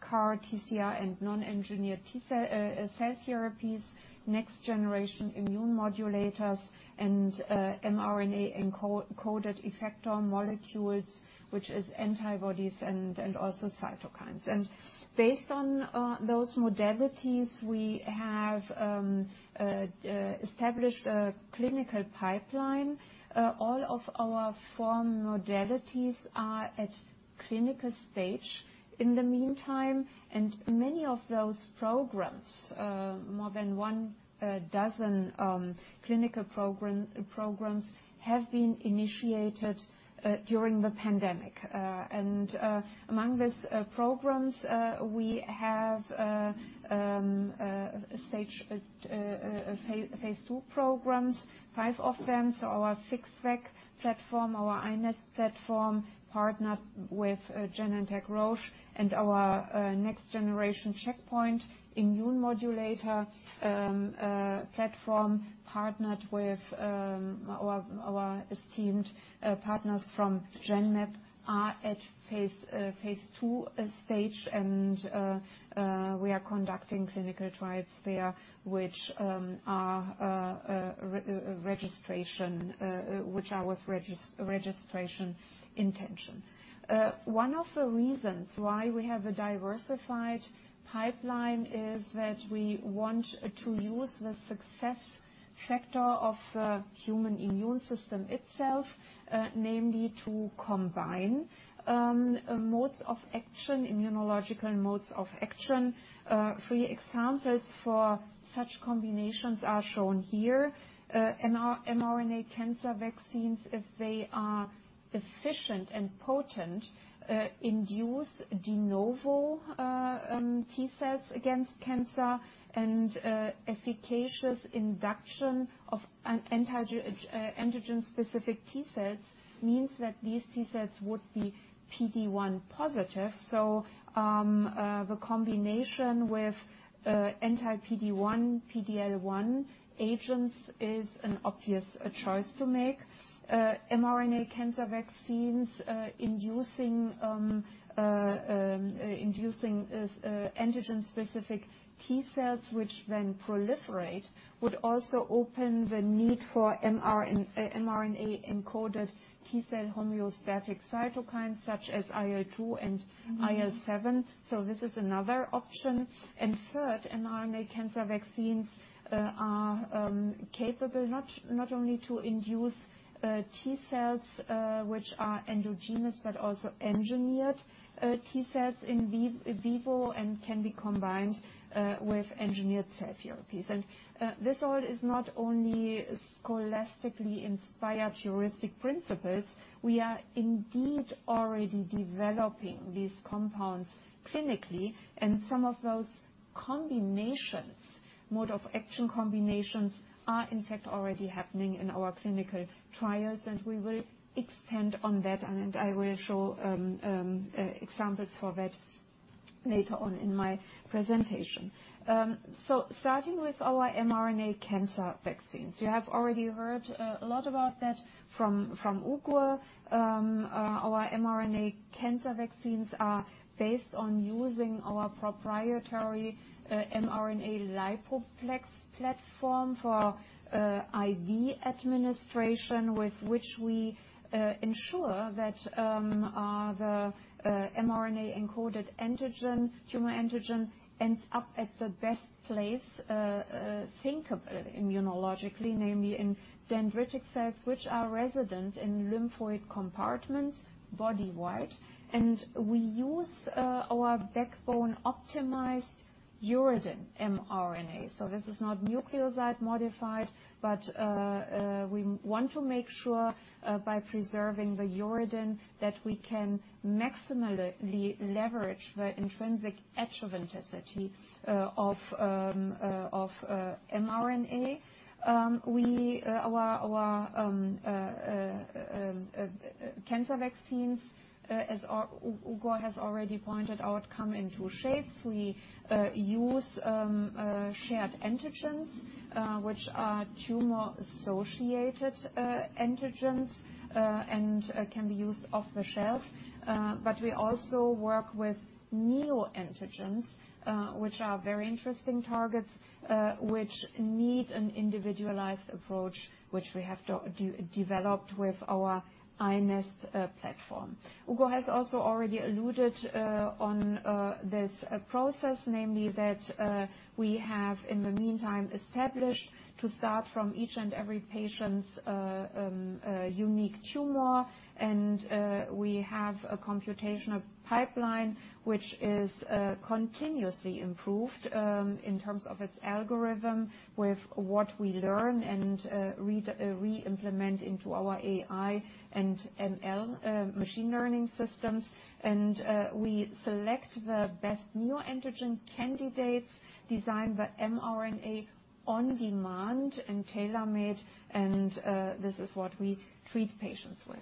CAR, TCR and non-engineered T-cell therapies, next generation immune modulators, and mRNA-encoded effector molecules, which is antibodies and also cytokines. Based on those modalities, we have established a clinical Pipeline. All of our four modalities are at clinical stage in the meantime, and many of those programs, more than one dozen clinical programs have been initiated during the pandemic. Among these programs, we have phase II programs, five of them. Our FixVac platform, our iNeST platform, partnered with Genentech Roche, and our next generation checkpoint immune modulator platform partnered with our esteemed partners from Genmab are at phase II stage. We are conducting clinical trials there, which are with registration intention. One of the reasons why we have a diversified Pipeline is that we want to use the success factor of the human immune system itself, namely to combine modes of action, immunological modes of action. Three examples for such combinations are shown here. mRNA cancer vaccines, if they are efficient and potent, induce de novo T cells against cancer. Efficacious induction of an anti-neoantigen specific T cells means that these T cells would be PD-1 positive. The combination with anti-PD-1, PD-L1 agents is an obvious choice to make. mRNA cancer vaccines inducing antigen specific T cells, which then proliferate, would also open the need for mRNA encoded T cell homeostatic cytokines such as IL-2 and IL-7. This is another option. Third, mRNA cancer vaccines are capable not only to induce T cells which are endogenous, but also engineered T cells in vivo and can be combined with engineered cell therapies. This all is not only scholastically inspired heuristic principles. We are indeed already developing these compounds clinically, and some of those combinations, mode of action combinations, are in fact already happening in our clinical trials, and we will expand on that, and I will show examples for that later on in my presentation. Starting with our mRNA cancer vaccines. You have already heard a lot about that from Ugur. Our mRNA cancer vaccines are based on using our proprietary mRNA lipoplex platform for IV administration, with which we ensure that the mRNA-encoded antigen, tumor antigen ends up at the best place thinkable immunologically, namely in dendritic cells, which are resident in lymphoid compartments body-wide. We use our backbone optimized uridine mRNA. This is not nucleoside modified, but we want to make sure by preserving the uridine that we can maximally leverage the intrinsic adjuvant activity of mRNA. Our cancer vaccines, as Ugur has already pointed out, come in two shapes. We use shared antigens, which are tumor-associated antigens, and can be used off the shelf. We also work with neoantigens, which are very interesting targets, which need an individualized approach, which we have developed with our iNeST platform. Ugur has also already alluded on this process, namely that we have in the meantime established to start from each and every patient's unique tumor. We have a computational pipeline which is continuously improved in terms of its algorithm with what we learn and reimplement into our AI and ML- machine learning systems. We select the best neoantigen candidates, design the mRNA on demand and tailor-made, and this is what we treat patients with.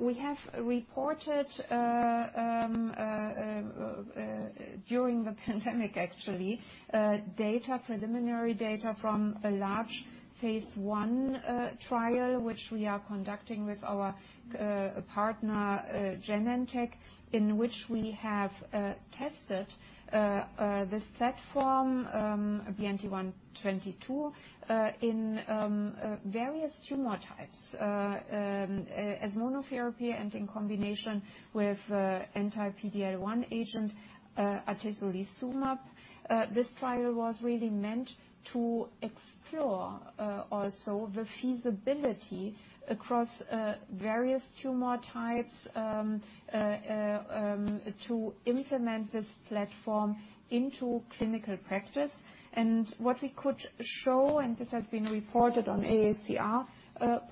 We have reported during the pandemic actually preliminary data from a large phase one trial, which we are conducting with our partner Genentech, in which we have tested this platform, BNT122, in various tumor types as monotherapy and in combination with anti-PD-L1 agent atezolizumab. This trial was really meant to explore also the feasibility across various tumor types to implement this platform into clinical practice. What we could show, and this has been reported on AACR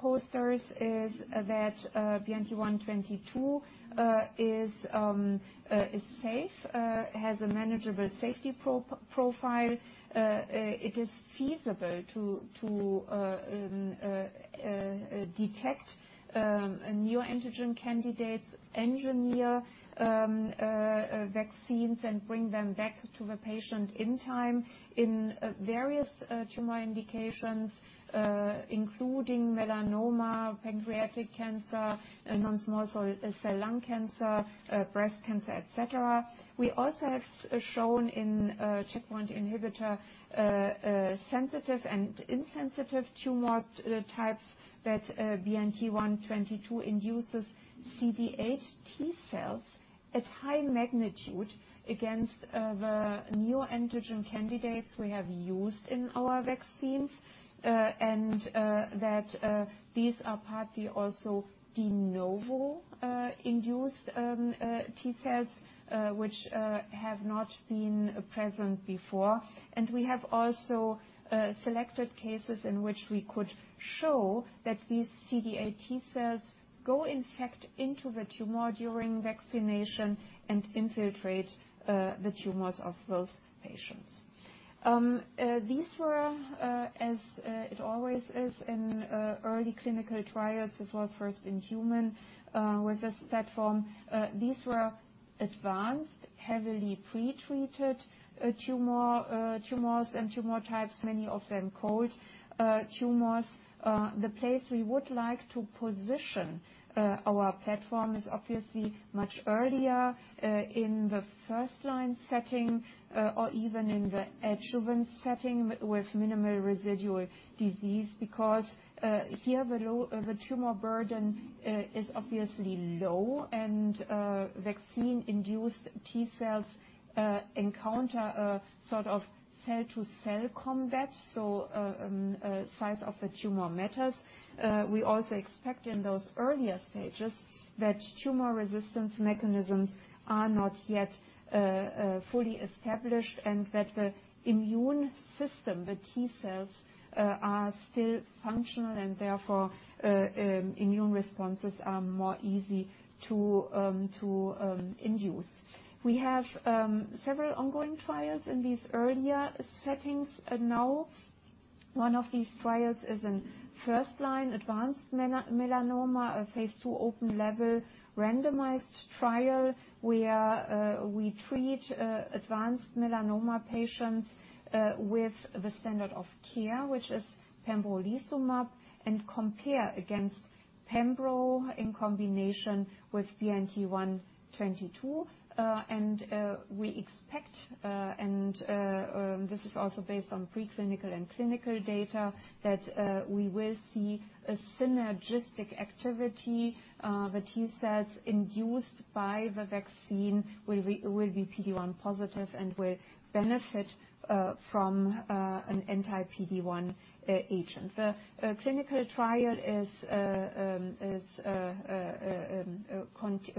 posters, is that BNT122 is safe, has a manageable safety profile. It is feasible to detect neoantigen candidates, engineer vaccines, and bring them back to the patient in time in various tumor indications, including melanoma, pancreatic cancer, non-small cell lung cancer, breast cancer, et cetera. We also have shown in checkpoint inhibitor sensitive and insensitive tumor types that BNT122 induces CD8 T cells at high magnitude against the neoantigen candidates we have used in our vaccines, and that these are partly also de novo induced T cells, which have not been present before. We have also selected cases in which we could show that these CD8 T cells go, in fact, into the tumor during vaccination and infiltrate the tumors of those patients. These were, as it always is in early clinical trials, this was first in human with this platform. These were advanced, heavily pretreated tumors and tumor types, many of them cold tumors. The place we would like to position our platform is obviously much earlier in the first line setting or even in the adjuvant setting with minimal residual disease, because here the tumor burden is obviously low and vaccine-induced T cells encounter a sort of cell-to-cell combat. Size of the tumor matters. We also expect in those earlier stages that tumor resistance mechanisms are not yet fully established and that the immune system, the T cells, are still functional and therefore immune responses are more easy to induce. We have several ongoing trials in these earlier settings now. One of these trials is in first-line advanced melanoma, a phase II open-label randomized trial where we treat advanced melanoma patients with the standard of care, which is pembrolizumab, and compare against pembro in combination with BNT122. We expect, and this is also based on preclinical and clinical data, that we will see a synergistic activity. The T cells induced by the vaccine will be PD-1 positive and will benefit from an anti-PD-1 agent. The clinical trial is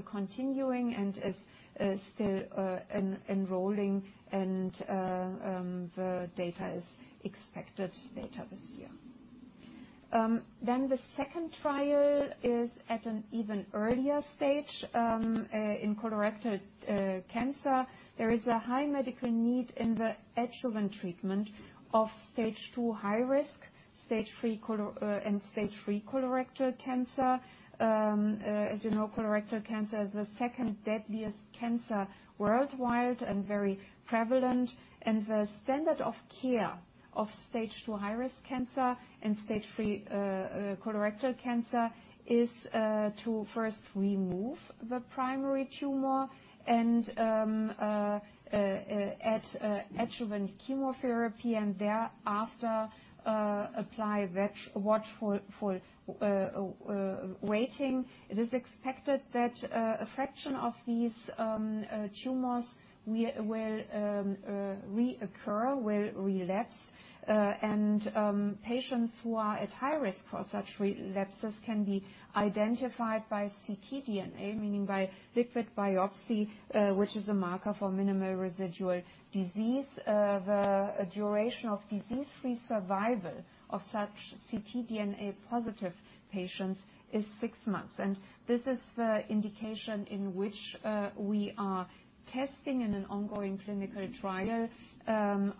continuing and is still enrolling, and the data is expected later this year. The second trial is at an even earlier stage in colorectal cancer. There is a high medical need in the adjuvant treatment of stage two high-risk and stage three colorectal cancer. As you know, colorectal cancer is the second deadliest cancer worldwide and very prevalent. The standard of care of stage two high-risk cancer and stage three colorectal cancer is to first remove the primary tumor and add adjuvant chemotherapy and thereafter apply watchful waiting. It is expected that a fraction of these tumors will reoccur, will relapse. Patients who are at high risk for such relapses can be identified by ctDNA, meaning by liquid biopsy, which is a marker for minimal residual disease. The duration of disease-free survival of such ctDNA-positive patients is six months. This is the indication in which we are testing in an ongoing clinical trial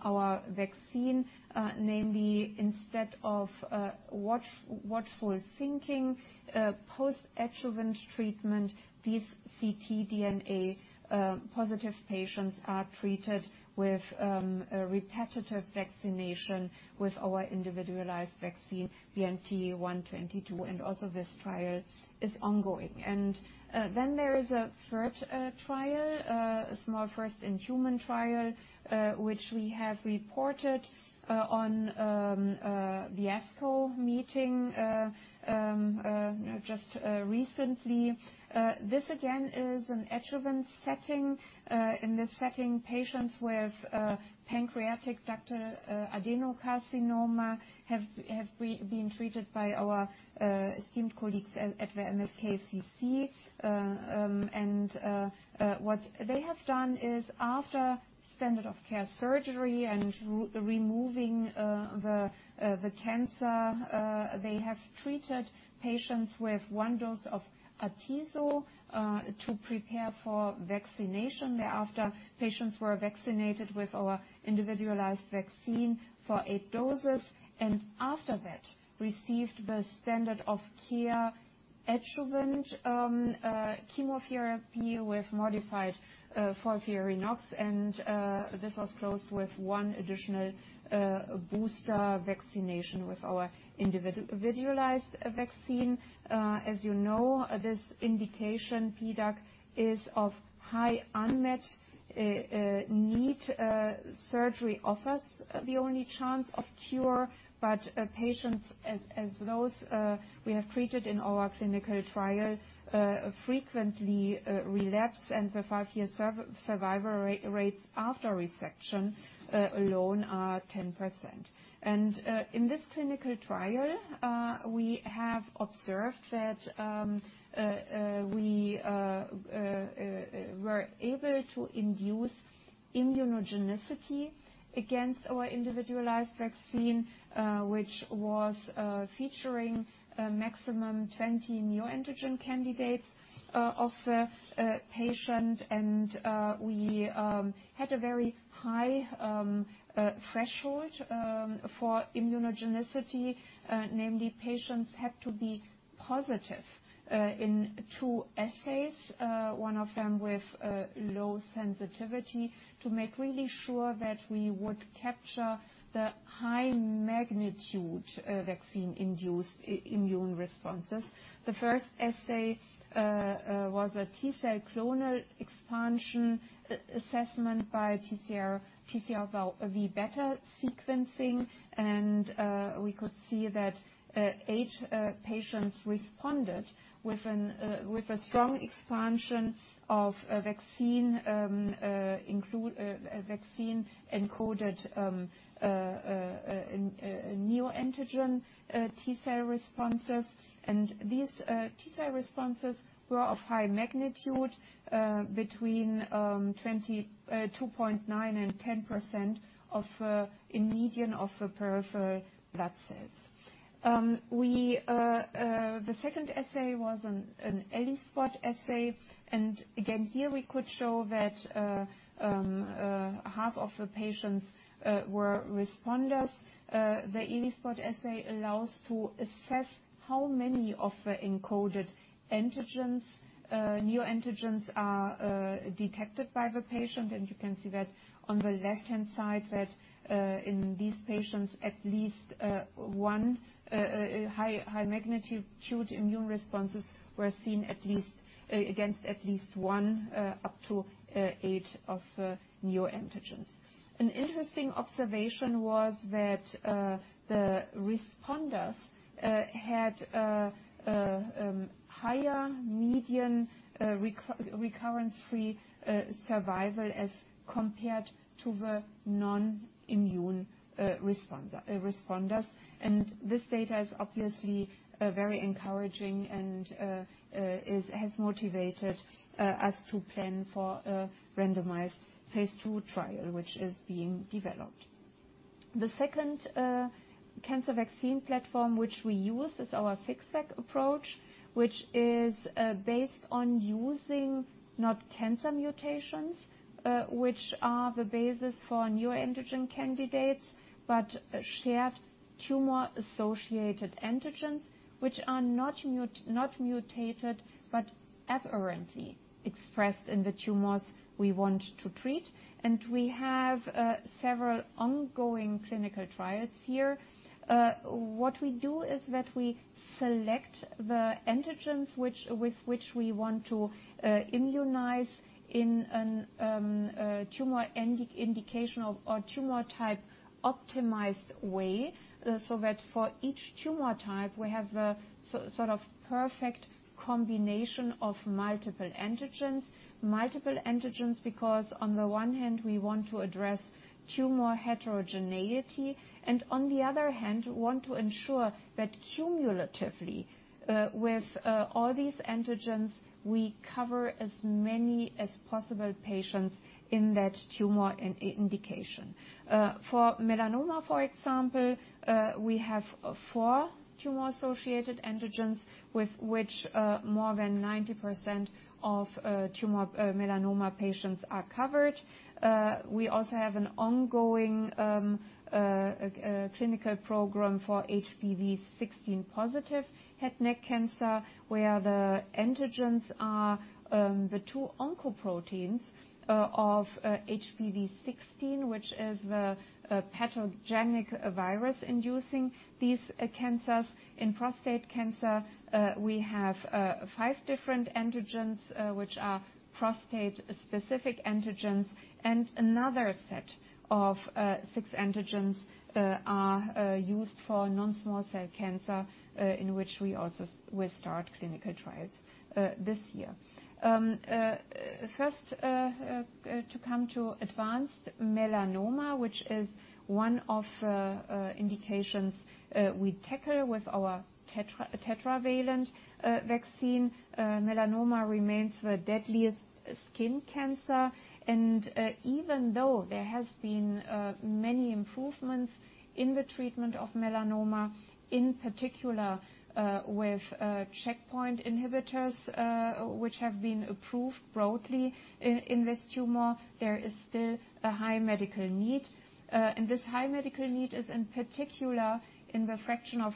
our vaccine, namely instead of watchful thinking, post-adjuvant treatment, these ctDNA positive patients are treated with a repetitive vaccination with our individualized vaccine, BNT122, and also this trial is ongoing. Then there is a third trial, a small first-in-human trial, which we have reported on the ASCO meeting just recently. This again is an adjuvant setting. In this setting, patients with pancreatic ductal adenocarcinoma have been treated by our esteemed colleagues at the MSKCC. What they have done is after standard of care surgery and removing the cancer, they have treated patients with one dose of atezolizumab to prepare for vaccination. Thereafter, patients were vaccinated with our individualized vaccine for eight doses, and after that, received the standard of care adjuvant chemotherapy with modified FOLFIRINOX, and this was closed with one additional booster vaccination with our individualized vaccine. As you know, this indication PDAC is of high unmet need. Surgery offers the only chance of cure, but patients as those we have treated in our clinical trial frequently relapse and the five-year survival rates after resection alone are 10%. In this clinical trial, we have observed that we were able to induce immunogenicity against our individualized vaccine, which was featuring a maximum 20 neoantigen candidates of the patient. We had a very high threshold for immunogenicity, namely patients had to be positive in two assays, one of them with low sensitivity, to make really sure that we would capture the high magnitude vaccine-induced immune responses. The first assay was a T cell clonal expansion assessment by TCR V beta sequencing. We could see that eight patients responded with a strong expansion of a vaccine-encoded neoantigen T cell responses. These T cell responses were of high magnitude, between 2.9% and 10% in median of the peripheral blood cells. The second assay was an ELISpot assay. Again, here we could show that half of the patients were responders. The ELISpot assay allows to assess how many of the encoded antigens, neoantigens are detected by the patient. You can see that on the left-hand side that in these patients, at least one high magnitude immune responses were seen at least against at least one up to eight of the neoantigens. An interesting observation was that the responders had a higher median recurrence-free survival as compared to the non-immune responders. This data is obviously very encouraging and has motivated us to plan for a randomized phase II trial, which is being developed. The second cancer vaccine platform, which we use, is our FixVac approach, which is based on using not cancer mutations, which are the basis for neoantigen candidates, but shared tumor-associated antigens, which are not mutated, but aberrantly expressed in the tumors we want to treat. We have several ongoing clinical trials here. What we do is that we select the antigens which, with which we want to immunize in an tumor indicational or tumor type optimized way, so that for each tumor type, we have a sort of perfect combination of multiple antigens. Multiple antigens, because on the one hand, we want to address tumor heterogeneity, and on the other hand, want to ensure that cumulatively, with all these antigens, we cover as many as possible patients in that tumor indication. For melanoma, for example, we have four tumor-associated antigens with which more than 90% of melanoma patients are covered. We also have an ongoing clinical program for HPV16-positive head and neck cancer, where the antigens are the two oncoproteins of HPV16, which is the pathogenic virus inducing these cancers. In prostate cancer, we have five different antigens, which are prostate-specific antigens, and another set of six antigens are used for non-small cell lung cancer, in which we also will start clinical trials this year. First, to come to advanced melanoma, which is one of indications we tackle with our tetravalent vaccine. Melanoma remains the deadliest skin cancer. Even though there has been many improvements in the treatment of melanoma, in particular, with checkpoint inhibitors, which have been approved broadly in this tumor, there is still a high medical need. This high medical need is in particular in the fraction of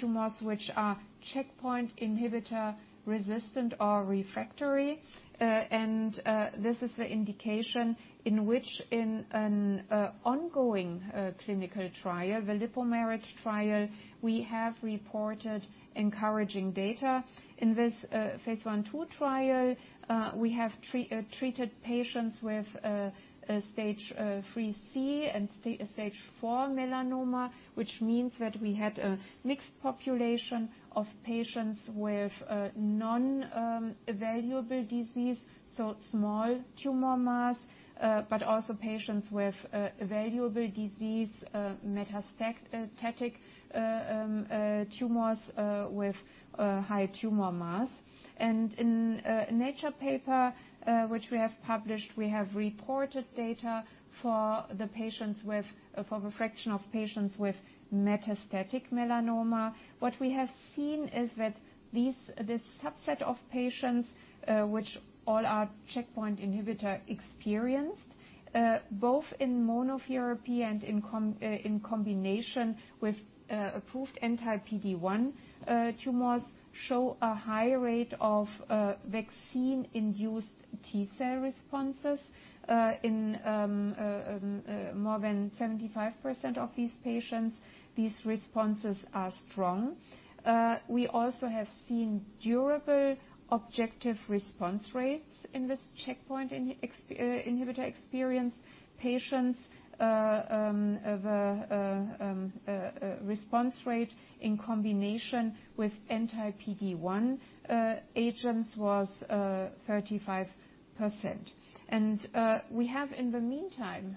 tumors which are checkpoint inhibitor resistant or refractory. This is the indication in which, in an ongoing clinical trial, the Lipo-MERIT trial, we have reported encouraging data. In this phase I/II trial, we have treated patients with stage 3C and stage 4 melanoma, which means that we had a mixed population of patients with non-evaluable disease, so small tumor mass, but also patients with evaluable disease, metastatic tumors with high tumor mass. In a Nature paper which we have published, we have reported data for the fraction of patients with metastatic melanoma. What we have seen is that this subset of patients, which all are checkpoint inhibitor experienced, both in monotherapy and in combination with approved anti-PD-1 tumors, show a high rate of vaccine-induced T-cell responses. In more than 75% of these patients, these responses are strong. We also have seen durable objective response rates in this checkpoint inhibitor experience. Patients of response rate in combination with anti-PD-1 agents was 35%. We have in the meantime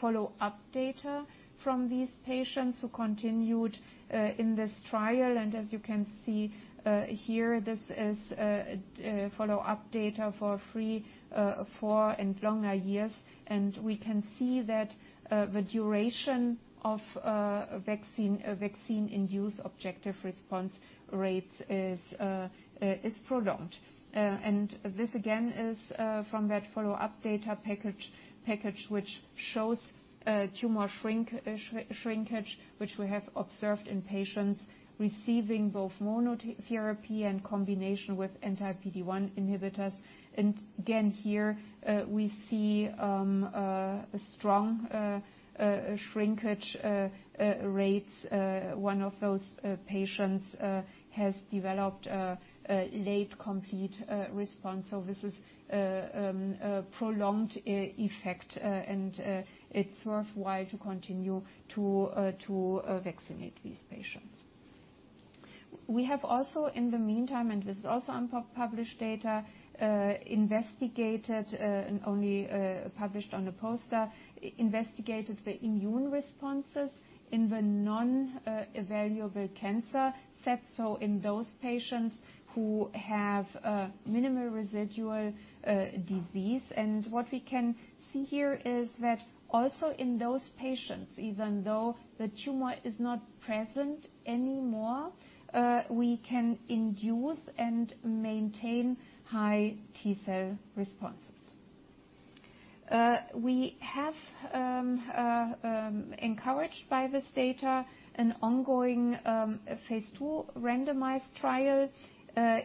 follow-up data from these patients who continued in this trial. As you can see here, this is follow-up data for three, four and longer years. We can see that the duration of a vaccine-induced objective response rates is prolonged. This again is from that follow-up data package which shows tumor shrinkage which we have observed in patients receiving both monotherapy and combination with anti-PD-1 inhibitors. Again here we see a strong shrinkage rate. One of those patients has developed a late complete response. This is a prolonged effect, and it's worthwhile to continue to vaccinate these patients. We have also, in the meantime, and this is also on published data, and only published on a poster, investigated the immune responses in the non-evaluable cancer subset, so in those patients who have minimal residual disease. What we can see here is that also in those patients, even though the tumor is not present anymore, we can induce and maintain high T cell responses. We have, encouraged by this data, an ongoing phase II randomized trial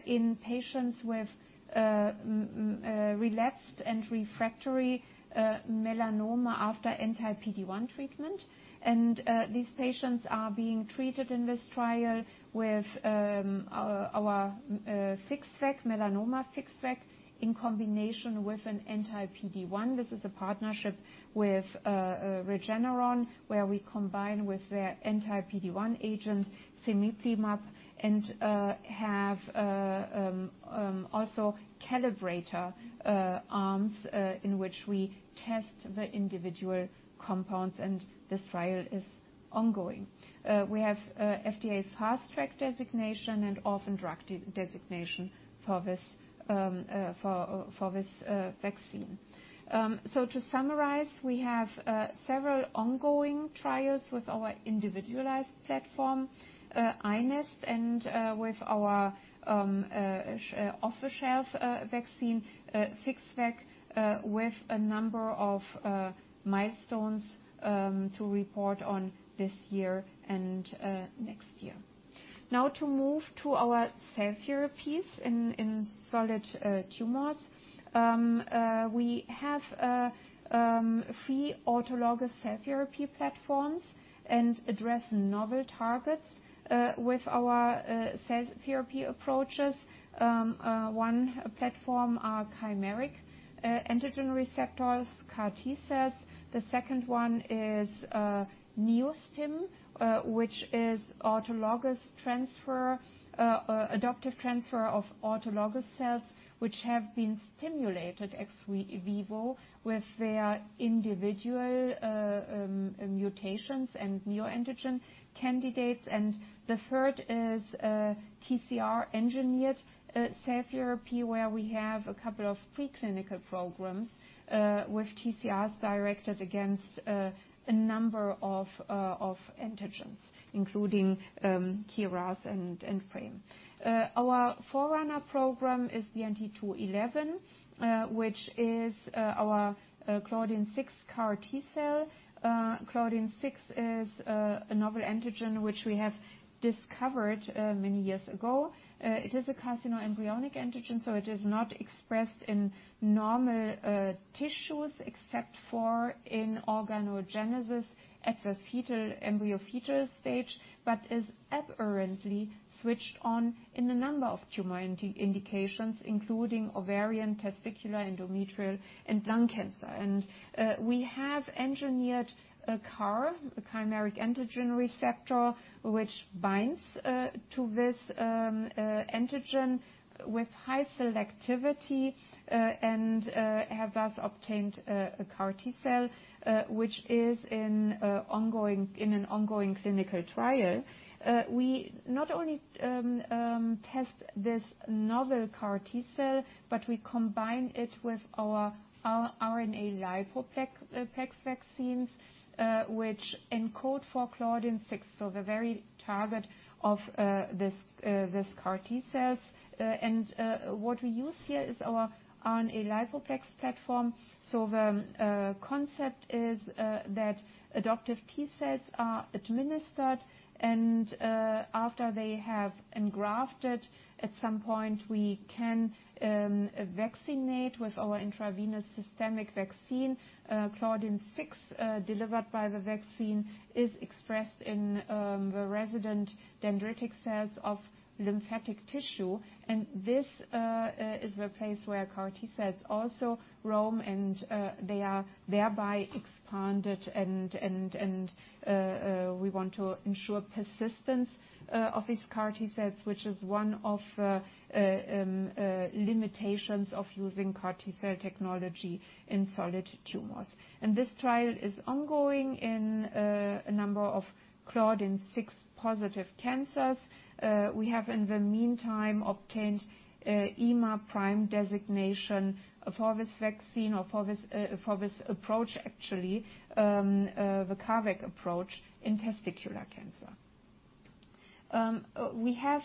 in patients with relapsed and refractory melanoma after anti-PD-1 treatment. These patients are being treated in this trial with our FixVac, melanoma FixVac, in combination with an anti-PD-1. This is a partnership with Regeneron, where we combine with their anti-PD-1 agent, cemiplimab, and have also calibrator arms in which we test the individual compounds, and this trial is ongoing. We have FDA Fast Track designation and Orphan Drug designation for this vaccine. To summarize, we have several ongoing trials with our individualized platform, iNeST, and with our off-the-shelf vaccine, FixVac, with a number of milestones to report on this year and next year. Now to move to our cell therapies in solid tumors. We have three autologous cell therapy platforms and address novel targets with our cell therapy approaches. One platform are chimeric antigen receptors, CAR-T cells. The second one is NEO-STIM, which is adoptive transfer of autologous cells, which have been stimulated ex vivo with their individual mutations and neoantigen candidates. The third is TCR engineered cell therapy, where we have a couple of preclinical programs with TCRs directed against a number of antigens, including KRAS and PRAME. Our forerunner program is the BNT211, which is our Claudin-6 CAR-T cell. Claudin-6 is a novel antigen which we have discovered many years ago. It is a carcinoembryonic antigen, so it is not expressed in normal tissues except for in organogenesis at the fetal, embryo-fetal stage, but is aberrantly switched on in a number of tumor indications, including ovarian, testicular, endometrial and lung cancer. We have engineered a CAR, a chimeric antigen receptor, which binds to this antigen with high selectivity, and have thus obtained a CAR-T cell, which is in an ongoing clinical trial. We not only test this novel CAR-T cell, but we combine it with our RNA-lipoplex vaccines, which encode for Claudin-6, so the very target of this CAR -T cells. What we use here is our RNA-lipoplex platform. The concept is that adoptive T cells are administered and after they have engrafted, at some point, we can vaccinate with our intravenous systemic vaccine. Claudin-6 delivered by the vaccine is expressed in the resident dendritic cells of lymphatic tissue. This is the place where CAR-T cells also roam and they are thereby expanded and we want to ensure persistence of these CAR-T cells, which is one of limitations of using CAR-T cell technology in solid tumors. This trial is ongoing in a number of claudin-6 positive cancers. We have in the meantime obtained EMA PRIME designation for this vaccine or for this approach actually, the CARVac approach in testicular cancer. We have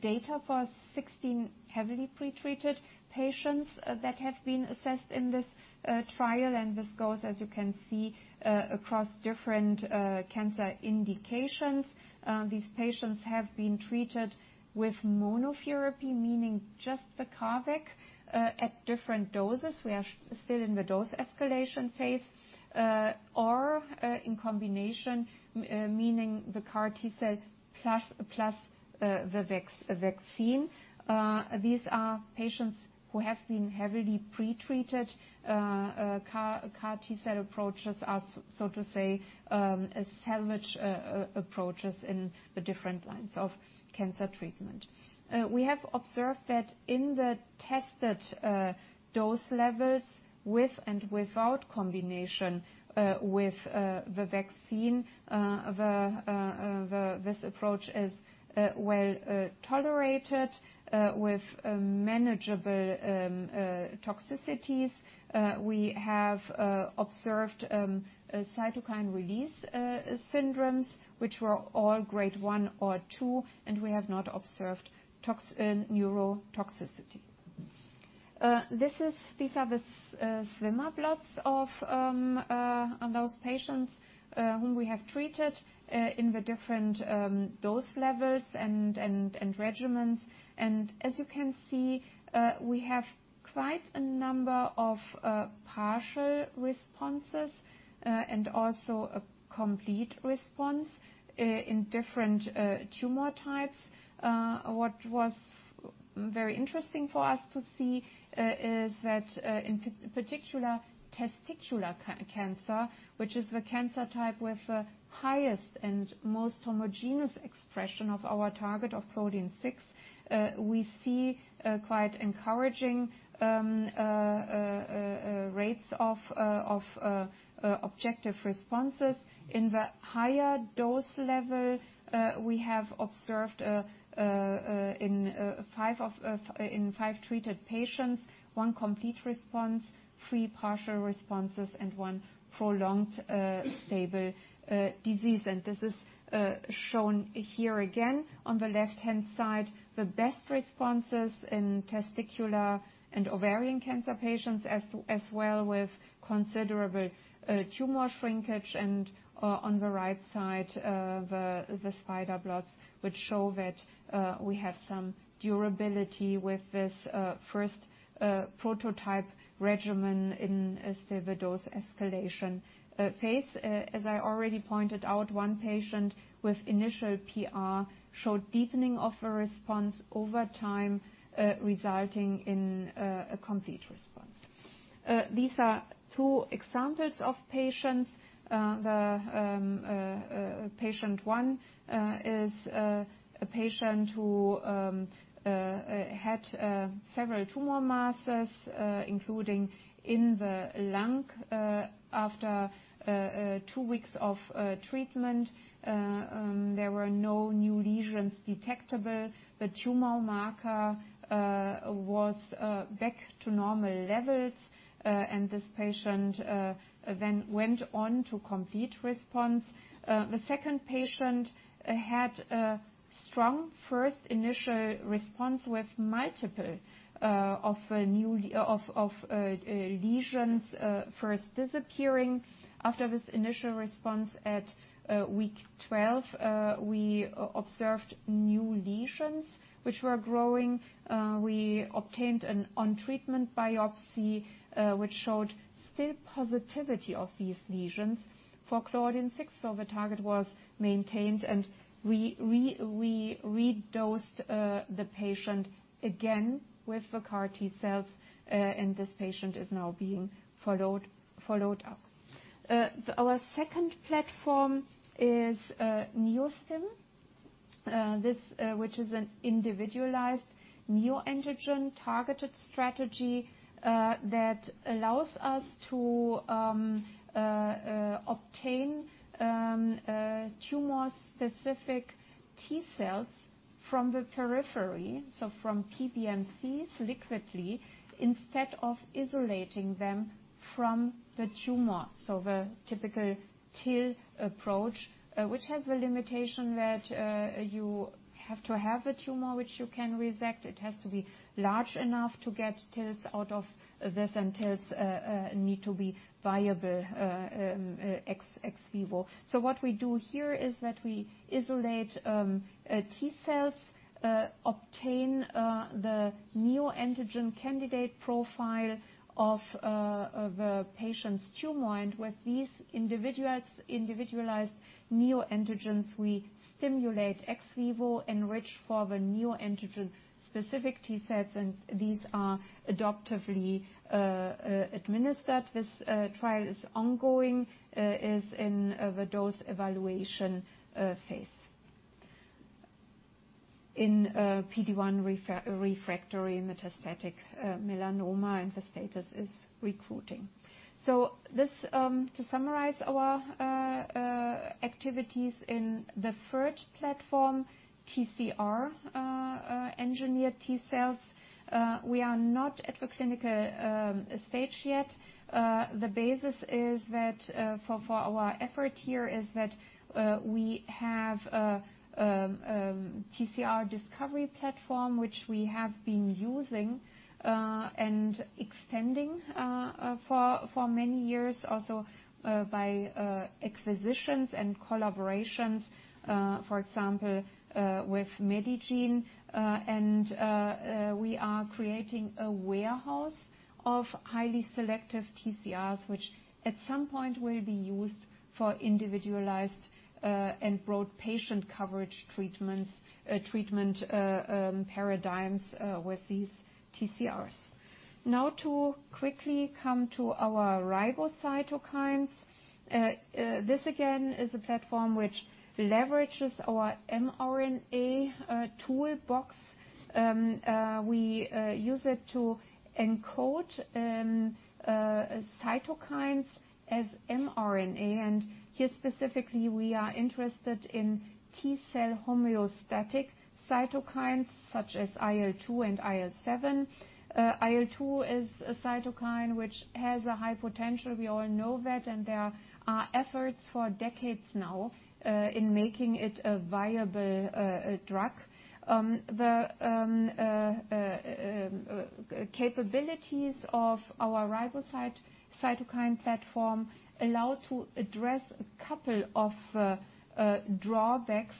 data for 16 heavily pre-treated patients that have been assessed in this trial, and this goes, as you can see, across different cancer indications. These patients have been treated with monotherapy, meaning just the CARVac at different doses. We are still in the dose escalation phase or in combination, meaning the CAR-T cell plus the vaccine. These are patients who have been heavily pre-treated. CAR-T cell approaches are, so to say, a salvage approach in the different lines of cancer treatment. We have observed that in the tested dose levels with and without combination with the vaccine, this approach is well tolerated with manageable toxicities. We have observed a cytokine release syndromes, which were all grade one or two, and we have not observed neurotoxicity. These are the swimmer plots of those patients whom we have treated in the different dose levels and regimens. As you can see, we have quite a number of partial responses, and also a complete response in different tumor types. What was very interesting for us to see is that in particular testicular cancer, which is the cancer type with the highest and most homogeneous expression of our target of Claudin-6, we see quite encouraging rates of objective responses. In the higher dose level, we have observed in five treated patients, one complete response, three partial responses, and one prolonged stable disease. This is shown here again on the left-hand side, the best responses in testicular and ovarian cancer patients as well with considerable tumor shrinkage. On the right side, the spider plots, which show that we have some durability with this first prototype regimen in the dose escalation phase. As I already pointed out, one patient with initial PR showed deepening of a response over time, resulting in a complete response. These are two examples of patients. The patient one is a patient who had several tumor masses, including in the lung. After two weeks of treatment, there were no new lesions detectable. The tumor marker was back to normal levels. This patient then went on to complete response. The second patient had a strong first initial response with multiple new lesions first disappearing. After this initial response at week 12, we observed new lesions which were growing. We obtained an on-treatment biopsy, which showed still positivity of these lesions for Claudin-6. The target was maintained, and we redosed the patient again with the CAR-T cells, and this patient is now being followed up. Our second platform is NEO-STIM, which is an individualized neoantigen-targeted strategy that allows us to obtain tumor-specific T cells from the periphery, so from PBMCs liquidly, instead of isolating them from the tumor. The typical TIL approach, which has the limitation that you have to have the tumor which you can resect, it has to be large enough to get TILs out of this, and TILs need to be viable ex vivo. What we do here is that we isolate T cells, obtain the neoantigen candidate profile of a patient's tumor. With these individualized neoantigens, we stimulate ex vivo, enrich for the neoantigen-specific T cells, and these are adoptively administered. This trial is ongoing in the dose evaluation phase. In PD-1 refractory metastatic melanoma and the status is recruiting. To summarize our activities in the third platform, TCR engineered T cells, we are not at the clinical stage yet. The basis for our effort here is that we have TCR discovery platform, which we have been using and extending for many years also by acquisitions and collaborations, for example, with Medigene. We are creating a warehouse of highly selective TCRs, which at some point will be used for individualized and broad patient coverage treatments, treatment paradigms with these TCRs. Now to quickly come to our RiboCytokines. This again is a platform which leverages our mRNA toolbox. We use it to encode cytokines as mRNA. Here specifically, we are interested in T-cell homeostatic cytokines such as IL-2 and IL-7. IL-2 is a cytokine which has a high potential, we all know that, and there are efforts for decades now in making it a viable drug. The capabilities of our RiboCytokine platform allow to address a couple of drawbacks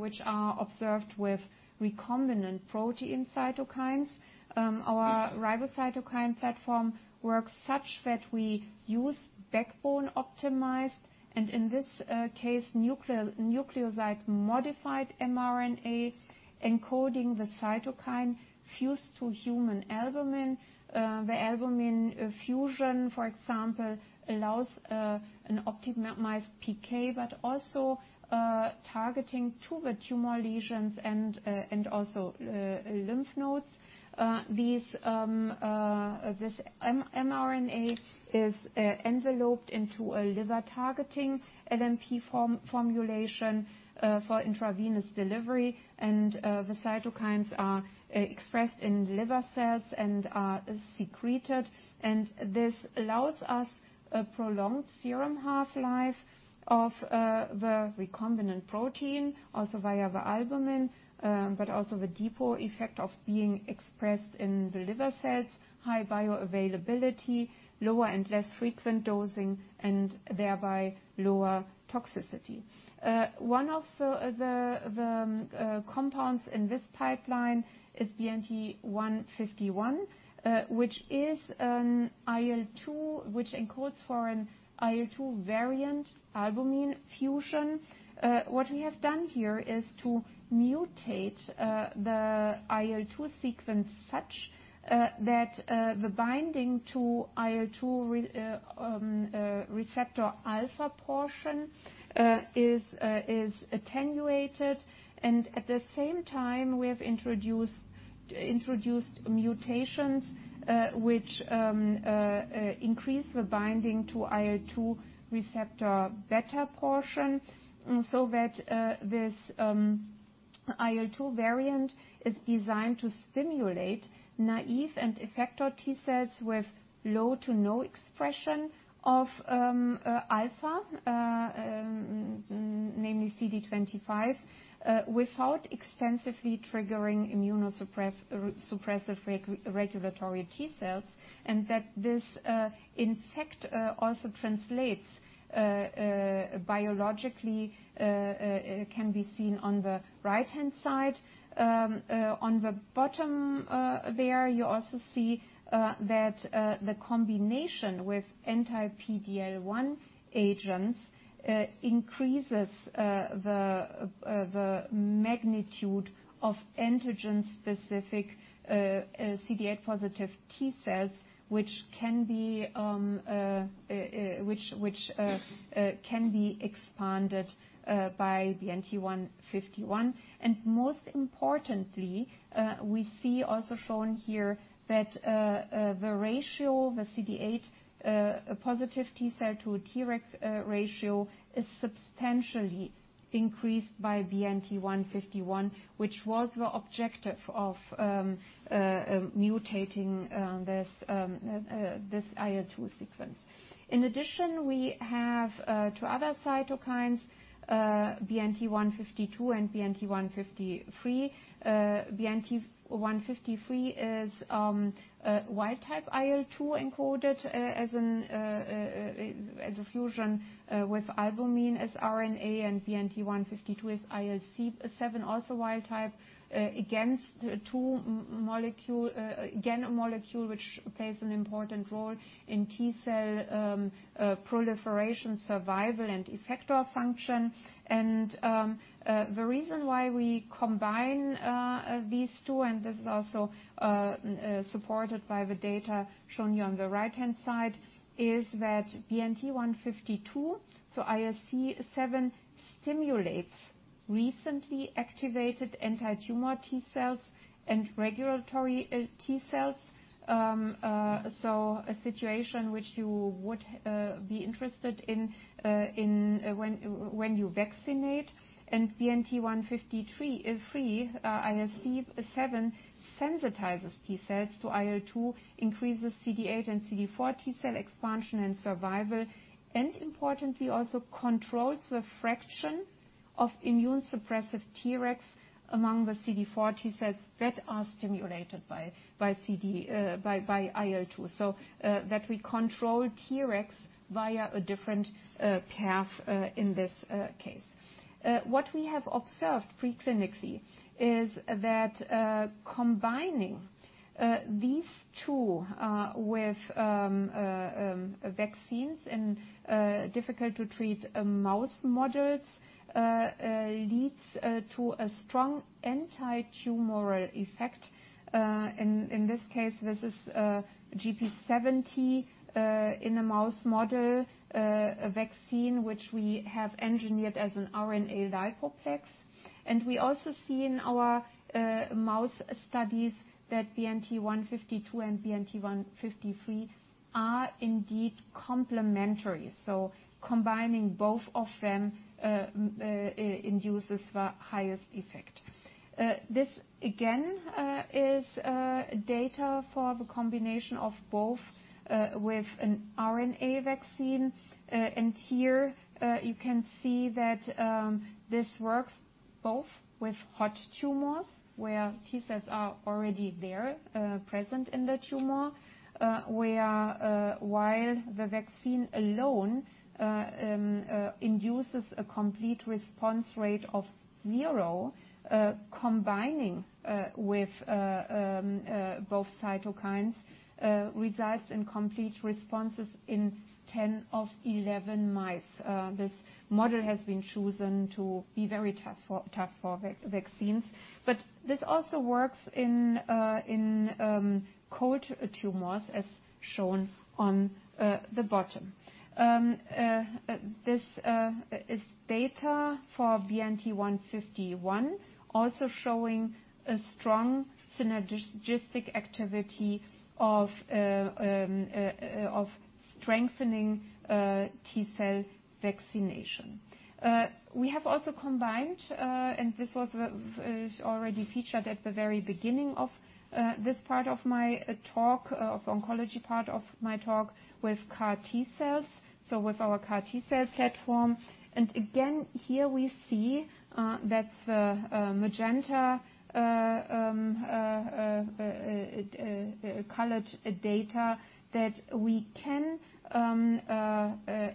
which are observed with recombinant protein cytokines. Our RiboCytokine platform works such that we use backbone-optimized, and in this case, nucleoside-modified mRNA encoding the cytokine fused to human albumin. The albumin fusion, for example, allows an optimized PK, but also targeting to the tumor lesions and also lymph nodes. This mRNA is enveloped into a liver targeting LNP formulation for intravenous delivery. The cytokines are expressed in liver cells and are secreted. This allows us a prolonged serum half-life of the recombinant protein, also via the albumin, but also the depot effect of being expressed in the liver cells, high bioavailability, lower and less frequent dosing, and thereby lower toxicity. One of the compounds in this Pipeline is BNT151, which is an IL-2, which encodes for an IL-2 variant albumin fusion. What we have done here is to mutate the IL-2 sequence such that the binding to IL-2 receptor alpha portion is attenuated. At the same time we have introduced mutations which increase the binding to IL-2 receptor beta portions. This IL-2 variant is designed to stimulate naive and effector T cells with low to no expression of alpha, namely CD25, without extensively triggering immunosuppressive regulatory T cells, and that this in fact biologically can be seen on the right-hand side. On the bottom there, you also see that the combination with anti-PD-L1 agents increases the magnitude of antigen-specific CD8 positive T cells, which can be expanded by BNT151. Most importantly, we have also shown here that the CD8 positive T-cell to Treg ratio is substantially increased by BNT151, which was the objective of mutating this IL-2 sequence. In addition, we have two other cytokines, BNT152 and BNT153. BNT153 is wild type IL-2 encoded as a fusion with albumin as RNA and BNT152 is IL-7, also wild type, as a single molecule, again, a molecule which plays an important role in T-cell proliferation, survival and effector function. The reason why we combine these two, and this is also supported by the data shown to you on the right-hand side, is that BNT152, so IL-7 stimulates recently activated antitumor T cells and regulatory T cells, so a situation which you would be interested in when you vaccinate. BNT153 IL-7 sensitizes T cells to IL-2, increases CD8 and CD4 T-cell expansion and survival, and importantly, also controls the fraction of immune-suppressive Tregs among the CD4 T cells that are stimulated by IL-2. That we control Tregs via a different path in this case. What we have observed preclinically is that combining these two with vaccines in difficult to treat mouse models leads to a strong antitumor effect. In this case, this is gp70 in a mouse model, a vaccine which we have engineered as an RNA-lipoplex. We also see in our mouse studies that BNT152 and BNT153 are indeed complementary. Combining both of them induces the highest effect. This again is data for the combination of both with an RNA vaccine. Here, you can see that this works both with hot tumors, where T cells are already present in the tumor, while the vaccine alone induces a complete response rate of zero, combining with both cytokines results in complete responses in 10 of 11 mice. This model has been chosen to be very tough for vaccines. This also works in cold tumors, as shown on the bottom. This is data for BNT151 also showing a strong synergistic activity of strengthening T cell vaccination. We have also combined, and this was already featured at the very beginning of this oncology part of my talk, with CAR-T cells, so with our CAR-T cell platform. Again, here we see that the magenta-colored data that we can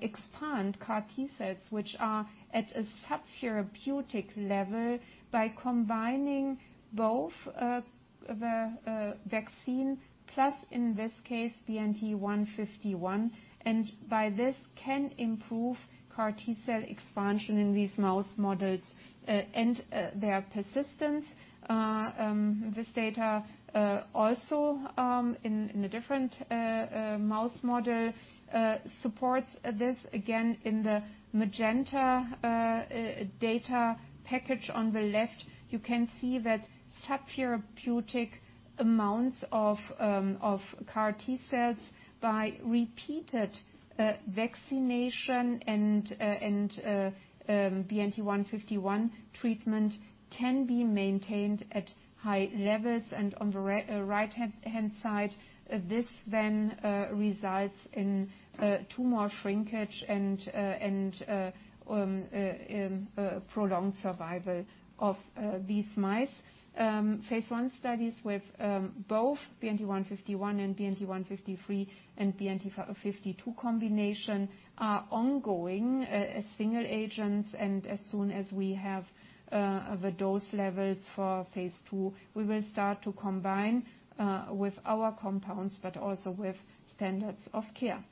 expand CAR-T cells, which are at a subtherapeutic level, by combining both the vaccine plus, in this case, BNT151, and by this can improve CAR-T cell expansion in these mouse models, and their persistence. This data also in a different mouse model supports this- again, in the magenta data package on the left, you can see that subtherapeutic amounts of CAR-T cells by repeated vaccination and BNT151 treatment can be maintained at high levels. On the right hand side, this then results in tumor shrinkage and prolonged survival of these mice. Phase I studies with both BNT151 and BNT153 and BNT152 combination are ongoing as single agents. As soon as we have the dose levels for phase II, we will start to combine with our compounds, but also with standards of care.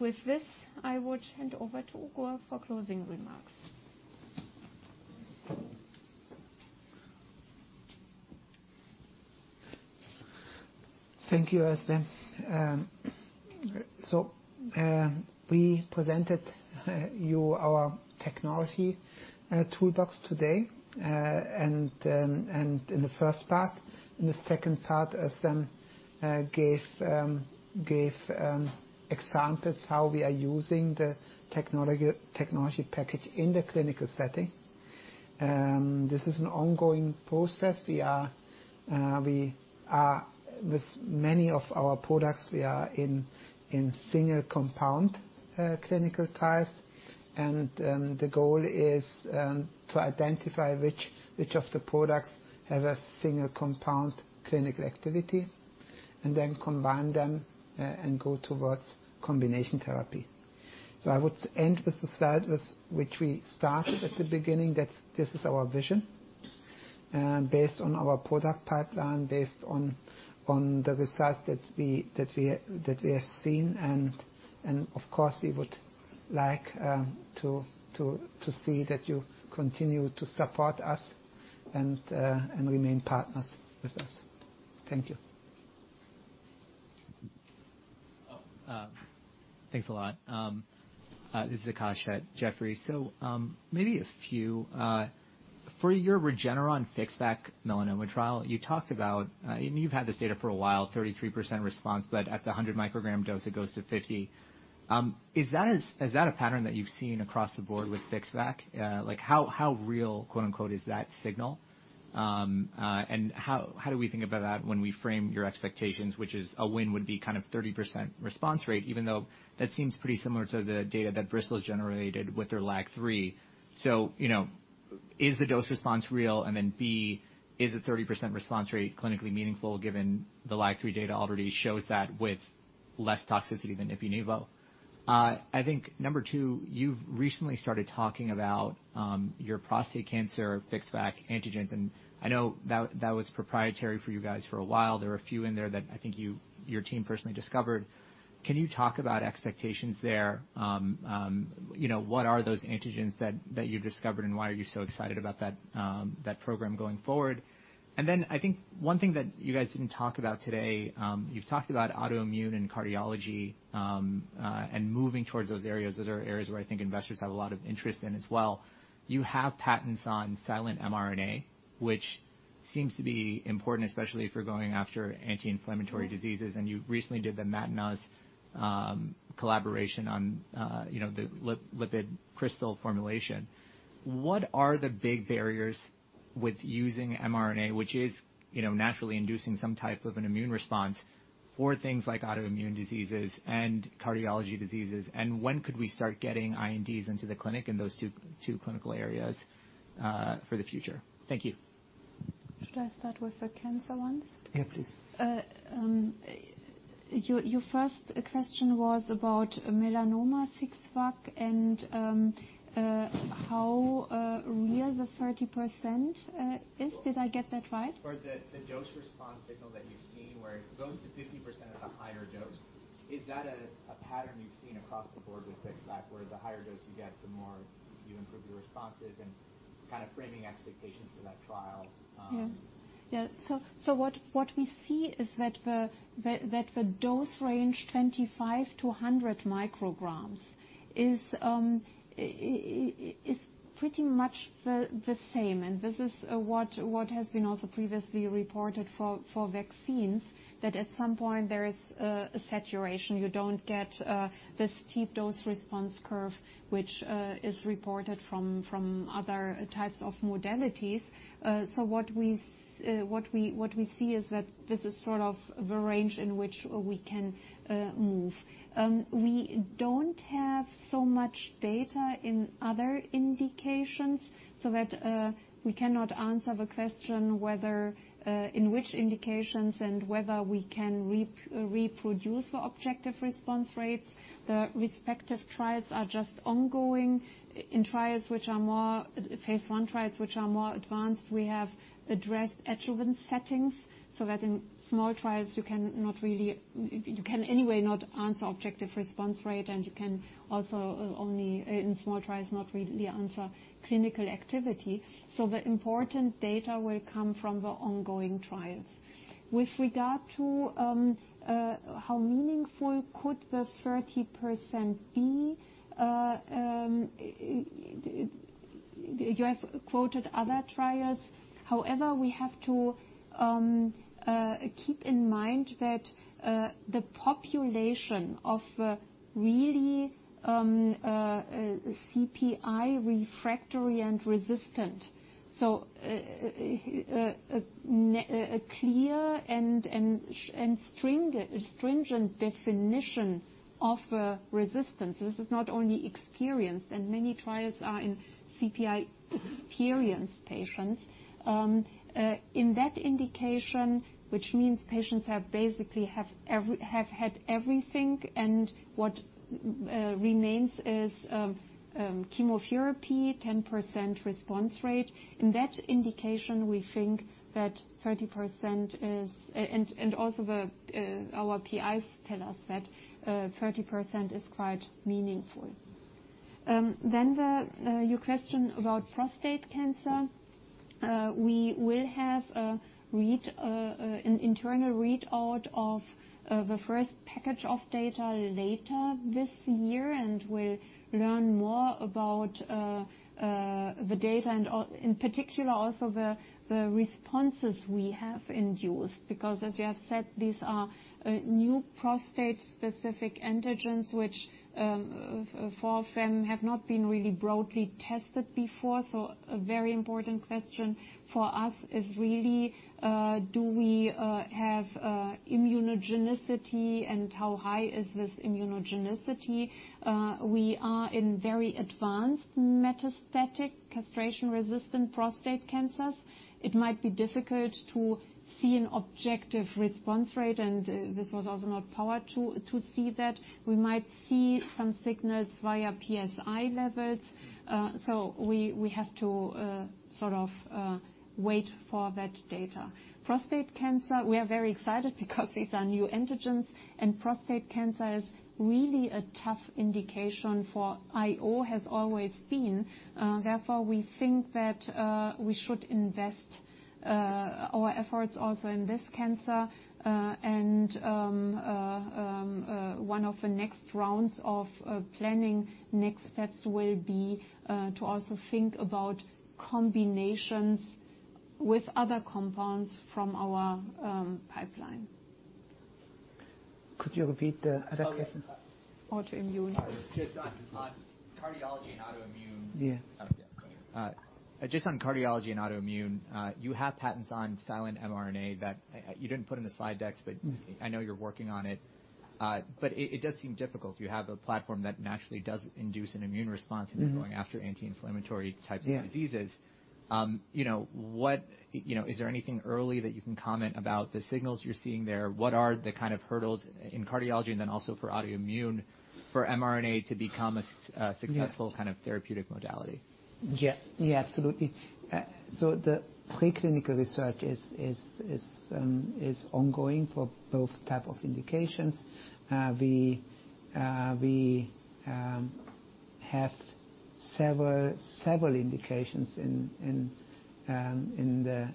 With this, I would hand over to Ugur for closing remarks. Thank you, Özlem. We presented you our technology toolbox today, and in the first part. In the second part, Özlem gave examples how we are using the technology package in the clinical setting. This is an ongoing process. We are with many of our products, we are in single compound clinical trials. The goal is to identify which of the products have a single compound clinical activity, and then combine them, and go towards combination therapy. I would end with the slide with which we started at the beginning, that this is our vision, based on our product Pipeline, based on the results that we are seeing. Of course, we would like to see that you continue to support us and remain partners with us. Thank you. Thanks a lot. This is Akash at Jefferies. Maybe a few. For your Regeneron FixVac melanoma trial, you talked about, and you've had this data for a while, 33% response, but at the 100 mcg dose it goes to 50 mcg. Is that a pattern that you've seen across the board with FixVac? Like how real, quote unquote, "is that signal?" And how do we think about that when we frame your expectations, which is a win would be kind of 30% response rate, even though that seems pretty similar to the data that Bristol has generated with their LAG-3. You know, is the dose response real? And then B, is a 30% response rate clinically meaningful given the LAG-3 data already shows that with less toxicity than ipi/nivo? I think number two, you've recently started talking about your prostate cancer FixVac antigens, and I know that was proprietary for you guys for a while. There are a few in there that I think your team personally discovered. Can you talk about expectations there? You know, what are those antigens that you've discovered, and why are you so excited about that program going forward? Then I think one thing that you guys didn't talk about today, you've talked about autoimmune and cardiology, and moving towards those areas. Those are areas where I think investors have a lot of interest in as well. You have patents on silent mRNA, which seems to be important, especially if you're going after anti-inflammatory diseases. You recently did the Matinas collaboration on, you know, the lipid crystal formulation. What are the big barriers with using mRNA, which is, you know, naturally inducing some type of an immune response for things like autoimmune diseases and cardiology diseases? When could we start getting INDs into the clinic in those two clinical areas, for the future? Thank you. Should I start with the cancer ones? Yeah, please. Your first question was about melanoma FixVac and how real the 30% is- did I get that right? The dose response signal that you've seen where it goes to 50% at the higher dose. Is that a pattern you've seen across the board with FixVac, where the higher dose you get, the more you improve your responses and kind of framing expectations for that trial? Yeah. Yeah. What we see is that the dose range 25mcg -100 mcg is pretty much the same. This is what has been also previously reported for vaccines, that at some point there is a saturation. You don't get this steep dose response curve, which is reported from other types of modalities. What we see is that this is sort of the range in which we can move. We don't have so much data in other indications, so that we cannot answer the question whether in which indications and whether we can reproduce the objective response rates. The respective trials are just ongoing- in phase I trials which are more advanced, we have addressed adjuvant settings, so that in small trials, you cannot really. You can anyway not answer objective response rate, and you can also only in small trials, not really answer clinical activity. The important data will come from the ongoing trials. With regard to how meaningful could the 30% be, you have quoted other trials. However, we have to keep in mind that the population of really CPI refractory and resistant, so a clear and stringent definition of resistance, this is not only experience, and many trials are in CPI-experienced patients. In that indication, which means patients have basically had everything and what remains is chemotherapy, 10% response rate. In that indication, we think that 30% is- our PIs tell us that 30% is quite meaningful. Your question about prostate cancer. We will have an internal readout of the first package of data later this year, and we'll learn more about the data and, in particular, also the responses we have induced. Because as you have said, these are new prostate-specific antigens which for them have not been really broadly tested before. A very important question for us is really, do we have immunogenicity and how high is this immunogenicity? We are in very advanced metastatic castration-resistant prostate cancers. It might be difficult to see an objective response rate, and this was also not powered to see that. We might see some signals via PSA levels. We have to sort of wait for that data. Prostate cancer, we are very excited because these are new antigens and prostate cancer is really a tough indication for IO- has always been. Therefore, we think that we should invest our efforts also in this cancer. One of the next rounds of planning next steps will be to also think about combinations with other compounds from our Pipeline. Could you repeat the other question? Autoimmune. Just on cardiology and autoimmune. Yeah. Just on cardiology and autoimmune, you have patents on silent mRNA that you didn't put in the slide decks, but- I know you're working on it. It does seem difficult. You have a platform that naturally does induce an immune response, going after anti-inflammatory types of diseases. Yeah. You know, is there anything early that you can comment about the signals you're seeing there? What are the kind of hurdles in cardiology and then also for autoimmune, for mRNA to become a successful kind of therapeutic modality? Yeah. Yeah, absolutely. The preclinical research is ongoing for both type of indications. We have several indications in the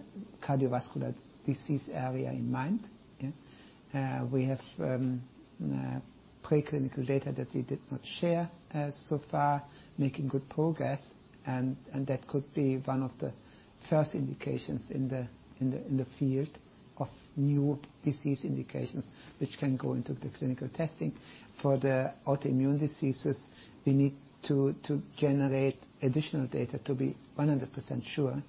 cardiovascular disease area in mind. Yeah. We have preclinical data that we did not share so far, making good progress, and that could be one of the first indications in the field of new disease indications, which can go into the clinical testing. For the autoimmune diseases, we need to generate additional data to be 100% sure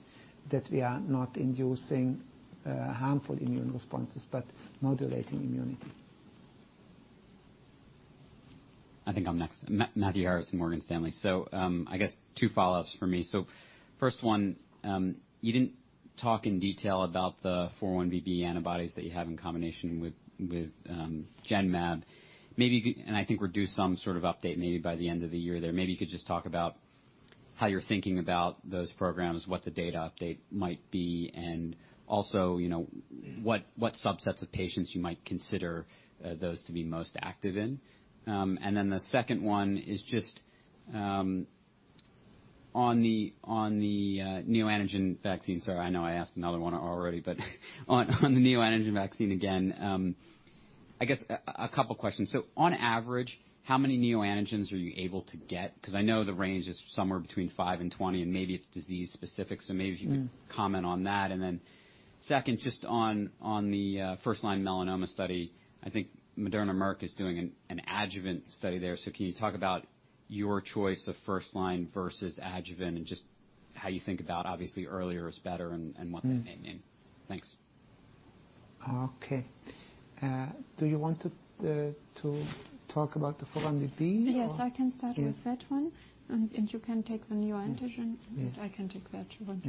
that we are not inducing harmful immune responses, but modulating immunity. I think I'm next. Matthew Harris, Morgan Stanley. I guess two follow-ups for me. First one, you didn't talk in detail about the 4-1BB antibodies that you have in combination with Genmab. Maybe. I think we're due some sort of update maybe by the end of the year there. Maybe you could just talk about how you're thinking about those programs, what the data update might be, and also, you know, what subsets of patients you might consider those to be most active in. Then the second one is just on the neoantigen vaccine. Sorry, I know I asked another one already, but on the neoantigen vaccine again, I guess a couple questions. On average, how many neoantigens are you able to get? Because I know the range is somewhere between five and 20, and maybe it's disease specific, so maybe if you could comment on that. Second, just on the first-line melanoma study. I think Moderna-Merck is doing an adjuvant study there. Can you talk about your choice of first-line versus adjuvant and just how you think about obviously earlier is better and what that may mean? Thanks. Okay. Do you want to talk about the 4-1BB or- Yes, I can start with that one. Yeah. You can take the neoantigen. Yeah. I can take that one.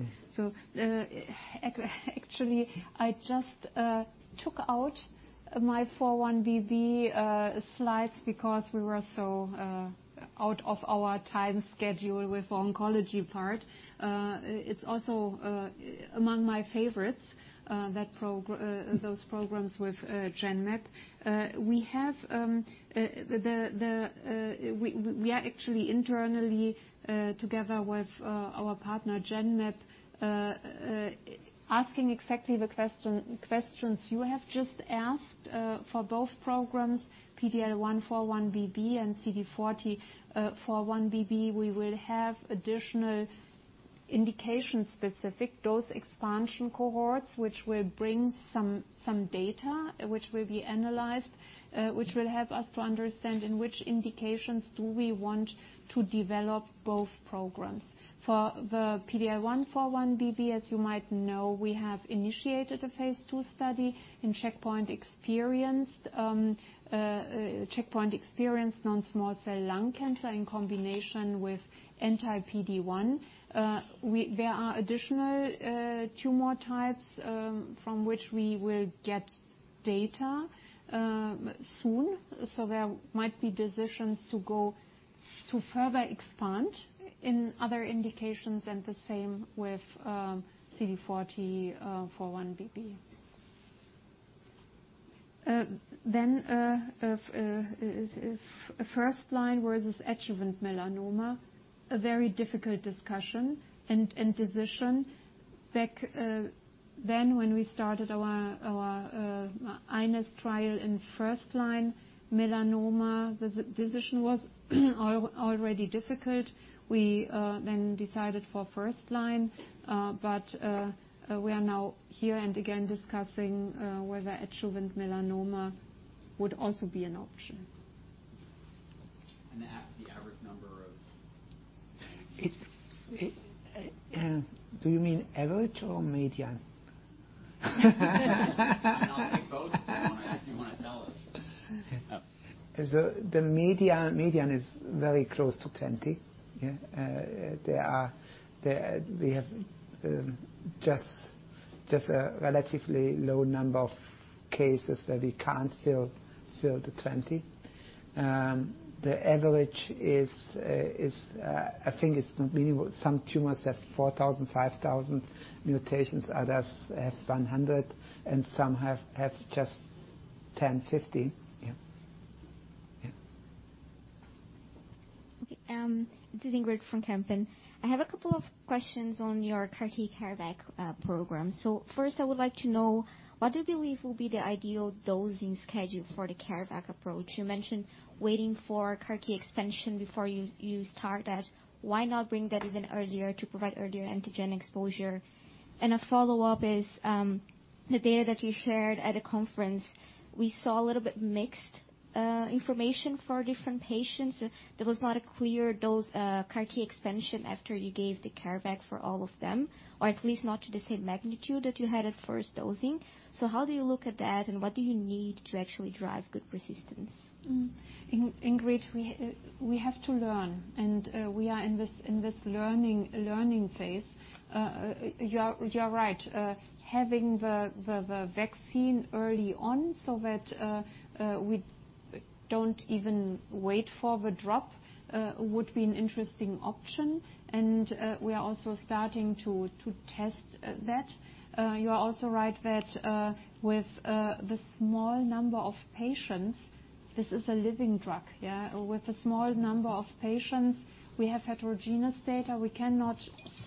Yeah. Actually, I just took out my 4-1BB slides because we were so out of our time schedule with oncology part. It's also among my favorites, those programs with Genmab. We are actually internally together with our partner Genmab asking exactly the questions you have just asked. For both programs, PD-L1 4-1BB and CD40 4-1BB, we will have additional indication-specific dose expansion cohorts, which will bring some data which will be analyzed, which will help us to understand in which indications do we want to develop both programs. For the PD-1 4-1BB, as you might know, we have initiated a phase II study in checkpoint experienced non-small cell lung cancer in combination with anti-PD-1. There are additional tumor types from which we will get data soon. There might be decisions to go to further expand in other indications, and the same with CD40 4-1BB. If first-line versus adjuvant melanoma, a very difficult discussion and decision. Back then when we started our iNeST trial in first-line melanoma, the decision was already difficult. We then decided for first-line but we are now here and again discussing whether adjuvant melanoma would also be an option. The average number of... Do you mean average or median? I'll take both if you wanna tell us. The median is very close to 20. Yeah. We have just a relatively low number of cases where we can't fill the 20. The average is, I think, believable. Some tumors have 4,000, 5,000 mutations, others have 100, and some have just 10, 50. Yeah. This is Ingrid from Kempen. I have a couple of questions on your CARVac program. First, I would like to know what you believe will be the ideal dosing schedule for the CARVac approach. You mentioned waiting for CAR-T expansion before you start it. Why not bring that even earlier to provide earlier antigen exposure? A follow-up is the data that you shared at the conference. We saw a little bit mixed information for different patients. There was not a clear dose CAR-T expansion after you gave the CARVac for all of them, or at least not to the same magnitude that you had at first dosing. How do you look at that, and what do you need to actually drive good persistence? Ingrid, we have to learn, and we are in this learning phase. You are right- having the vaccine early on so that we don't even wait for the drop would be an interesting option. We are also starting to test that. You are also right that with the small number of patients, this is a living drug, yeah? With a small number of patients, we have heterogeneous data. We cannot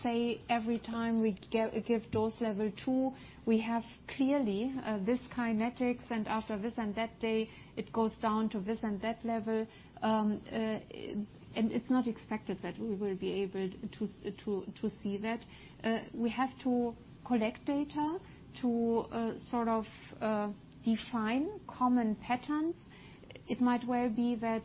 say every time we give dose level two, we have clearly this kinetics, and after this and that day, it goes down to this and that level. It's not expected that we will be able to see that. We have to collect data to sort of define common patterns. It might well be that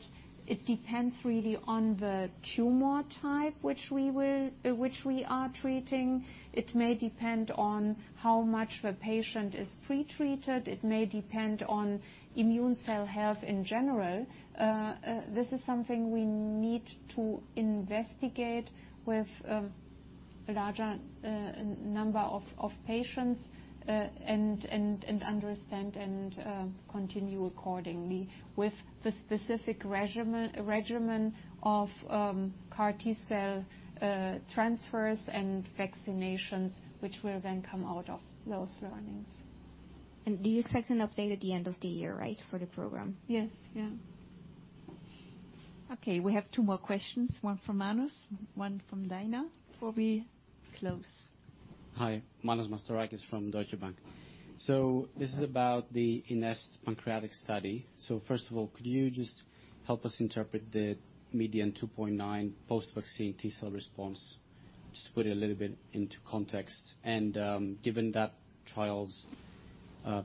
it depends really on the tumor type which we are treating. It may depend on how much the patient is pre-treated. It may depend on immune cell health in general. This is something we need to investigate with a larger number of patients and understand and continue accordingly with the specific regimen of CAR-T cell transfers and vaccinations, which will then come out of those learnings. Do you expect an update at the end of the year, right, for the program? Yes. Yeah. Okay, we have two more questions, one from Manos, one from Daina, before we close. Hi. Manos Mastorakis from Deutsche Bank. This is about the iNeST pancreatic study. First of all, could you just help us interpret the median 2.9 post-vaccine T cell response, just to put it a little bit into context. Given that trial is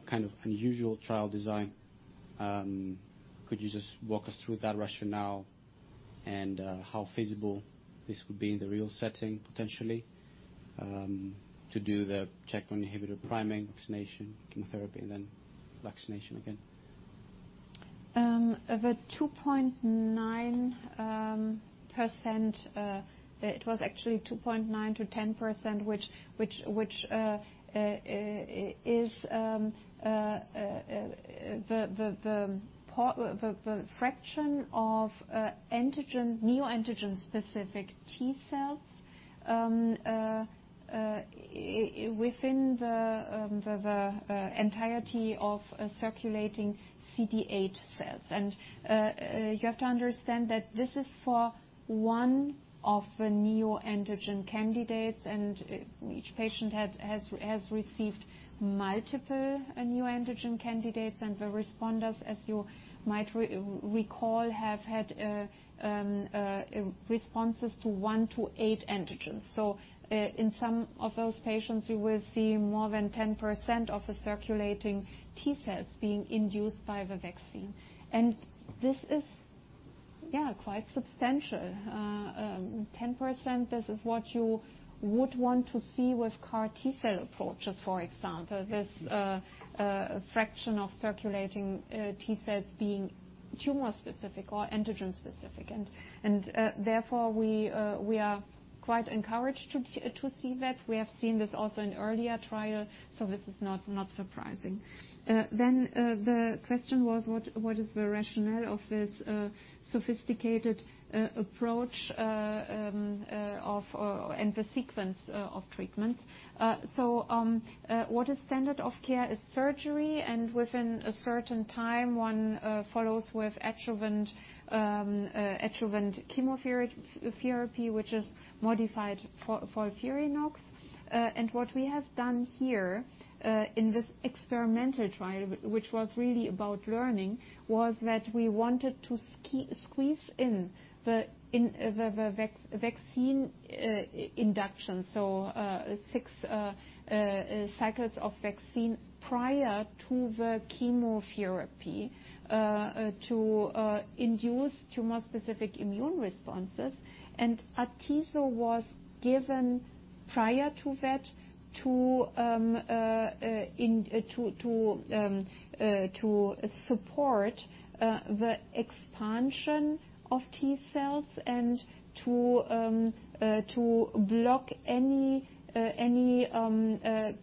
kind of unusual trial design, could you just walk us through that rationale and how feasible this would be in the real setting potentially, to do the checkpoint inhibitor priming, vaccination, chemotherapy, and then vaccination again? The 2.9%- it was actually 2.9%-10%, which is the fraction of neoantigen specific T cells within the entirety of circulating CD8 cells. You have to understand that this is for one of the neoantigen candidates, and each patient has received multiple neoantigen candidates. The responders, as you might recall, have had responses to one to eight antigens. In some of those patients, you will see more than 10% of the circulating T cells being induced by the vaccine. This is, yeah, quite substantial. 10%, this is what you would want to see with CAR-T cell approaches, for example, this fraction of circulating T cells being tumor-specific or antigen-specific. We are quite encouraged to see that. We have seen this also in earlier trial, so this is not surprising. The question was what is the rationale of this sophisticated approach, and the sequence of treatment. What is standard of care is surgery, and within a certain time, one follows with adjuvant chemotherapy, which is modified FOLFIRINOX. What we have done here in this experimental trial, which was really about learning, was that we wanted to squeeze in the vaccine induction, so six cycles of vaccine prior to the chemotherapy to induce tumor-specific immune responses. Atezo was given prior to that to support the expansion of T cells and to block any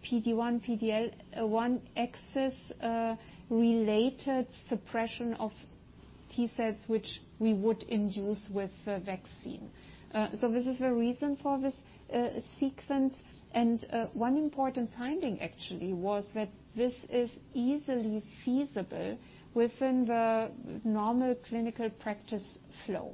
PD-1, PD-L1 axis related suppression of T cells which we would induce with the vaccine. This is the reason for this sequence. One important finding actually was that this is easily feasible within the normal clinical practice flow.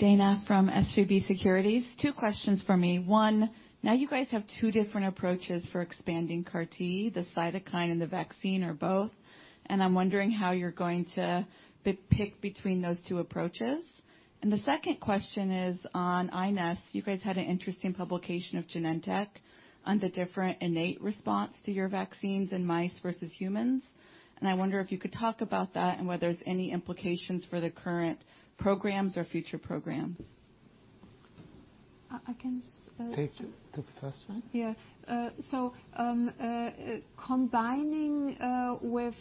Daina from SVB Securities. Two questions from me. One, now you guys have two different approaches for expanding CAR-T, the cytokine and the vaccine, or both, and I'm wondering how you're going to pick between those two approaches. The second question is on iNeST. You guys had an interesting publication of Genentech on the different innate response to your vaccines in mice versus humans, and I wonder if you could talk about that and whether there's any implications for the current programs or future programs. I can s- Take the first one. Yeah, combining with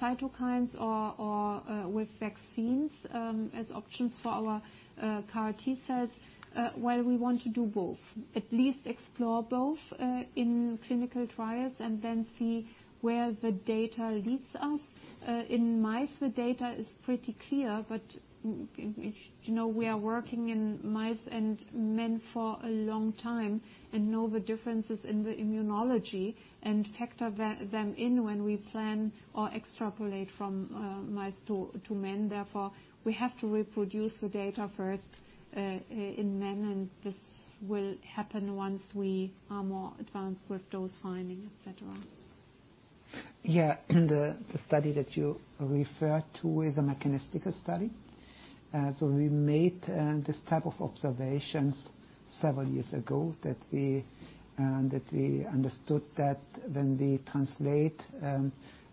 cytokines or with vaccines as options for our CAR-T cells while we want to do both, at least explore both in clinical trials and then see where the data leads us. In mice, the data is pretty clear, but you know, we are working in mice and men for a long time and know the differences in the immunology and factor them in when we plan or extrapolate from mice to men. Therefore, we have to reproduce the data first in men, and this will happen once we are more advanced with those findings, et cetera. Yeah. The study that you refer to is a mechanistic study. We made this type of observations several years ago that we understood that when we translate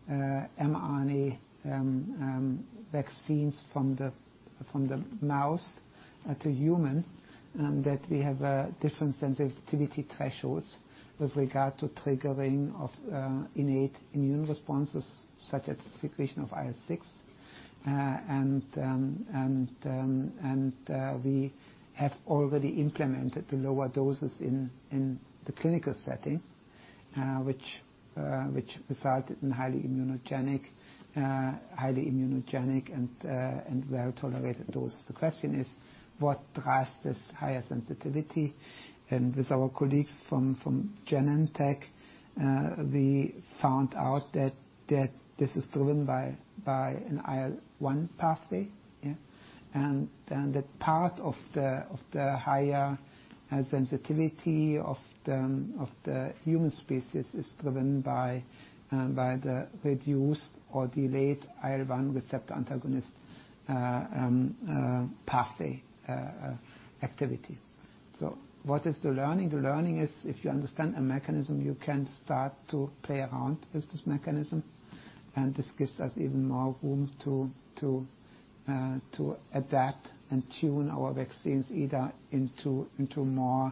mRNA vaccines from the mouse to human that we have different sensitivity thresholds with regard to triggering of innate immune responses such as secretion of IL-6. We have already implemented the lower doses in the clinical setting which resulted in highly immunogenic and well-tolerated dose. The question is what drives this higher sensitivity? With our colleagues from Genentech we found out that this is driven by an IL-1 pathway. Yeah. The part of the higher sensitivity of the human species is driven by the reduced or delayed IL-1 receptor antagonist pathway activity. What is the learning? The learning is if you understand a mechanism, you can start to play around with this mechanism, and this gives us even more room to adapt and tune our vaccines either into more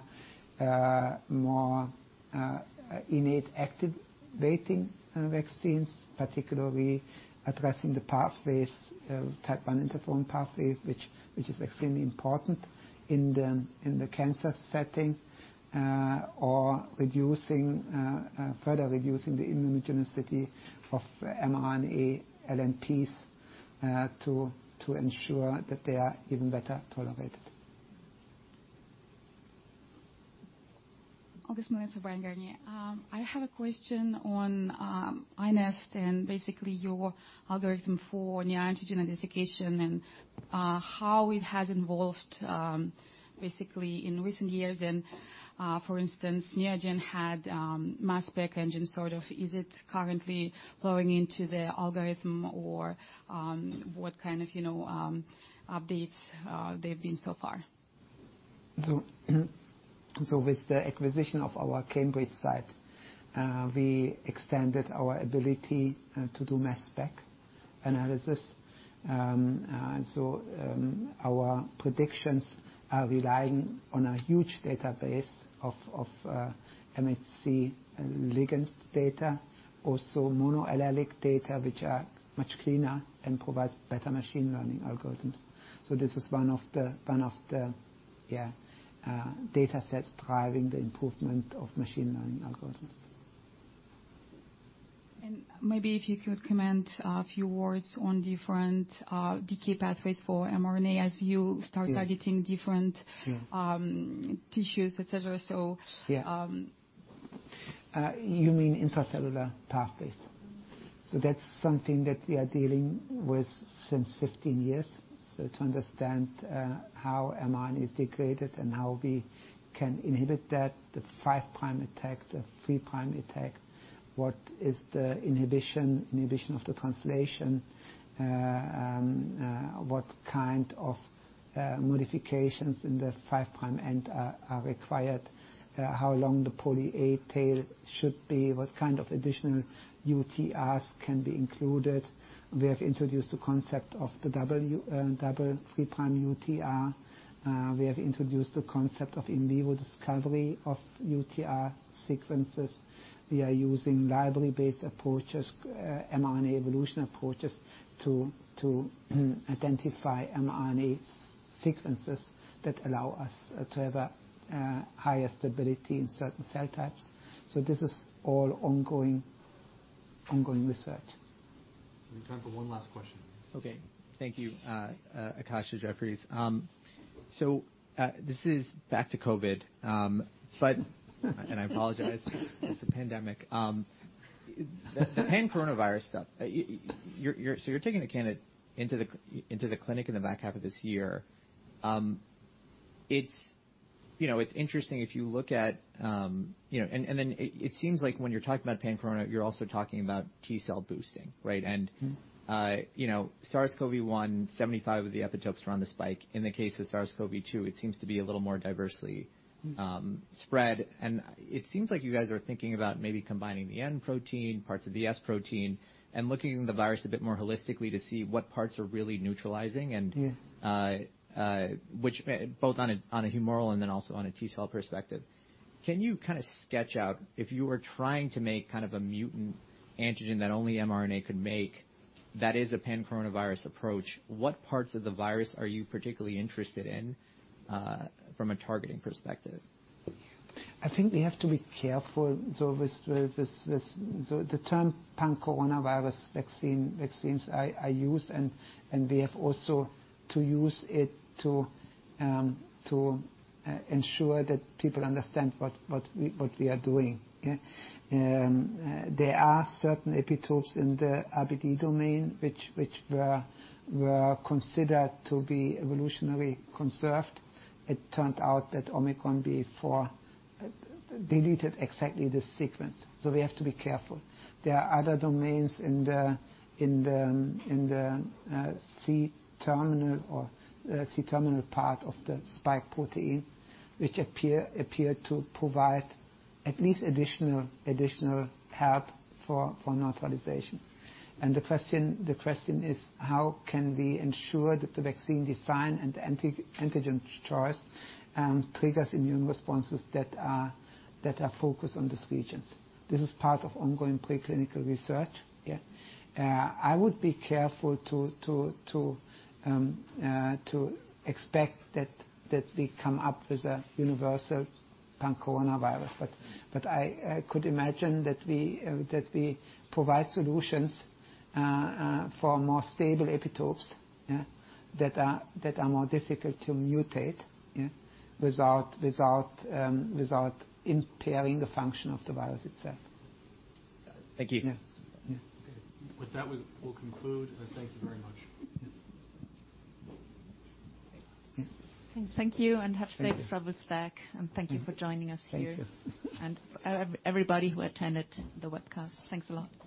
innate activating vaccines, particularly addressing the type I interferon pathway, which is extremely important in the cancer setting, or further reducing the immunogenicity of mRNA LNPs to ensure that they are even better tolerated. August Müller from Bernstein. I have a question on iNeST and basically your algorithm for neoantigen identification and how it has evolved basically in recent years. For instance, Neogen had mass spec engine, sort of. Is it currently flowing into the algorithm or what kind of, you know, updates there've been so far? With the acquisition of our Cambridge site, we extended our ability to do mass spec analysis. Our predictions are relying on a huge database of MHC ligand data, also monoallelic data, which are much cleaner and provides better machine learning algorithms. This is one of the datasets driving the improvement of machine learning algorithms. Maybe if you could comment a few words on different decay pathways for mRNA as you start targeting different... Yeah. ...tissues, et cetera. Yeah. You mean intracellular pathways? That's something that we are dealing with since 15 years. To understand how mRNA is degraded and how we can inhibit that, the 5-prime attack, the 3-prime attack, what is the inhibition of the translation, what kind of modifications in the 5-prime end are required, how long the poly-A tail should be, what kind of additional UTRs can be included. We have introduced the concept of the double 3-prime UTR. We have introduced the concept of in vivo discovery of UTR sequences. We are using library-based approaches, mRNA evolution approaches to identify mRNA sequences that allow us to have a higher stability in certain cell types. This is all ongoing research. We have time for one last question. Okay. Thank you, Akash from Jefferies. This is back to COVID. I apologize. It's the pandemic. The pan-coronavirus stuff, you're taking a candidate into the clinic in the back half of this year. It's, you know, it's interesting if you look at, you know- then it seems like when you're talking about pan-corona, you're also talking about T cell boosting, right? You know, SARS-CoV-1, 75 of the epitopes were on the spike. In the case of SARS-CoV-2, it seems to be a little more diversely spread. It seems like you guys are thinking about maybe combining the N-protein, parts of the S-protein, and looking at the virus a bit more holistically to see what parts are really neutralizing and... Yeah. ...both on a humoral and then also on a T cell perspective. Can you kind of sketch out if you were trying to make kind of a mutant antigen that only mRNA could make, that is a pan-coronavirus approach, what parts of the virus are you particularly interested in, from a targeting perspective? I think we have to be careful though. The term pan-coronavirus vaccine I use, and we have also to use it to ensure that people understand what we are doing, yeah? There are certain epitopes in the RBD domain which were considered to be evolutionarily conserved. It turned out that Omicron BA.4 deleted exactly this sequence. We have to be careful. There are other domains in the C-terminal part of the spike protein, which appear to provide at least additional help for neutralization. The question is, how can we ensure that the vaccine design and antigen choice triggers immune responses that are focused on these regions? This is part of ongoing preclinical research, yeah. I would be careful to expect that we come up with a universal pan-coronavirus. I could imagine that we provide solutions for more stable epitopes, yeah? That are more difficult to mutate, yeah, without impairing the function of the virus itself. Thank you. Yeah. Yeah. Okay. With that, we'll conclude. Thank you very much. Yeah. Thank you, and have safe travel back, and thank you for joining us here. Thank you. Everybody who attended the webcast, thanks a lot.